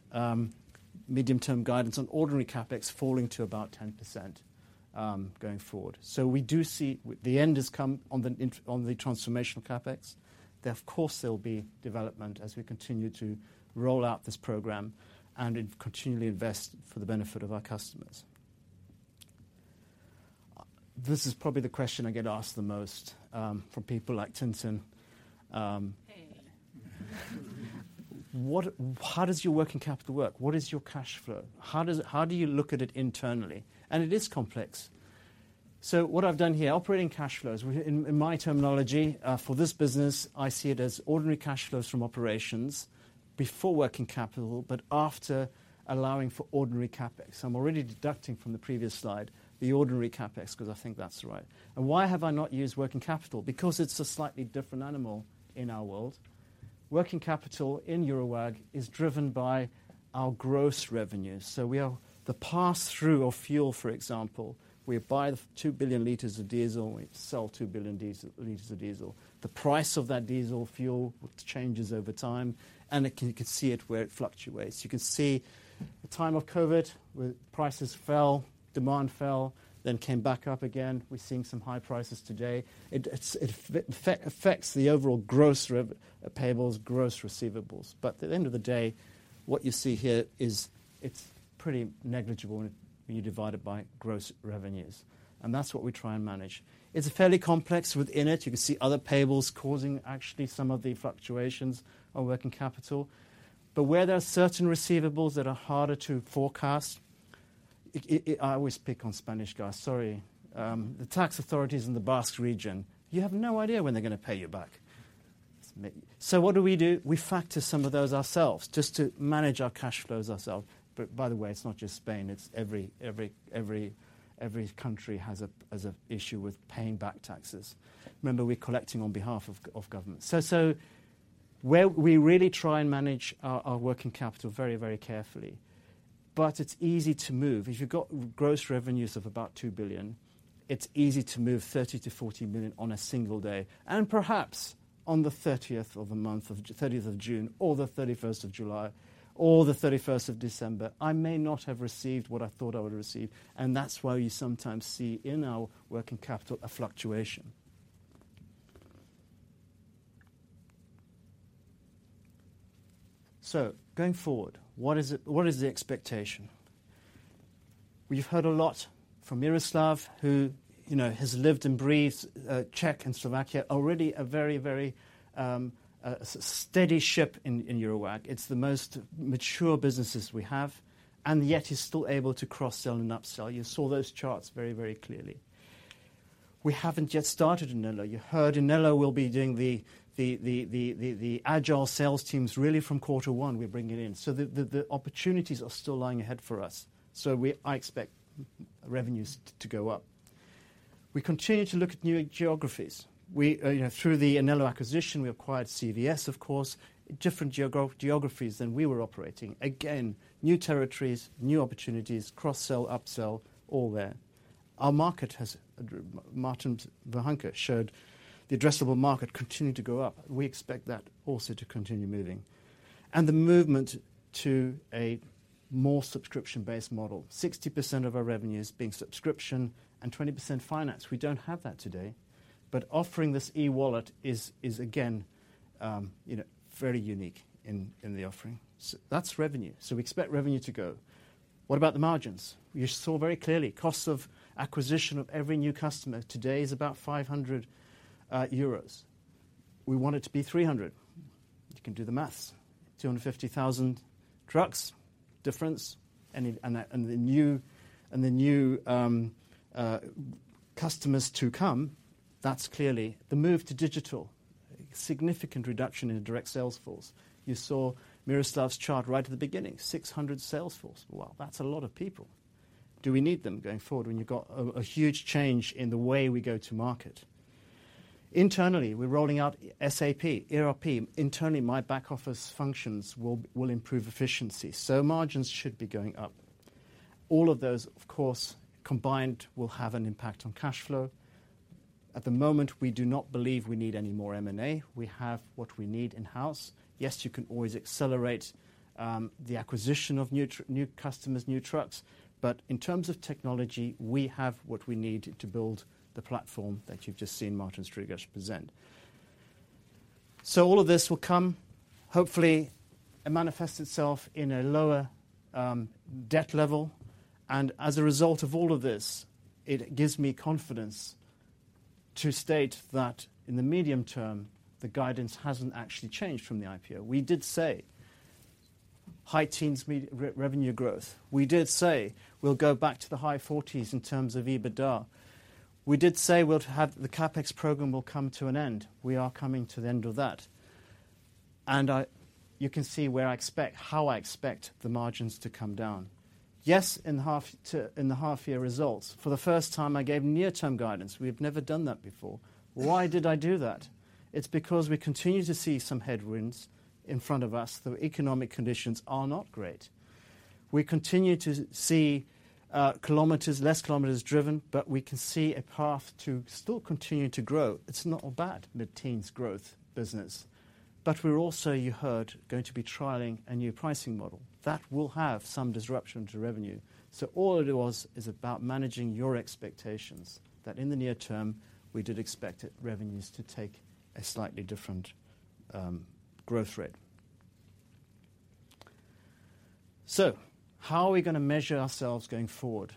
medium-term guidance on ordinary CapEx falling to about 10%, going forward. So we do see the end has come on the transformational CapEx. Then, of course, there'll be development as we continue to roll out this program and continually invest for the benefit of our customers. This is probably the question I get asked the most from people like Tintin. <crosstalk> How does your working capital work? What is your cash flow? How do you look at it internally? And it is complex. So what I've done here, operating cash flows, in my terminology, for this business, I see it as ordinary cash flows from operations before working capital, but after allowing for ordinary CapEx. I'm already deducting from the previous slide, the ordinary CapEx, because I think that's right. And why have I not used working capital? Because it's a slightly different animal in our world. Working capital in Eurowag is driven by our gross revenues, so we are the pass-through of fuel, for example. We buy two billion liters of diesel, we sell two billion liters of diesel. The price of that diesel fuel changes over time, and you can see it where it fluctuates. You can see the time of COVID, where prices fell, demand fell, then came back up again. We're seeing some high prices today. It affects the overall gross payables, gross receivables. But at the end of the day, what you see here is it's pretty negligible when you divide it by gross revenues, and that's what we try and manage. It's fairly complex within it. You can see other payables causing actually some of the fluctuations of working capital. But where there are certain receivables that are harder to forecast, I always pick on Spanish guys, sorry. The tax authorities in the Basque region, you have no idea when they're gonna pay you back. So what do we do? We factor some of those ourselves, just to manage our cash flows ourselves. But by the way, it's not just Spain, it's every country has an issue with paying back taxes. Remember, we're collecting on behalf of government. So where we really try and manage our working capital very, very carefully, but it's easy to move. If you've got gross revenues of about 2 billion, it's easy to move 30 million-40 million on a single day, and perhaps on the thirtieth of June or the thirty-first of July or the thirty-first of December, I may not have received what I thought I would receive, and that's why you sometimes see in our working capital a fluctuation. So going forward, what is the expectation? We've heard a lot from Miroslav, who, you know, has lived and breathed Czech and Slovakia, already a very, very steady ship in Eurowag. It's the most mature businesses we have, and yet is still able to cross-sell and upsell. You saw those charts very, very clearly. We haven't yet started Inelo. You heard Inelo will be doing the agile sales teams, really from quarter one, we're bringing in. So the opportunities are still lying ahead for us. So I expect revenues to go up. We continue to look at new geographies. We, you know, through the Inelo acquisition, we acquired CVS, of course, different geographies than we were operating. Again, new territories, new opportunities, cross-sell, upsell, all there. Our market has, Martin Vohánka showed, the addressable market continuing to go up. We expect that also to continue moving. The movement to a more subscription-based model, 60% of our revenues being subscription and 20% finance. We don't have that today, but offering this e-wallet is, is again, you know, very unique in the offering. So that's revenue. So we expect revenue to go. What about the margins? You saw very clearly, cost of acquisition of every new customer today is about 500 euros. We want it to be 300. You can do the math. 250,000 trucks difference, and the new customers to come, that's clearly the move to digital. Significant reduction in the direct sales force. You saw Miroslav's chart right at the beginning, 600 sales force. Well, that's a lot of people. Do we need them going forward when you've got a huge change in the way we go to market? Internally, we're rolling out SAP ERP. Internally, my back-office functions will improve efficiency, so margins should be going up. All of those, of course, combined, will have an impact on cash flow. At the moment, we do not believe we need any more M&A. We have what we need in-house. Yes, you can always accelerate the acquisition of new customers, new trucks, but in terms of technology, we have what we need to build the platform that you've just seen Martin Strigač present. So all of this will come. Hopefully, it manifests itself in a lower debt level. And as a result of all of this, it gives me confidence to state that in the medium term, the guidance hasn't actually changed from the IPO. We did say high teens revenue growth. We did say we'll go back to the high forties in terms of EBITDA. We did say the CapEx program will come to an end. We are coming to the end of that. And you can see where I expect, how I expect the margins to come down. Yes, in the half-year results, for the first time, I gave near-term guidance. We've never done that before. Why did I do that? It's because we continue to see some headwinds in front of us, the economic conditions are not great. We continue to see kilometers, less kilometers driven, but we can see a path to still continue to grow. It's not a bad mid-teens growth business. But we're also, you heard, going to be trialing a new pricing model. That will have some disruption to revenue. So all it was, is about managing your expectations, that in the near term, we did expect it, revenues to take a slightly different growth rate. So how are we gonna measure ourselves going forward?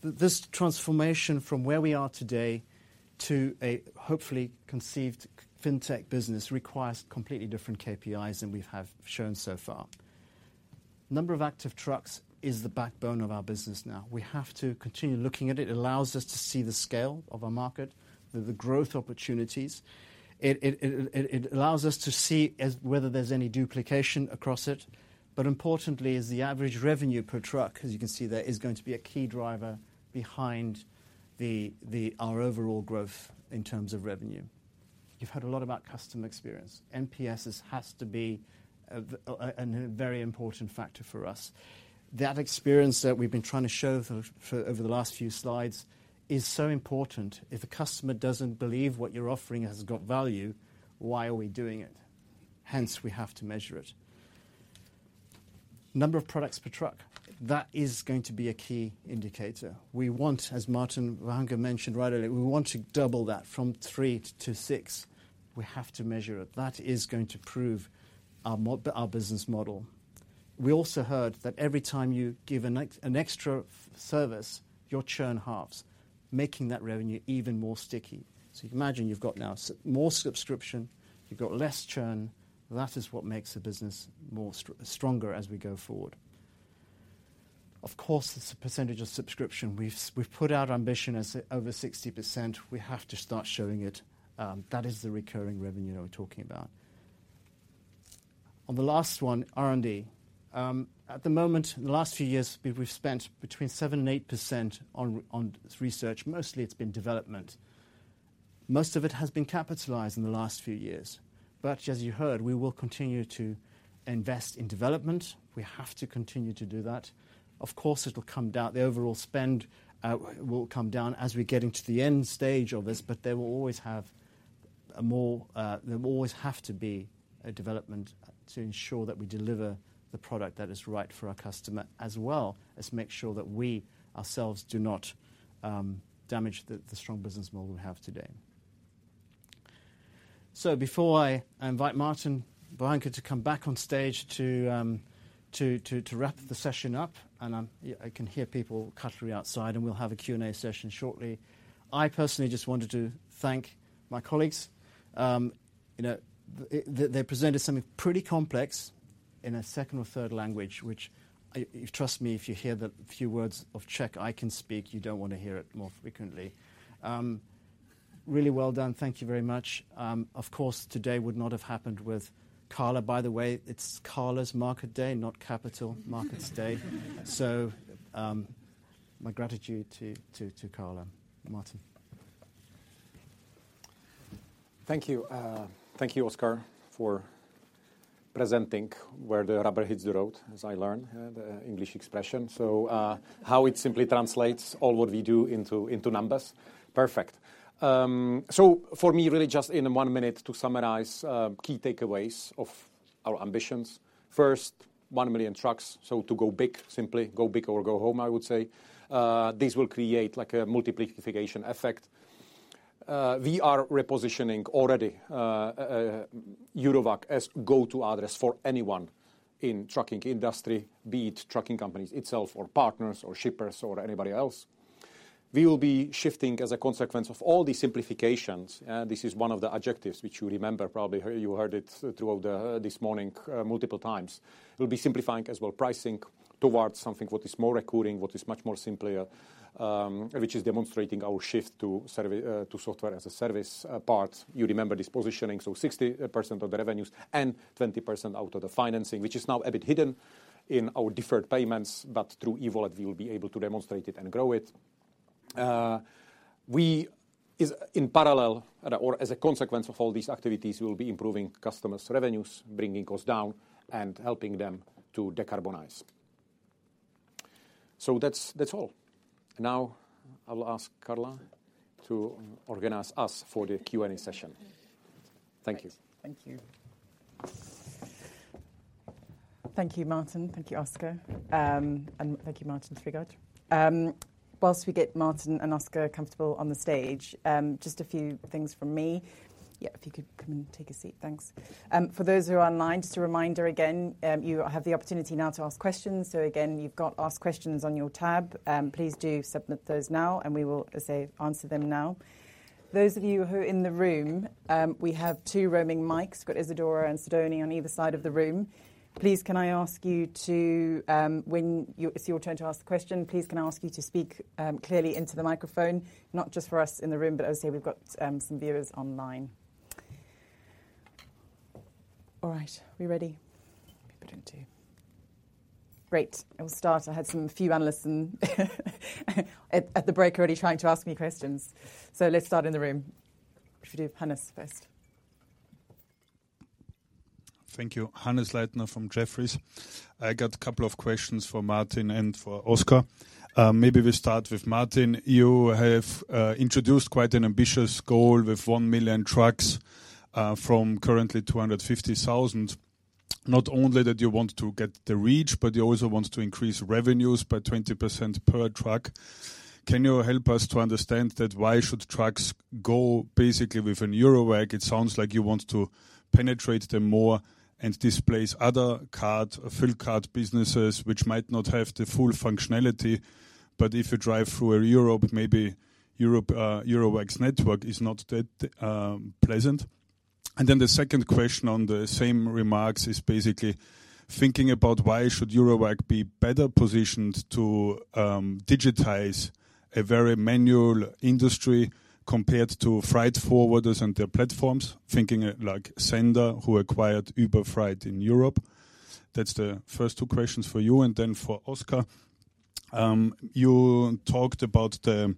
This transformation from where we are today to a hopefully conceived fintech business requires completely different KPIs than we have shown so far. Number of active trucks is the backbone of our business now. We have to continue looking at it. It allows us to see the scale of our market, the growth opportunities. It allows us to see as to whether there's any duplication across it. But importantly, is the average revenue per truck, as you can see there, is going to be a key driver behind our overall growth in terms of revenue. You've heard a lot about customer experience. NPS has to be a very important factor for us. That experience that we've been trying to show over the last few slides is so important. If a customer doesn't believe what you're offering has got value, why are we doing it? Hence, we have to measure it. Number of products per truck, that is going to be a key indicator. We want, as Martin Vohánka mentioned right earlier, we want to double that from three to six. We have to measure it. That is going to prove our business model. We also heard that every time you give an extra service, your churn halves, making that revenue even more sticky. So you can imagine you've got now more subscription, you've got less churn. That is what makes the business more stronger as we go forward. Of course, the percentage of subscription, we've put out ambition as over 60%. We have to start showing it. That is the recurring revenue that we're talking about. On the last one, R&D. At the moment, in the last few years, we've spent between 7% and 8% on research. Mostly, it's been development. Most of it has been capitalized in the last few years. But as you heard, we will continue to invest in development. We have to continue to do that. Of course, it'll come down. The overall spend will come down as we're getting to the end stage of this, but there will always have a more... There will always have to be a development to ensure that we deliver the product that is right for our customer, as well as make sure that we ourselves do not damage the strong business model we have today. So before I invite Martin Vohánka to come back on stage to wrap the session up, and I can hear people cutlery outside, and we'll have a Q&A session shortly. I personally just wanted to thank my colleagues. You know, they presented something pretty complex in a second or third language, which if trust me, if you hear the few words of Czech I can speak, you don't want to hear it more frequently. Really well done. Thank you very much. Of course, today would not have happened with Carla. By the way, it's Carla's Market Day, not Capital Markets Day. So, my gratitude to Carla. Martin? Thank you. Thank you, Oskar, for presenting where the rubber hits the road, as I learn the English expression. So, how it simply translates all what we do into numbers. Perfect. So for me, really, just in one minute, to summarize key takeaways of our ambitions. First, one million trucks, so to go big, simply go big or go home, I would say. This will create like a multiplication effect. We are repositioning already Eurowag as go-to address for anyone in trucking industry, be it trucking companies itself, or partners, or shippers, or anybody else. We will be shifting as a consequence of all the simplifications. This is one of the objectives which you remember, probably, you heard it throughout the this morning multiple times. We'll be simplifying as well, pricing towards something what is more recurring, what is much more simpler, which is demonstrating our shift to software as a service part. You remember this positioning, so 60% of the revenues and 20% out of the financing, which is now a bit hidden in our deferred payments, but through EVA, we will be able to demonstrate it and grow it. We is in parallel, or as a consequence of all these activities, we will be improving customers' revenues, bringing costs down, and helping them to decarbonize. So that's all. Now, I will ask Carla to organize us for the Q&A session. Thank you. Thank you. Thank you, Martin. Thank you, Oskar. And thank you, Martin Strigač. While we get Martin and Oskar comfortable on the stage, just a few things from me. Yeah, if you could come and take a seat. Thanks. For those who are online, just a reminder, again, you have the opportunity now to ask questions. So again, you've got Ask Questions on your tab. Please do submit those now, and we will, as I say, answer them now. Those of you who are in the room, we have two roaming mics. We've got Isadorea and Sidonie on either side of the room. Please, can I ask you to, when it's your turn to ask the question, please, can I ask you to speak clearly into the microphone? Not just for us in the room, but as I say, we've got some viewers online. All right, we ready? Maybe we don't do. Great! I will start. I had some few analysts in, at the break already trying to ask me questions. So let's start in the room. Should we do Hannes first. Thank you. Hannes Leitner from Jefferies. I got a couple of questions for Martin and for Oscar. Maybe we start with Martin. You have introduced quite an ambitious goal with 1 million trucks from currently 250,000. Not only that you want to get the reach, but you also want to increase revenues by 20% per truck. Can you help us to understand that why should trucks go basically with a Eurowag? It sounds like you want to penetrate them more and displace other card, fuel card businesses, which might not have the full functionality. But if you drive through a Europe, maybe Europe, Eurowag's network is not that pleasant. Then the second question on the same remarks is basically thinking about why should Eurowag be better positioned to digitize a very manual industry compared to freight forwarders and their platforms, thinking like sennder, who acquired Uber Freight in Europe. That's the first two questions for you, and then for Oskar. You talked about the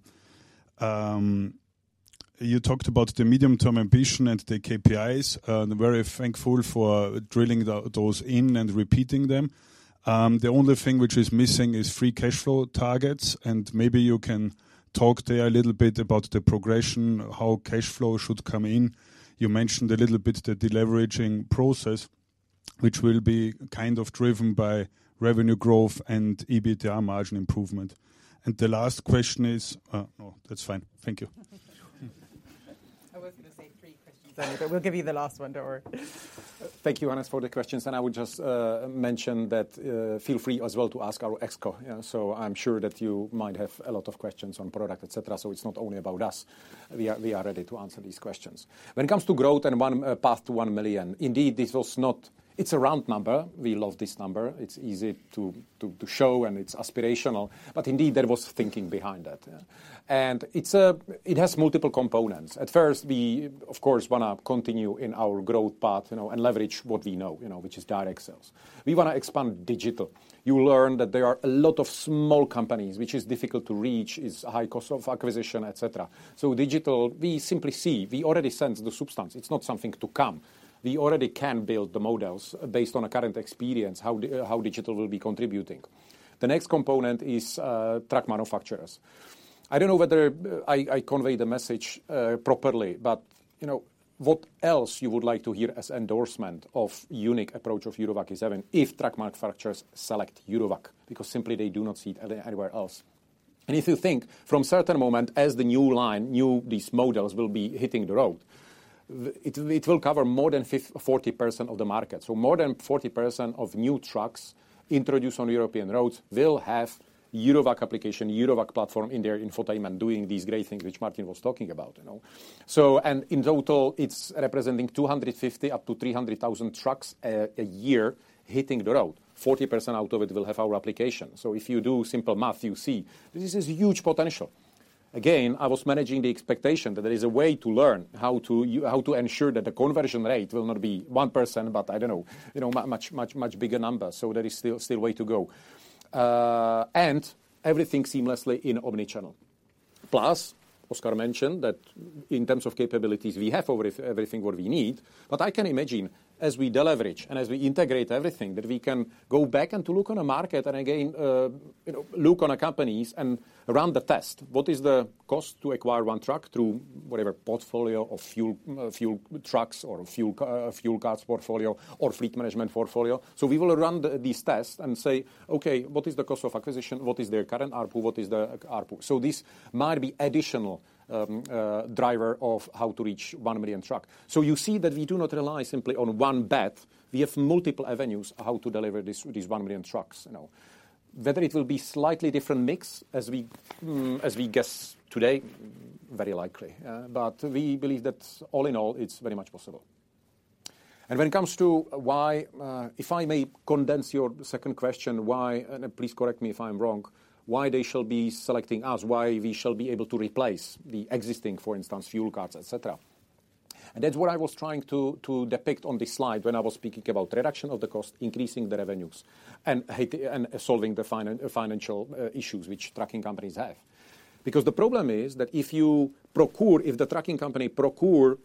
medium-term ambition and the KPIs, and very thankful for drilling those in and repeating them. The only thing which is missing is free cash flow targets, and maybe you can talk there a little bit about the progression, how cash flow should come in. You mentioned a little bit the deleveraging process, which will be kind of driven by revenue growth and EBITDA margin improvement. And the last question is, no, that's fine. Thank you. I was gonna say three questions only, but we'll give you the last one, don't worry. Thank you, Hannes, for the questions, and I would just mention that feel free as well to ask our ExCo. So I'm sure that you might have a lot of questions on product, et cetera, so it's not only about us. We are ready to answer these questions. When it comes to growth and one path to 1 million, indeed, this was not... It's a round number. We love this number. It's easy to show, and it's aspirational. But indeed, there was thinking behind that, yeah. And it has multiple components. At first, we, of course, wanna continue in our growth path, you know, and leverage what we know, you know, which is direct sales. We wanna expand digital. You learn that there are a lot of small companies, which is difficult to reach, it's high cost of acquisition, et cetera. Digital, we simply see, we already sense the substance. It's not something to come. We already can build the models based on a current experience, how digital will be contributing. The next component is, truck manufacturers. I don't know whether I conveyed the message properly, but, you know, what else you would like to hear as endorsement of unique approach of Eurowag, even if truck manufacturers select Eurowag? Because simply they do not see it anywhere else. And if you think from certain moment as the new line, new, these models will be hitting the road, it will cover more than 40% of the market. So more than 40% of new trucks introduced on European roads will have Eurowag application, Eurowag platform in their infotainment, doing these great things which Martin was talking about, you know? And in total, it's representing 250 up to 300,000 trucks a year hitting the road. 40% out of it will have our application. So if you do simple math, you see this is huge potential.... Again, I was managing the expectation that there is a way to learn how to ensure that the conversion rate will not be one person, but I don't know, you know, much, much, much bigger number. So there is still way to go. And everything seamlessly in omni-channel. Plus, Oskar mentioned that in terms of capabilities, we have over everything what we need, but I can imagine as we deleverage and as we integrate everything, that we can go back and to look on a market, and again, you know, look on a companies and run the test. What is the cost to acquire one truck through whatever portfolio of fuel, fuel trucks or fuel cards portfolio or fleet management portfolio? So we will run these tests and say, "Okay, what is the cost of acquisition? What is their current ARPU? What is the ARPU? So this might be additional driver of how to reach 1 million trucks. So you see that we do not rely simply on one bet, we have multiple avenues how to deliver this, these 1 million trucks, you know. Whether it will be slightly different mix as we, as we guess today, very likely, but we believe that all in all, it's very much possible. When it comes to why, if I may condense your second question, why, and please correct me if I'm wrong, why they shall be selecting us, why we shall be able to replace the existing, for instance, fuel cards, et cetera. That's what I was trying to depict on this slide when I was speaking about reduction of the cost, increasing the revenues, and having and solving the financial issues which trucking companies have. Because the problem is that if you procure, if the trucking company procures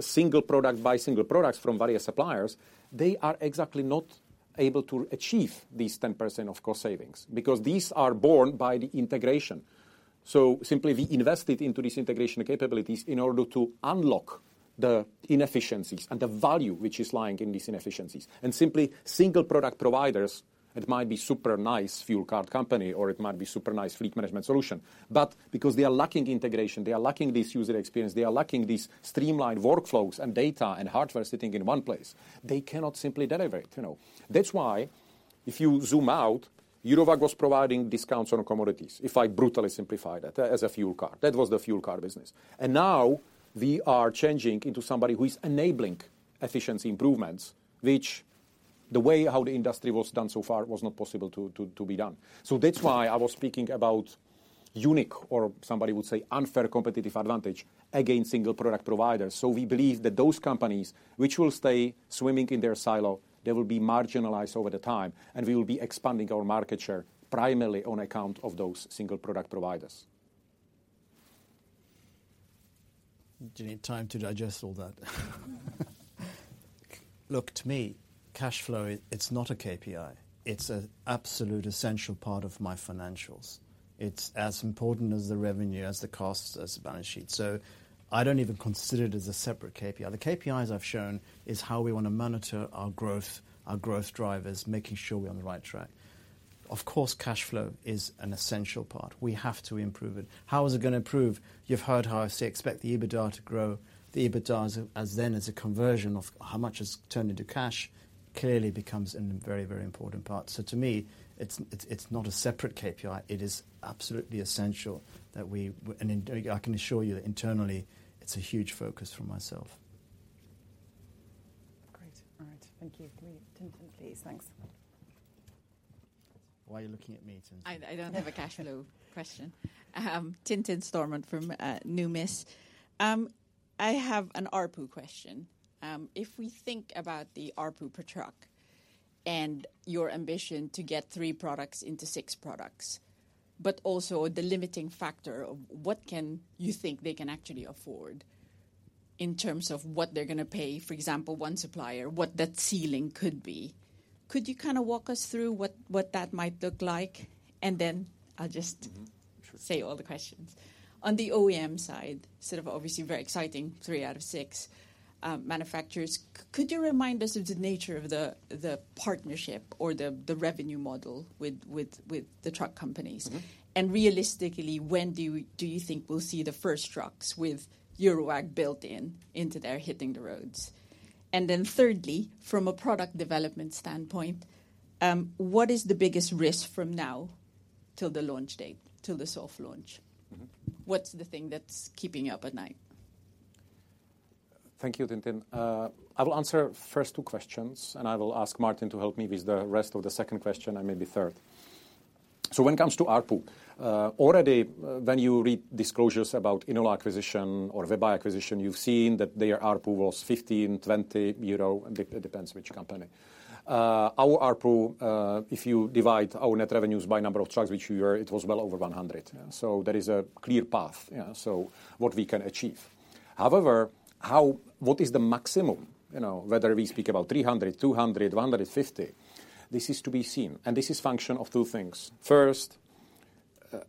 single product, by single products from various suppliers, they are exactly not able to achieve these 10% of cost savings, because these are born by the integration. Simply, we invested into these integration capabilities in order to unlock the inefficiencies and the value which is lying in these inefficiencies. Simply, single product providers, it might be super nice fuel card company, or it might be super nice fleet management solution, but because they are lacking integration, they are lacking this user experience, they are lacking these streamlined workflows and data and hardware sitting in one place, they cannot simply deliver it, you know? That's why if you zoom out, Eurowag was providing discounts on commodities, if I brutally simplify that, as a fuel card. That was the fuel card business. And now, we are changing into somebody who is enabling efficiency improvements, which the way how the industry was done so far, was not possible to be done. So that's why I was speaking about unique or somebody would say, unfair competitive advantage against single product providers. We believe that those companies which will stay swimming in their silo, they will be marginalized over the time, and we will be expanding our market share primarily on account of those single product providers. Do you need time to digest all that? Look, to me, cash flow, it's not a KPI. It's an absolute essential part of my financials. It's as important as the revenue, as the cost, as the balance sheet, so I don't even consider it as a separate KPI. The KPIs I've shown is how we want to monitor our growth, our growth drivers, making sure we're on the right track. Of course, cash flow is an essential part. We have to improve it. How is it going to improve? You've heard how I say, expect the EBITDA to grow. The EBITDA as then, as a conversion of how much is turned into cash, clearly becomes a very, very important part. So to me, it's, it's, it's not a separate KPI, it is absolutely essential that we and I can assure you that internally, it's a huge focus for myself. Great. All right, thank you. Tintin, please. Thanks. Why are you looking at me, Tintin? I don't have a cash flow question. Tintin Stormont from Numis. I have an ARPU question. If we think about the ARPU per truck and your ambition to get three products into six products, but also the limiting factor of what can you think they can actually afford in terms of what they're gonna pay, for example, one supplier, what that ceiling could be? Could you kind of walk us through what that might look like? And then I'll just say all the questions. On the OEM side, sort of obviously very exciting, three out of six manufacturers, could you remind us of the nature of the, the partnership or the, the revenue model with, with, with the truck companies? Mm-hmm. Realistically, when do you, do you think we'll see the first trucks with Eurowag built in into there, hitting the roads? And then thirdly, from a product development standpoint, what is the biggest risk from now till the launch date, till the soft launch? Mm-hmm. What's the thing that's keeping you up at night? Thank you, Tintin. I will answer first two questions, and I will ask Martin to help me with the rest of the second question, and maybe third. So when it comes to ARPU, already when you read disclosures about Inelo acquisition or WebEye acquisition, you've seen that their ARPU was 15-20 euro, it depends which company. Our ARPU, if you divide our net revenues by number of trucks, which we are, it was well over 100. So there is a clear path, yeah, so what we can achieve. However, how... What is the maximum? You know, whether we speak about 300, 200, 150, this is to be seen, and this is function of two things. First,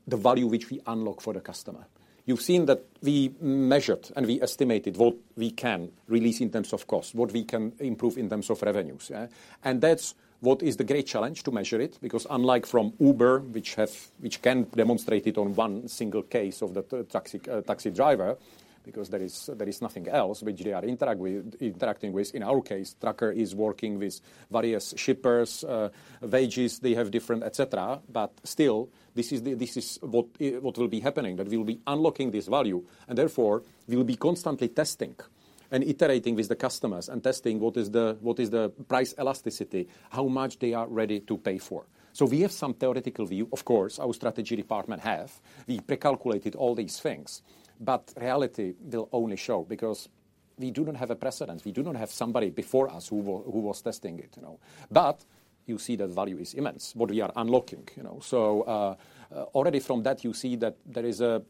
the value which we unlock for the customer. You've seen that we measured and we estimated what we can release in terms of cost, what we can improve in terms of revenues, yeah? And that's what is the great challenge to measure it, because unlike from Uber, which can demonstrate it on one single case of the taxi, taxi driver, because there is, there is nothing else which they are interact with, interacting with. In our case, trucker is working with various shippers, wages, they have different, et cetera. But still, this is what will be happening, that we will be unlocking this value, and therefore, we will be constantly testing and iterating with the customers and testing what is the, what is the price elasticity, how much they are ready to pay for. So we have some theoretical view. Of course, our strategy department have. We pre-calculated all these things, but reality will only show, because we do not have a precedent. We do not have somebody before us who was testing it, you know? But you see the value is immense, what we are unlocking, you know. So, already from that, you see that there is a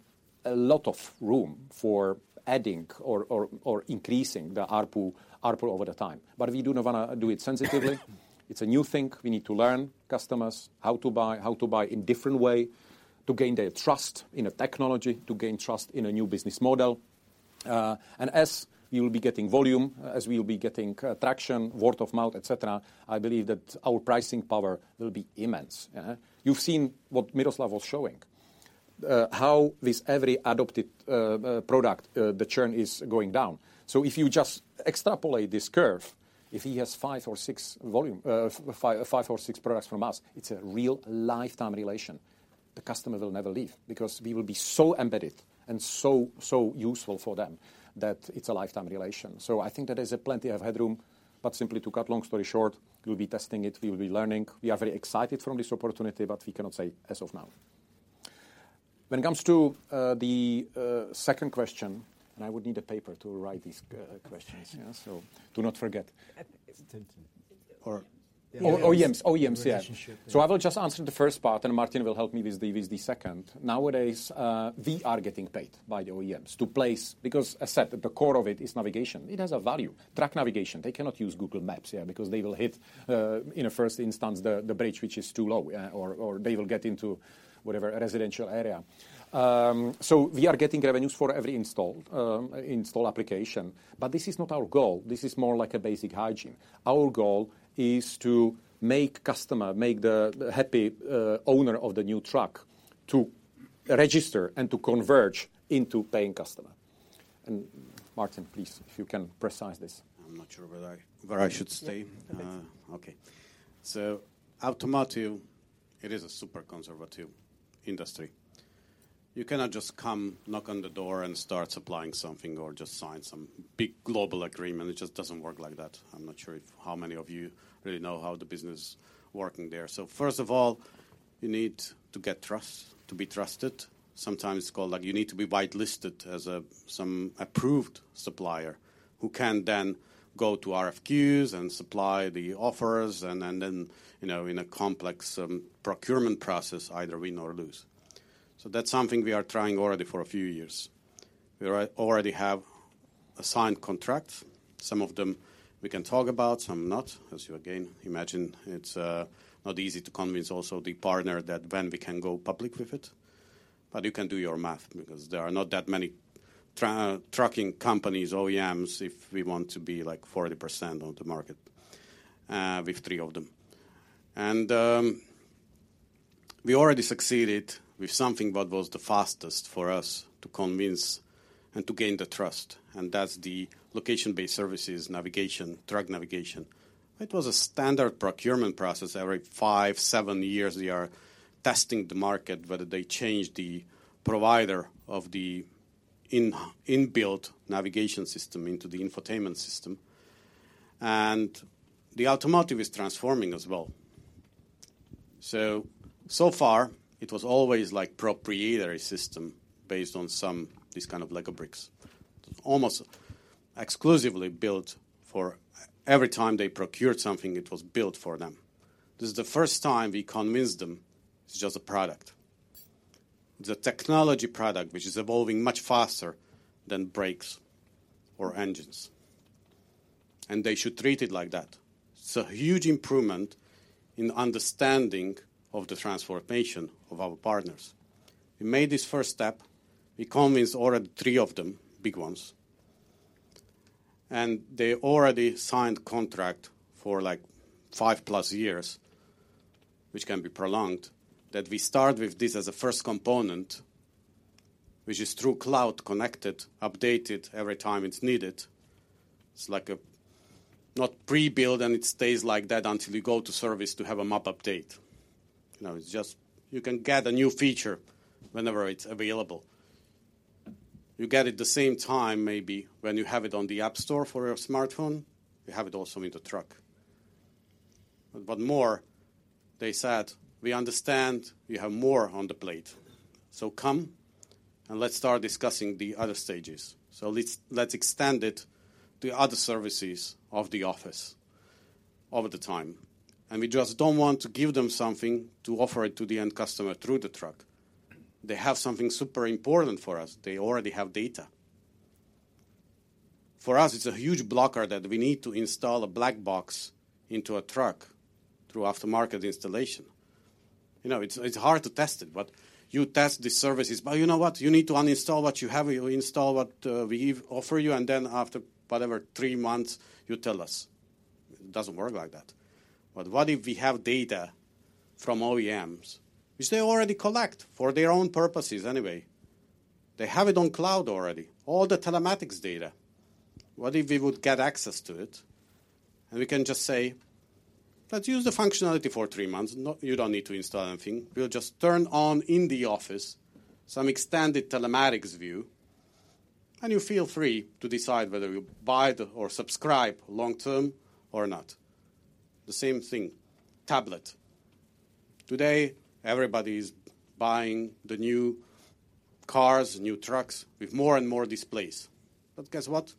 lot of room for adding or increasing the ARPU over the time. But we do not wanna do it sensitively. It's a new thing. We need to learn, customers how to buy, how to buy in different way to gain their trust in a technology, to gain trust in a new business model. And as we will be getting volume, as we will be getting traction, word of mouth, et cetera, I believe that our pricing power will be immense. You've seen what Miroslav was showing, how this every adopted product, the churn is going down. So if you just extrapolate this curve, if he has five or six volume, five, five or six products from us, it's a real lifetime relation. The customer will never leave because we will be so embedded and so, so useful for them that it's a lifetime relation. So I think there is a plenty of headroom, but simply to cut long story short, we will be testing it, we will be learning. We are very excited from this opportunity, but we cannot say as of now. When it comes to the second question, and I would need a paper to write these questions, yeah, so do not forget. <crosstalk> OEMs. OEMs, yeah I will just answer the first part, and Martin will help me with the second. Nowadays, we are getting paid by the OEMs to place... Because I said the core of it is navigation. It has a value. Truck navigation, they cannot use Google Maps, yeah, because they will hit, in a first instance, the bridge, which is too low, or they will get into whatever residential area. We are getting revenues for every installed application, but this is not our goal. This is more like a basic hygiene. Our goal is to make customer, make the happy owner of the new truck to register and to converge into paying customer. And Martin, please, if you can precise this. I'm not sure where I should stay. Okay. So automotive, it is a super conservative industry. You cannot just come, knock on the door and start supplying something or just sign some big global agreement. It just doesn't work like that. I'm not sure if how many of you really know how the business is working there. So first of all, you need to get trust, to be trusted. Sometimes it's called, like, you need to be whitelisted as a, some approved supplier who can then go to RFQs and supply the offers, and then, then, you know, in a complex, procurement process, either win or lose. So that's something we are trying already for a few years. We already have a signed contract. Some of them we can talk about, some not, as you again imagine, it's, not easy to convince also the partner that when we can go public with it. But you can do your math because there are not that many trucking companies, OEMs, if we want to be like 40% on the market, with three of them. And we already succeeded with something what was the fastest for us to convince and to gain the trust, and that's the location-based services, navigation, truck navigation. It was a standard procurement process. Every 5, 7 years, we are testing the market, whether they change the provider of the inbuilt navigation system into the infotainment system, and the automotive is transforming as well. So far, it was always like proprietary system based on some, these kind of Lego bricks. Almost exclusively built for every time they procured something, it was built for them. This is the first time we convince them it's just a product. The technology product, which is evolving much faster than brakes or engines, and they should treat it like that. It's a huge improvement in understanding of the transformation of our partners. We made this first step. We convinced already three of them, big ones, and they already signed contract for like 5+ years, which can be prolonged, that we start with this as a first component, which is through cloud, connected, updated every time it's needed. It's like a, not pre-built, and it stays like that until you go to service to have a map update. You know, it's just, you can get a new feature whenever it's available. You get it the same time, maybe when you have it on the app store for your smartphone, you have it also in the truck. They said, "We understand you have more on the plate, so come and let's start discussing the other stages. Let's extend it to other services of the office over the time." We just don't want to give them something to offer it to the end customer through the truck. They have something super important for us. They already have data. For us, it's a huge blocker that we need to install a black box into a truck through aftermarket installation. You know, it's hard to test it, but you test the services. "But you know what? You need to uninstall what you have, you install what we offer you, and then after whatever, three months, you tell us." It doesn't work like that. What if we have data from OEMs, which they already collect for their own purposes anyway? They have it on cloud already, all the telematics data. What if we would get access to it, and we can just say, "Let's use the functionality for three months. No, you don't need to install anything. We'll just turn on in the office some extended telematics view, and you feel free to decide whether you buy the or subscribe long term or not." The same thing, tablet. Today, everybody is buying the new cars, new trucks, with more and more displays. But guess what?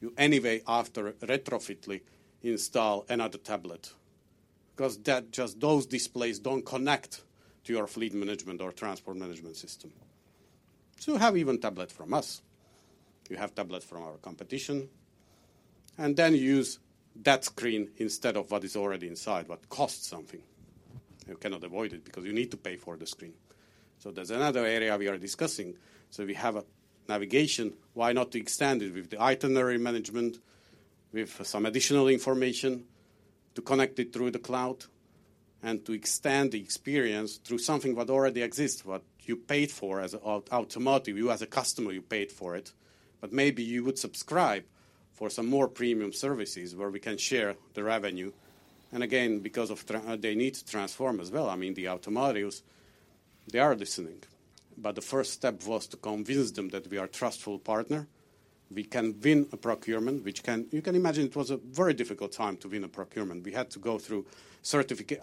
You anyway, after, retrofitly install another tablet, 'cause that just those displays don't connect to your fleet management or transport management system. So you have even tablet from us, you have tablet from our competition, and then you use that screen instead of what is already inside, what costs something. You cannot avoid it, because you need to pay for the screen. There's another area we are discussing. We have navigation, why not extend it with itinerary management, with some additional information to connect it through the cloud, and to extend the experience through something that already exists, what you paid for as automotive. You as a customer, you paid for it, but maybe you would subscribe for some more premium services where we can share the revenue. Again, because they need to transform as well. I mean, the automotives, they are listening. The first step was to convince them that we are a trustful partner. We can win a procurement, which can you can imagine it was a very difficult time to win a procurement. We had to go through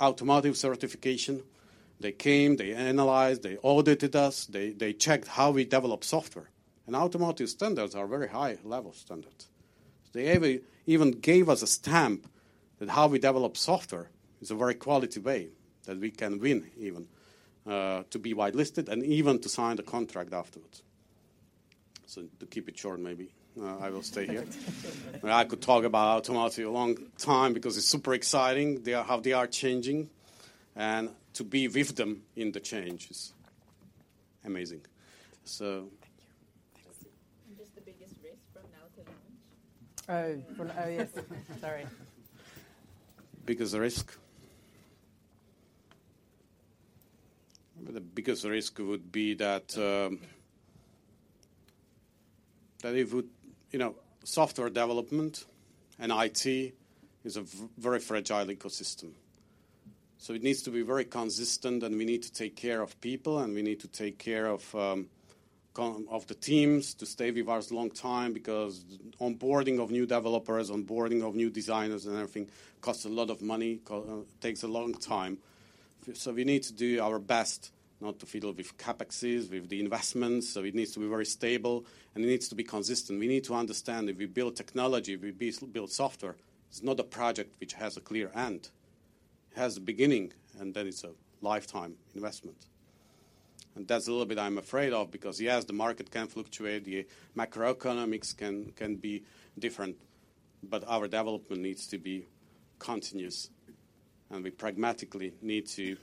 automotive certification. They came, they analyzed, they audited us, they checked how we develop software. Automotive standards are very high level standards. They even, even gave us a stamp that how we develop software is a very quality way that we can win even to be whitelisted, and even to sign the contract afterwards. So to keep it short, maybe, I will stay here. But I could talk about automotive a long time because it's super exciting, they are how they are changing, and to be with them in the change is amazing. So Thank you. Thank you. What's the biggest risk from now till launch? Oh, well, oh, yes. Sorry. Biggest risk? The biggest risk would be that it would, you know, software development and IT is a very fragile ecosystem, so it needs to be very consistent, and we need to take care of people, and we need to take care of of the teams to stay with us a long time, because onboarding of new developers, onboarding of new designers and everything, costs a lot of money, takes a long time. So we need to do our best not to fiddle with CapExes, with the investments. So it needs to be very stable, and it needs to be consistent. We need to understand if we build technology, if we build build software, it's not a project which has a clear end. It has a beginning, and then it's a lifetime investment. That's a little bit I'm afraid of, because, yes, the market can fluctuate, the macroeconomics can be different, but our development needs to be continuous, and we pragmatically need to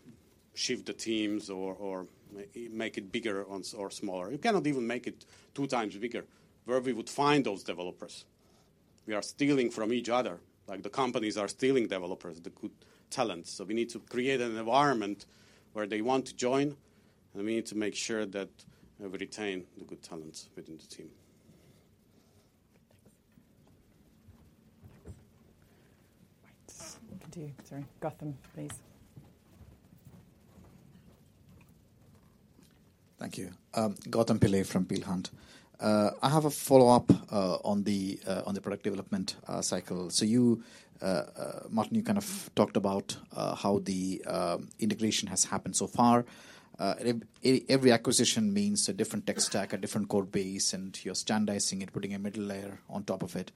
shift the teams or make it bigger or smaller. You cannot even make it 2x bigger. Where would we find those developers? We are stealing from each other, like the companies are stealing developers, the good talents, so we need to create an environment where they want to join, and we need to make sure that we retain the good talents within the team. Right. We'll continue. Sorry. Gautam, please. Thank you. Gautam Pillai from Peel Hunt. I have a follow-up on the product development cycle. So you Martin, you kind of talked about how the integration has happened so far. Every acquisition means a different tech stack, a different code base, and you're standardizing it, putting a middle layer on top of it.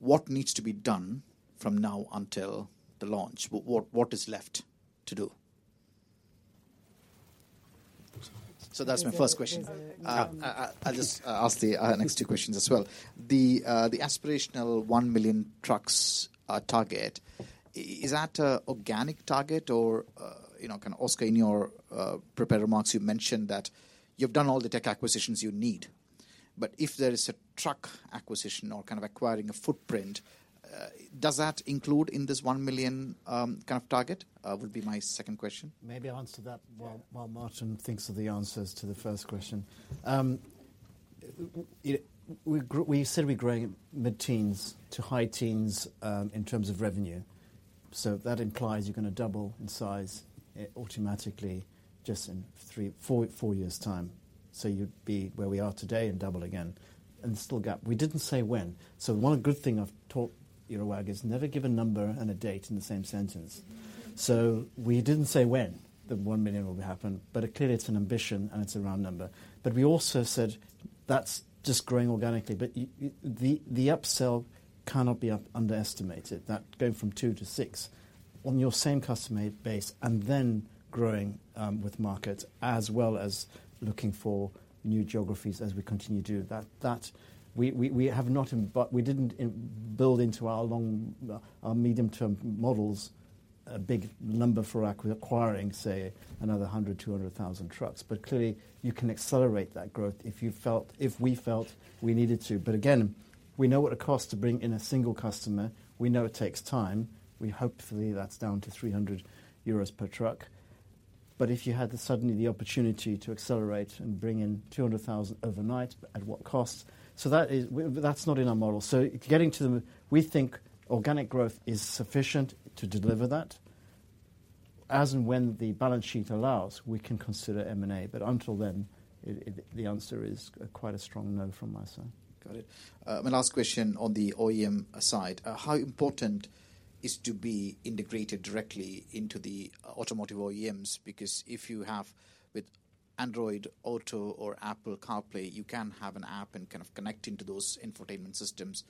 What needs to be done from now until the launch? What is left to do? So that's my first question. I, I'll just ask the next two questions as well. The aspirational 1 million trucks target, is that an organic target or, you know, kind of Oskar, in your prepared remarks, you mentioned that you've done all the tech acquisitions you need. If there is a truck acquisition or kind of acquiring a footprint, does that include in this 1 million target? Would be my second question. Maybe I'll answer that- Yeah while, while Martin thinks of the answers to the first question. We said we're growing mid-teens to high teens in terms of revenue, so that implies you're gonna double in size automatically just in three or four years' time. So you'd be where we are today and double again and still gap. We didn't say when, so one good thing I've taught Eurowag is never give a number and a date in the same sentence. So we didn't say when the one million will happen, but clearly it's an ambition and it's a round number. But we also said that's just growing organically, but the upsell cannot be underestimated. That going from two to six on your same customer base, and then growing with markets, as well as looking for new geographies as we continue to do. That, that we, we, we have not built into our long, our medium-term models, a big number for acquiring, say, another 100,000-200,000 trucks. Clearly, you can accelerate that growth if you felt, if we felt we needed to. Again, we know what it costs to bring in a single customer. We know it takes time. We hopefully that's down to 300 euros per truck. If you had suddenly the opportunity to accelerate and bring in 200,000 overnight, at what cost? That is, that's not in our model. Getting to the-- We think organic growth is sufficient to deliver that. As and when the balance sheet allows, we can consider M&A, but until then, it, it, the answer is quite a strong no from my side. Got it. My last question on the OEM side, how important is to be integrated directly into the automotive OEMs? Because if you have with- Android Auto or Apple CarPlay, you can have an app and kind of connect into those infotainment systems,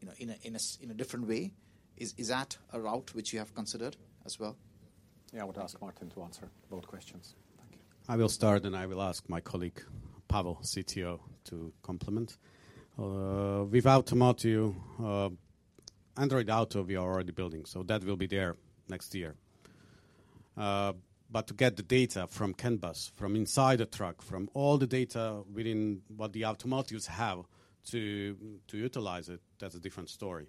you know, in a different way. Is that a route which you have considered as well? Yeah, I would ask Martin to answer both questions. Thank you. I will start, and I will ask my colleague, Pavel, CTO, to complement. With automotive, Android Auto, we are already building, so that will be there next year. To get the data from CAN bus, from inside the truck, from all the data within what the automobiles have to, to utilize it, that's a different story.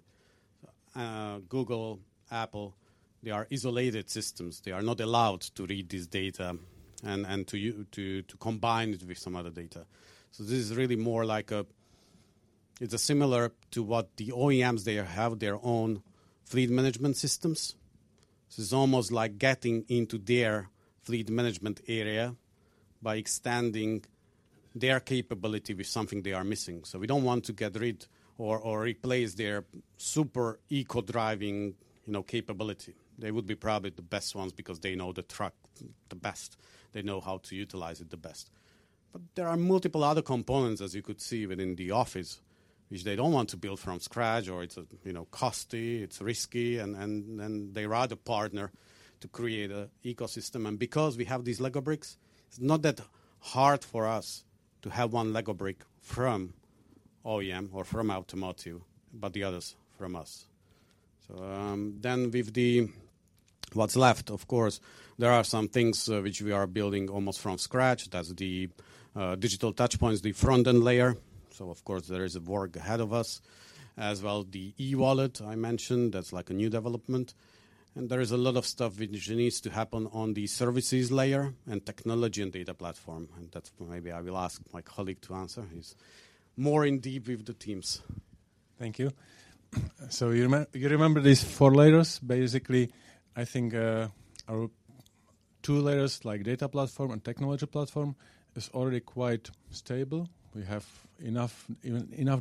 Google, Apple, they are isolated systems. They are not allowed to read this data and, and to use, to, to combine it with some other data. This is really more like a... It's similar to what the OEMs, they have their own fleet management systems. This is almost like getting into their fleet management area by extending their capability with something they are missing. We don't want to get rid or, or replace their super eco-driving, you know, capability. They would be probably the best ones because they know the truck the best. They know how to utilize it the best. There are multiple other components, as you could see within the office, which they don't want to build from scratch, or it's, you know, costly, it's risky, and they rather partner to create an ecosystem. Because we have these Lego bricks, it's not that hard for us to have one Lego brick from OEM or from automotive, but the others from us. With what's left, of course, there are some things which we are building almost from scratch. That's the digital touchpoints, the front-end layer. Of course, there is a work ahead of us, as well the e-wallet I mentioned, that's like a new development. There is a lot of stuff which needs to happen on the services layer and technology and data platform, and that's maybe I will ask my colleague to answer. He's more in deep with the teams. Thank you. So you remember these four layers? Basically, I think, our two layers, like data platform and technology platform, is already quite stable. We have enough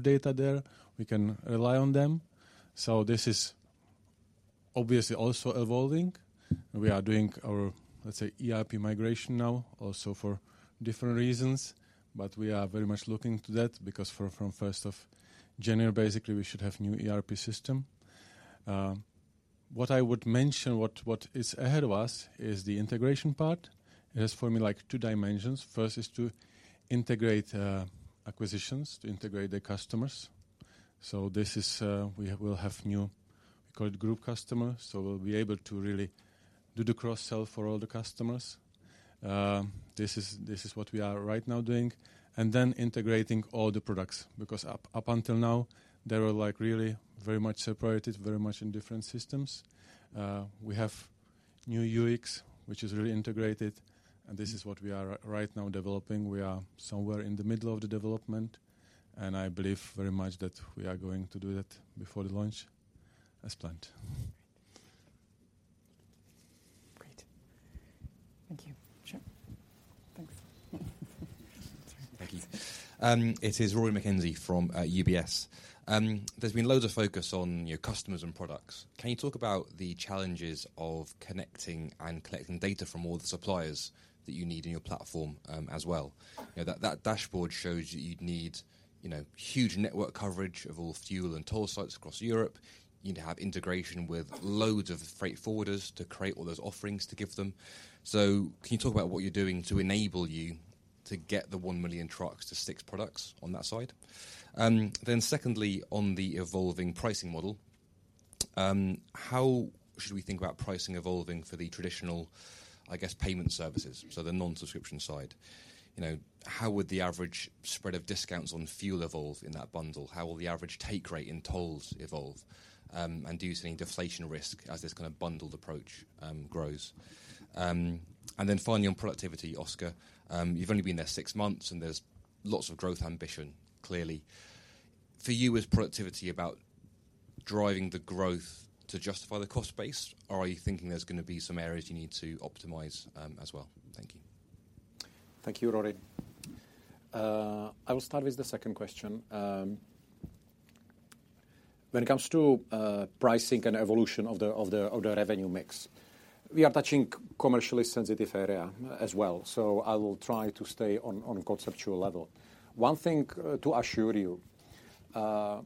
data there. We can rely on them. So this is obviously also evolving. We are doing our, let's say, ERP migration now, also for different reasons. But we are very much looking to that, because from first of January, basically, we should have new ERP system. What I would mention, what is ahead of us is the integration part. It has, for me, like, two dimensions. First is to integrate acquisitions, to integrate the customers. So this is, we'll have new, we call it group customer, so we'll be able to really do the cross-sell for all the customers. This is, this is what we are right now doing. Then integrating all the products, because up until now, they were, like, really very much separated, very much in different systems. We have new UX, which is really integrated, and this is what we are right now developing. We are somewhere in the middle of the development, and I believe very much that we are going to do that before the launch, as planned. Great. Thank you. Sure. Thank you. Thank you. It is Rory Mackenzie from UBS. There's been loads of focus on your customers and products. Can you talk about the challenges of connecting and collecting data from all the suppliers that you need in your platform, as well? You know, that dashboard shows that you'd need huge network coverage of all fuel and toll sites across Europe. You'd have integration with loads of freight forwarders to create all those offerings to give them. So can you talk about what you're doing to enable you to get the 1 million trucks to 6 products on that side? Then secondly, on the evolving pricing model, how should we think about pricing evolving for the traditional, I guess, payment services, so the non-subscription side? You know, how would the average spread of discounts on fuel evolve in that bundle? How will the average take rate in tolls evolve? And do you see any deflation risk as this kind of bundled approach grows? And then finally, on productivity, Oskar, you've only been there six months, and there's lots of growth ambition, clearly. For you, is productivity about driving the growth to justify the cost base, or are you thinking there's gonna be some areas you need to optimize as well? Thank you. Thank you, Rory. I will start with the second question. When it comes to pricing and evolution of the revenue mix, we are touching commercially sensitive area as well, so I will try to stay on a conceptual level. One thing to assure you, the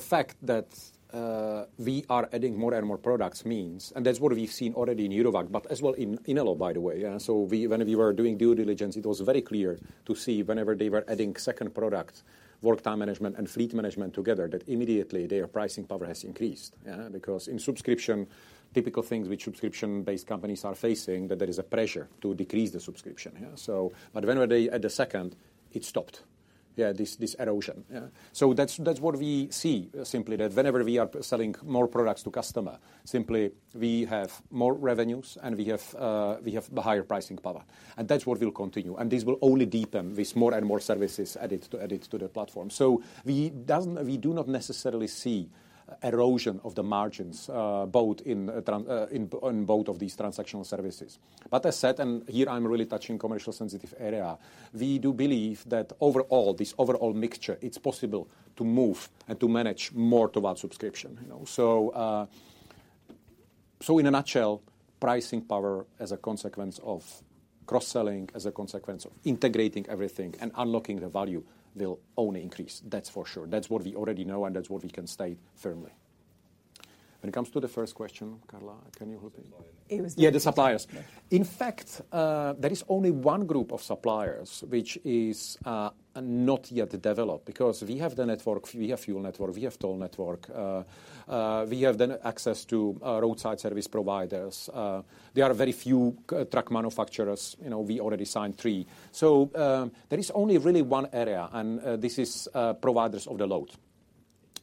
fact that we are adding more and more products means, and that's what we've seen already in Eurowag, but as well in Inelo, by the way, yeah? So whenever we were doing due diligence, it was very clear to see whenever they were adding second product, work time management and fleet management together, that immediately their pricing power has increased, yeah? Because in subscription, typical things which subscription-based companies are facing, that there is a pressure to decrease the subscription, yeah? So, but whenever they add the second, it stopped, yeah, this erosion. Yeah. So that's, that's what we see, simply, that whenever we are selling more products to customer, simply, we have more revenues, and we have the higher pricing power, and that's what will continue. And this will only deepen with more and more services added to, added to the platform. So we do not necessarily see erosion of the margins, both in, on both of these transactional services. But as said, and here I'm really touching commercial sensitive area, we do believe that overall, this overall mixture, it's possible to move and to manage more toward subscription, you know? So in a nutshell, pricing power as a consequence of cross-selling, as a consequence of integrating everything and unlocking the value, will only increase. That's for sure. That's what we already know, and that's what we can state firmly. When it comes to the first question, Carla, can you repeat? It was- Yeah, the suppliers. In fact, there is only one group of suppliers which is not yet developed, because we have the network, we have fuel network, we have toll network, we have the access to roadside service providers. There are very few truck manufacturers, you know, we already signed three. So, there is only really one area, and this is providers of the load.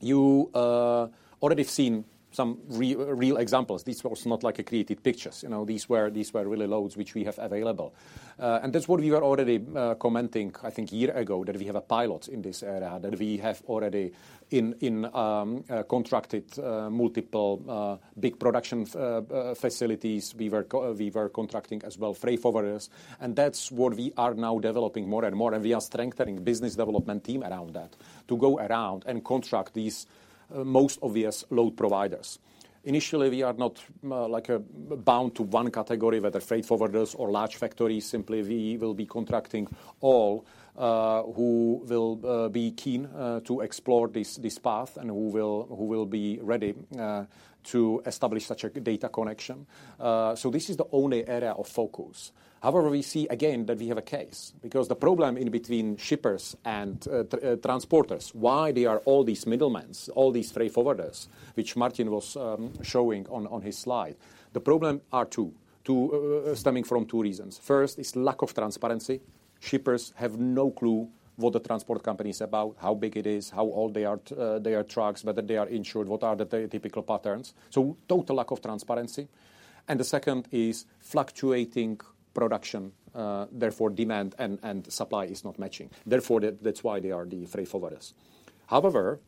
You already seen some real examples. This was not like a created pictures, you know, these were real loads which we have available. And that's what we were already commenting, I think, a year ago, that we have a pilot in this area, that we have already contracted multiple big production facilities. We were contracting as well, freight forwarders, and that's what we are now developing more and more, and we are strengthening business development team around that, to go around and contract these, most obvious load providers. Initially, we are not, like, bound to one category, whether freight forwarders or large factories. Simply, we will be contracting all who will be keen to explore this, this path, and who will be ready to establish such a data connection. This is the only area of focus. However, we see again that we have a case, because the problem in between shippers and, transporters, why there are all these middlemen, all these freight forwarders, which Martin was showing on his slide. The problem are two, two-- stemming from two reasons. First is lack of transparency. Shippers have no clue what the transport company is about, how big it is, how old they are, their trucks, whether they are insured, what are the typical patterns. So total lack of transparency. And the second is fluctuating production, therefore, demand and supply is not matching. Therefore, that's why there are the freight forwarders. However,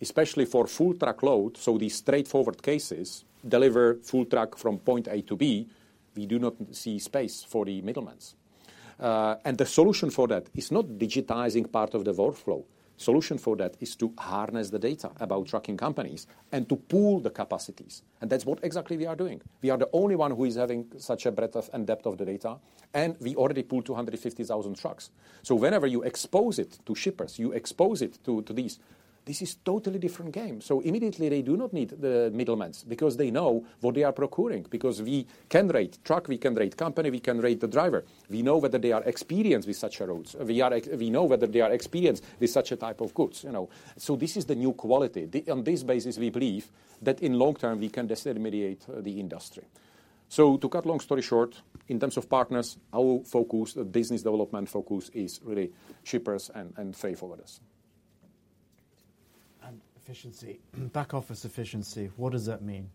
especially for full truckload, so these straightforward cases, deliver full truck from point A to B, we do not see space for the middlemen. And the solution for that is not digitizing part of the workflow. Solution for that is to harness the data about trucking companies and to pool the capacities, and that's what exactly we are doing. We are the only one who is having such a breadth of, and depth of the data, and we already pooled 250,000 trucks. Whenever you expose it to shippers, you expose it to these; this is a totally different game. Immediately, they do not need the middlemen, because they know what they are procuring, because we can rate truck, we can rate company, we can rate the driver. We know whether they are experienced with such routes. We know whether they are experienced with such a type of goods, you know. This is the new quality. On this basis, we believe that in long term, we can disintermediate the industry. To cut long story short, in terms of partners, our focus, business development focus, is really shippers and freight forwarders. Efficiency. Back office efficiency, what does that mean?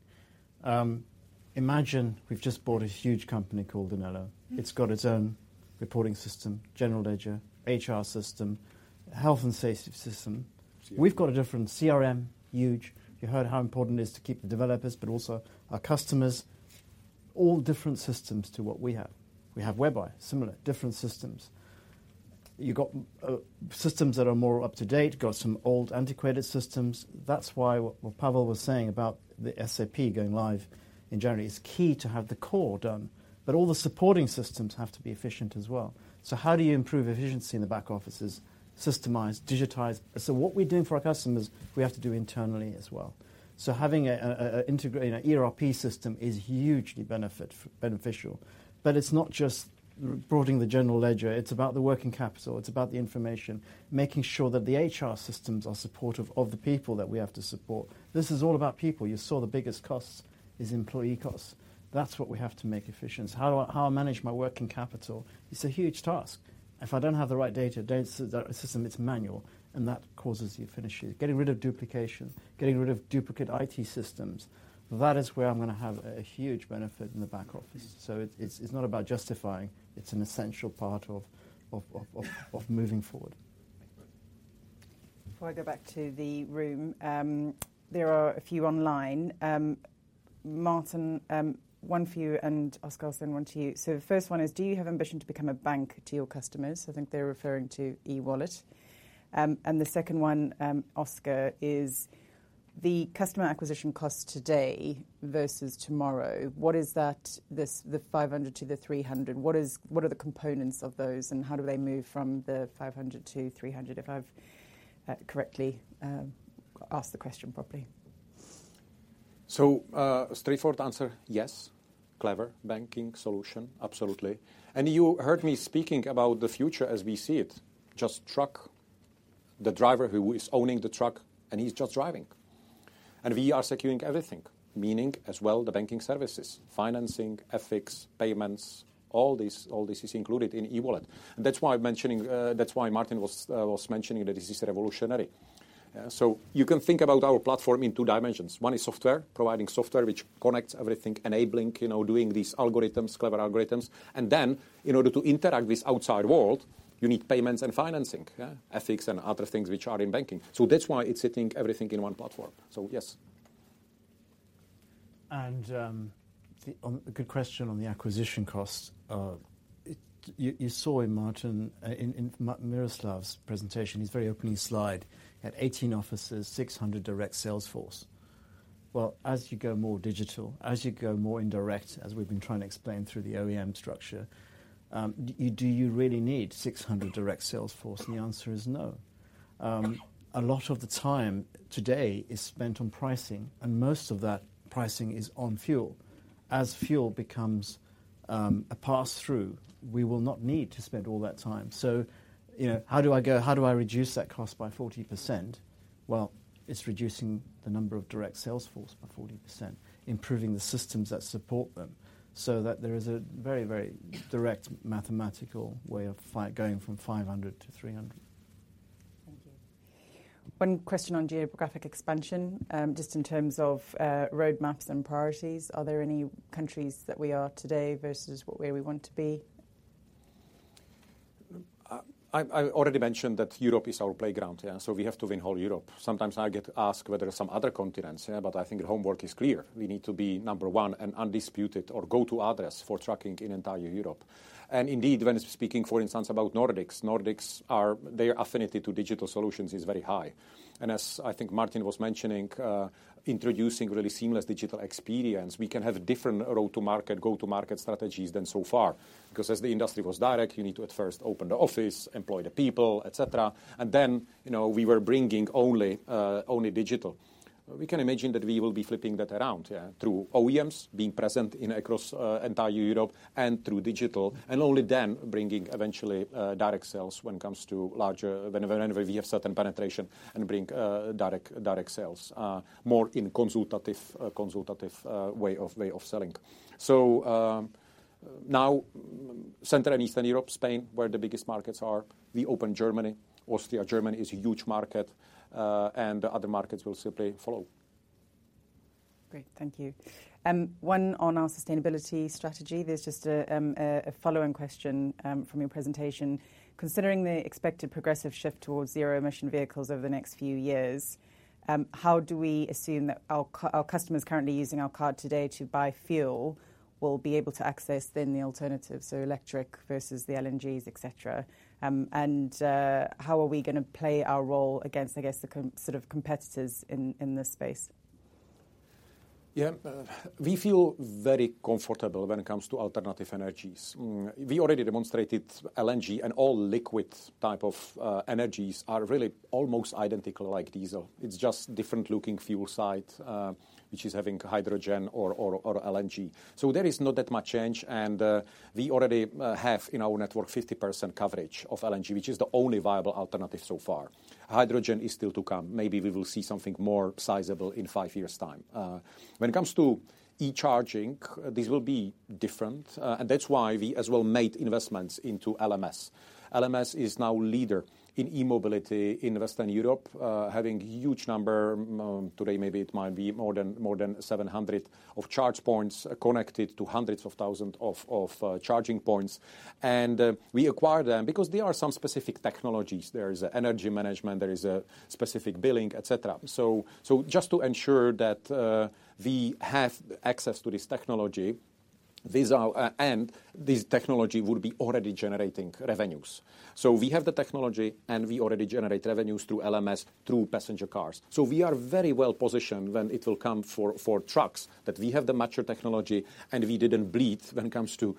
Imagine we've just bought a huge company called Inelo. It's got its own reporting system, general ledger, HR system, health and safety system. We've got a different CRM, huge. You heard how important it is to keep the developers, but also our customers. All different systems to what we have. We have WebEye, similar, different systems. You got, systems that are more up to date, got some old, antiquated systems. That's why, what Pavel was saying about the SAP going live in January, is key to have the core done, but all the supporting systems have to be efficient as well. So how do you improve efficiency in the back offices? Systemize, digitize. So what we're doing for our customers, we have to do internally as well. So having an integrated ERP system is hugely beneficial. But it's not just broadening the general ledger, it's about the working capital, it's about the information, making sure that the HR systems are supportive of the people that we have to support. This is all about people. You saw the biggest cost is employee costs. That's what we have to make efficient. How do I manage my working capital? It's a huge task. If I don't have the right data, the system, it's manual, and that causes you fines. Getting rid of duplication, getting rid of duplicate IT systems, that is where I'm gonna have a huge benefit in the back office. So it's not about justifying, it's an essential part of moving forward. Before I go back to the room, there are a few online. Martin, one for you, and Oskar, I'll send one to you. So the first one is: Do you have ambition to become a bank to your customers? I think they're referring to e-wallet. And the second one, Oskar, is: The customer acquisition cost today versus tomorrow, what is that, this, the 500 to the 300, what is - what are the components of those, and how do they move from the 500 to 300? If I've correctly asked the question properly. So, straightforward answer, yes. Clever banking solution, absolutely. And you heard me speaking about the future as we see it, just truck, the driver who is owning the truck, and he's just driving. And we are securing everything, meaning as well, the banking services, financing, ethics, payments, all this, all this is included in e-wallet. And that's why mentioning, that's why Martin was mentioning that this is revolutionary. So you can think about our platform in two dimensions. One is software, providing software which connects everything, enabling, you know, doing these algorithms, clever algorithms. And then, in order to interact with outside world, you need payments and financing, yeah, ethics and other things which are in banking. So that's why it's sitting everything in one platform. So, yes. A good question on the acquisition costs. You saw in Martin Vohánka's presentation, his very opening slide, at 18 offices, 600 direct sales force. Well, as you go more digital, as you go more indirect, as we've been trying to explain through the OEM structure, do you really need 600 direct sales force? And the answer is no. A lot of the time today is spent on pricing, and most of that pricing is on fuel. As fuel becomes a pass-through, we will not need to spend all that time. You know, how do I reduce that cost by 40%?Well, it's reducing the number of direct sales force by 40%, improving the systems that support them, so that there is a very, very direct mathematical way of going from 500 to 300. Thank you. One question on geographic expansion, just in terms of roadmaps and priorities, are there any countries that we are today versus where we want to be? I already mentioned that Europe is our playground, yeah, so we have to win whole Europe. Sometimes I get asked whether there are some other continents, yeah, but I think the homework is clear. We need to be number one and undisputed or go-to address for trucking in entire Europe. And indeed, when speaking, for instance, about Nordics, Nordics are. Their affinity to digital solutions is very high. And as I think Martin was mentioning, introducing really seamless digital experience, we can have a different road to market, go-to-market strategies than so far. Because as the industry was direct, you need to at first open the office, employ the people, et cetera. And then, you know, we were bringing only, only digital. We can imagine that we will be flipping that around, yeah, through OEMs being present in across entire Europe and through digital, and only then bringing eventually direct sales when it comes to larger... Whenever, whenever we have certain penetration and bring direct, direct sales more in consultative, consultative way of, way of selling. So, now, Central and Eastern Europe, Spain, where the biggest markets are, we open Germany. Austria, Germany is a huge market, and the other markets will simply follow. Great. Thank you. One on our sustainability strategy. There's just a follow-on question from your presentation. Considering the expected progressive shift towards zero emission vehicles over the next few years, how do we assume that our customers currently using our card today to buy fuel will be able to access then the alternative, so electric versus the LNGs, et cetera? And how are we gonna play our role against, I guess, the competitors in this space? Yeah. We feel very comfortable when it comes to alternative energies. We already demonstrated LNG and all liquid type of energies are really almost identical like diesel. It's just different looking fuel site, which is having hydrogen or LNG. So there is not that much change, and we already have in our network 50% coverage of LNG, which is the only viable alternative so far. Hydrogen is still to come. Maybe we will see something more sizable in five years' time. When it comes to e-charging, this will be different, and that's why we as well made investments into LMS. LMS is now leader in e-mobility in Western Europe, having huge number, today, maybe it might be more than, more than 700 of charge points connected to hundreds of thousands of charging points. We acquired them because there are some specific technologies. There is energy management, there is a specific billing, et cetera. Just to ensure that we have access to this technology, these are... And this technology would be already generating revenues. We have the technology, and we already generate revenues through LMS, through passenger cars. We are very well positioned when it will come for trucks, that we have the mature technology, and we didn't bleed when it comes to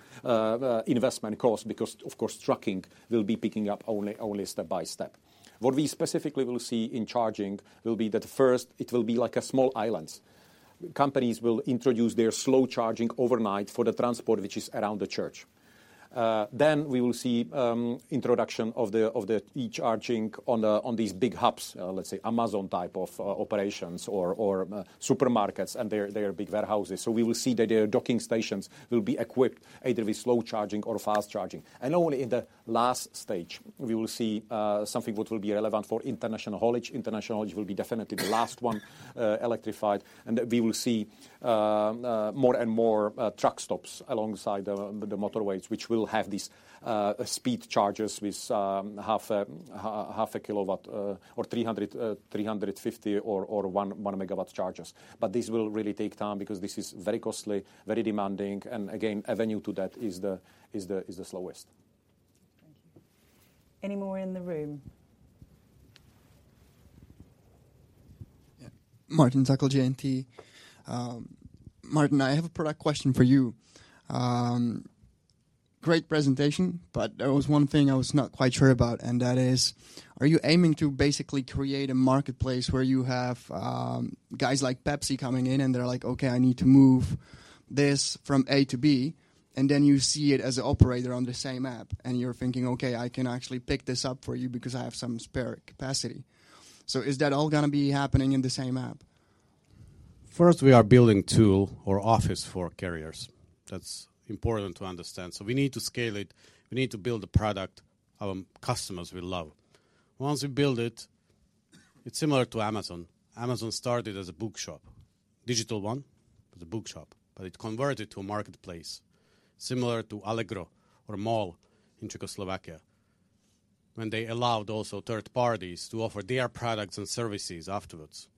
investment costs, because, of course, trucking will be picking up only step by step. What we specifically will see in charging will be that first, it will be like small islands. Companies will introduce their slow charging overnight for the transport which is around the church. We will see introduction of the e-charging on these big hubs, let's say, Amazon type of operations or supermarkets and their big warehouses. We will see that their docking stations will be equipped either with slow charging or fast charging. Only in the last stage, we will see something what will be relevant for international haulage. International haulage will be definitely the last one electrified, and we will see more and more truck stops alongside the motorways, which will have these speed chargers with half a kilowatt, or 300, 350, or 1 megawatt chargers. This will really take time because this is very costly, very demanding, and again, avenue to that is the slowest. Thank you. Any more in the room? Yeah. Martin Kujal, J&T. Martin, I have a product question for you. Great presentation, but there was one thing I was not quite sure about, and that is: are you aiming to basically create a marketplace where you have, guys like Pepsi coming in and they're like, "Okay, I need to move this from A to B," and then you see it as an operator on the same app, and you're thinking, "Okay, I can actually pick this up for you because I have some spare capacity?" So is that all gonna be happening in the same app? First, we are building Eurowag Office for carriers. That's important to understand. So we need to scale it. We need to build a product our customers will love. Once we build it, it's similar to Amazon. Amazon started as a bookshop, digital one, but a bookshop, but it converted to a marketplace similar to Allegro or Mall in Czechoslovakia, when they allowed also third parties to offer their products and services afterwards,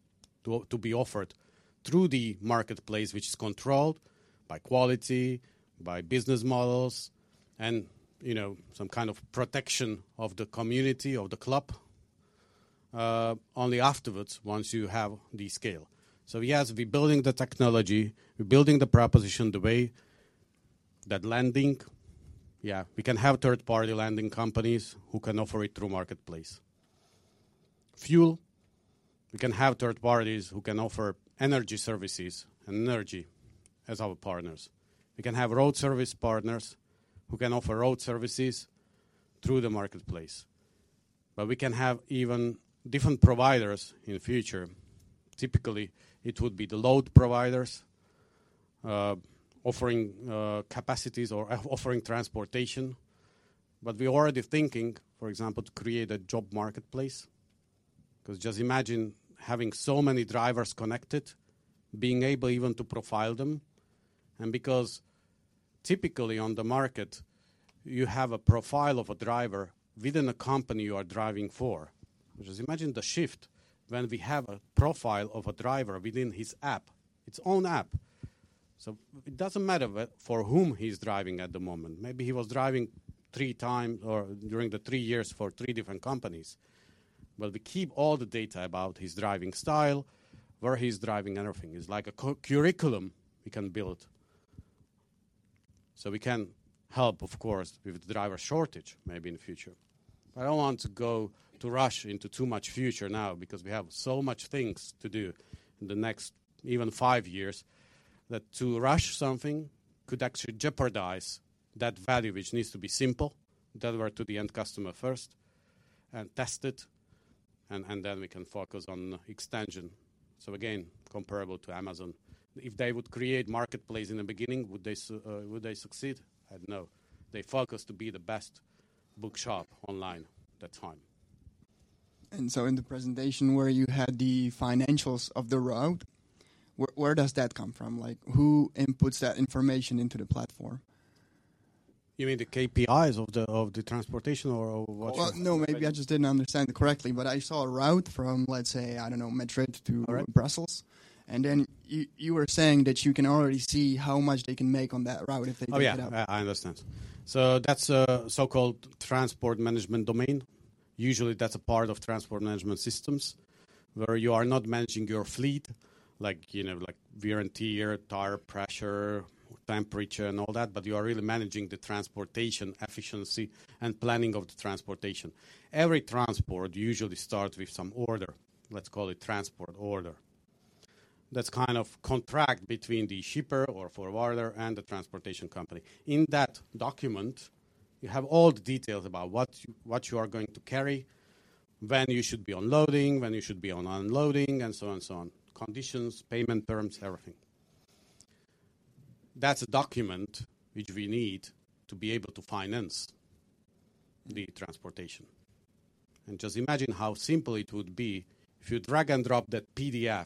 to, to be offered through the marketplace, which is controlled by quality, by business models, and, you know, some kind of protection of the community, of the club, only afterwards, once you have the scale. So yes, we're building the technology, we're building the proposition the way that landing. Yeah, we can have third-party landing companies who can offer it through marketplace. Fuel, we can have third parties who can offer energy services and energy as our partners. We can have road service partners who can offer road services through the marketplace, but we can have even different providers in the future. Typically, it would be the load providers offering capacities or offering transportation, but we're already thinking, for example, to create a job marketplace. 'Cause just imagine having so many drivers connected, being able even to profile them, and because typically on the market, you have a profile of a driver within a company you are driving for. Just imagine the shift when we have a profile of a driver within his app, his own app. So it doesn't matter for whom he's driving at the moment. Maybe he was driving 3x or during the three years for three different companies, but we keep all the data about his driving style, where he's driving, everything. It's like a curriculum we can build. So we can help, of course, with the driver shortage, maybe in the future. I don't want to go to rush into too much future now, because we have so much things to do in the next even five years, that to rush something could actually jeopardize that value, which needs to be simple, deliver to the end customer first and test it, and then we can focus on extension. So again, comparable to Amazon. If they would create marketplace in the beginning, would they succeed? Hell, no. They focused to be the best bookshop online at that time. And so in the presentation where you had the financials of the route, where, where does that come from? Like, who inputs that information into the platform? You mean the KPIs of the, of the transportation or of what? Well, no, maybe I just didn't understand correctly, but I saw a route from, let's say, I don't know, Madrid to- All right Brussels, and then you were saying that you can already see how much they can make on that route if they take it up. Oh, yeah, I, I understand. So that's a so-called transport management domain. Usually, that's a part of transport management systems, where you are not managing your fleet, like, you know, like wear and tear, tire pressure, temperature, and all that, but you are really managing the transportation efficiency and planning of the transportation. Every transport usually starts with some order, let's call it transport order. That's kind of contract between the shipper or forwarder and the transportation company. In that document, you have all the details about what you, what you are going to carry, when you should be unloading, when you should be on unloading, and so on and so on. Conditions, payment terms, everything. That's a document which we need to be able to finance the transportation. Just imagine how simple it would be if you drag and drop that PDF,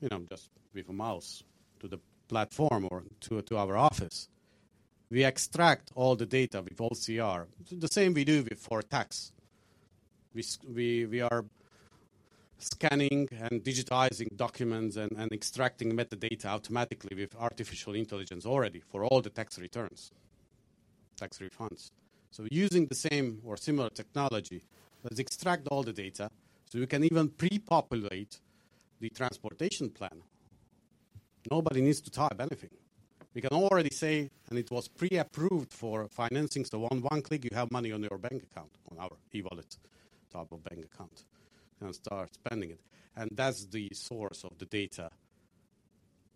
you know, just with a mouse to the platform or to our office. We extract all the data with OCR. The same we do for tax. We are scanning and digitizing documents and extracting metadata automatically with artificial intelligence already for all the tax returns, tax refunds. Using the same or similar technology, let's extract all the data, so we can even pre-populate the transportation plan. Nobody needs to type anything. We can already say... It was pre-approved for financing, so one click, you have money on your bank account, on our e-wallet type of bank account, and start spending it. That's the source of the data.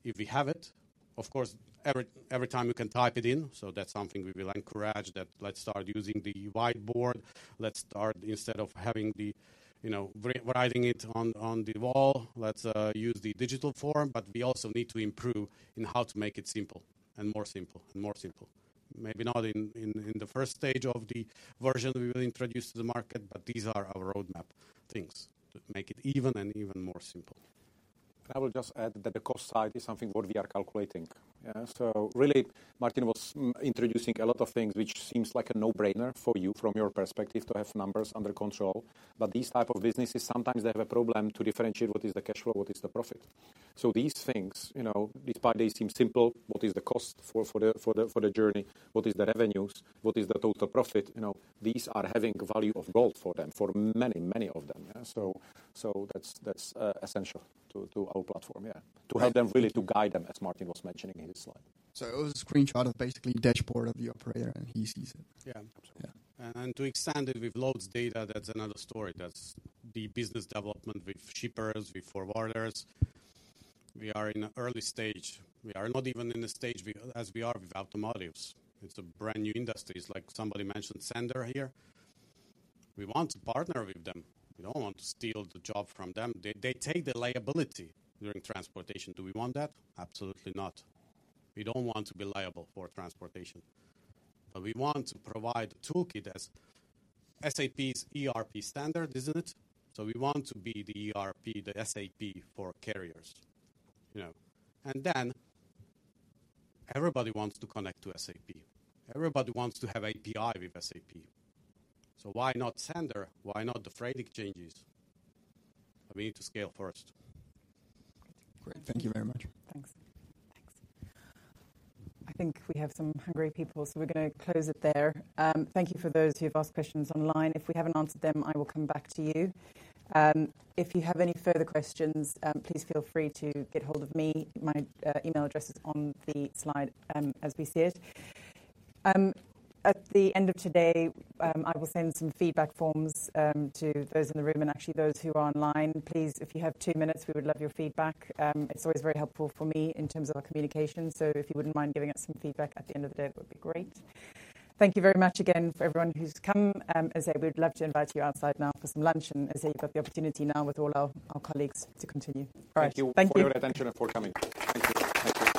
If we have it, of course, every time you can type it in, so that's something we will encourage. That let's start using the whiteboard. Let's start instead of having the, you know, writing it on the wall, let's use the digital form. But we also need to improve in how to make it simple, and more simple, and more simple. Maybe not in the first stage of the version we will introduce to the market, but these are our roadmap things to make it even and even more simple. I will just add that the cost side is something what we are calculating. Yeah, so really, Martin was introducing a lot of things, which seems like a no-brainer for you from your perspective, to have numbers under control. But these type of businesses, sometimes they have a problem to differentiate what is the cash flow, what is the profit. So these things, you know, it probably seems simple, what is the cost for the journey? What is the revenues? What is the total profit? You know, these are having value of gold for them, for many, many of them. So that's essential to our platform, yeah. Right. To help them, really, to guide them, as Martin was mentioning in his slide. It was a screenshot of basically dashboard of the operator, and he sees it? Yeah. Absolutely. Yeah. And to extend it with loads data, that's another story. That's the business development with shippers, with forwarders. We are in early stage. We are not even in a stage be as we are with automotives. It's a brand-new industry. It's like somebody mentioned sennder here. We want to partner with them. We don't want to steal the job from them. They, they take the liability during transportation. Do we want that? Absolutely not. We don't want to be liable for transportation, but we want to provide a toolkit as SAP's ERP standard, isn't it? So we want to be the ERP, the SAP for carriers, you know. And then, everybody wants to connect to SAP. Everybody wants to have API with SAP. So why not sennder? Why not the Freight Exchanges? But we need to scale first. Great. Thank you very much. Thanks. Thanks. I think we have some hungry people, so we're gonna close it there. Thank you for those who've asked questions online. If we haven't answered them, I will come back to you. If you have any further questions, please feel free to get hold of me. My email address is on the slide, as we see it. At the end of today, I will send some feedback forms to those in the room, and actually, those who are online. Please, if you have two minutes, we would love your feedback. It's always very helpful for me in terms of our communication, so if you wouldn't mind giving us some feedback at the end of the day, it would be great. Thank you very much again for everyone who's come, as I would love to invite you outside now for some lunch, and as you've got the opportunity now with all our colleagues to continue. All right. Thank you- Thank you for your attention and for coming. Thank you. Thank you.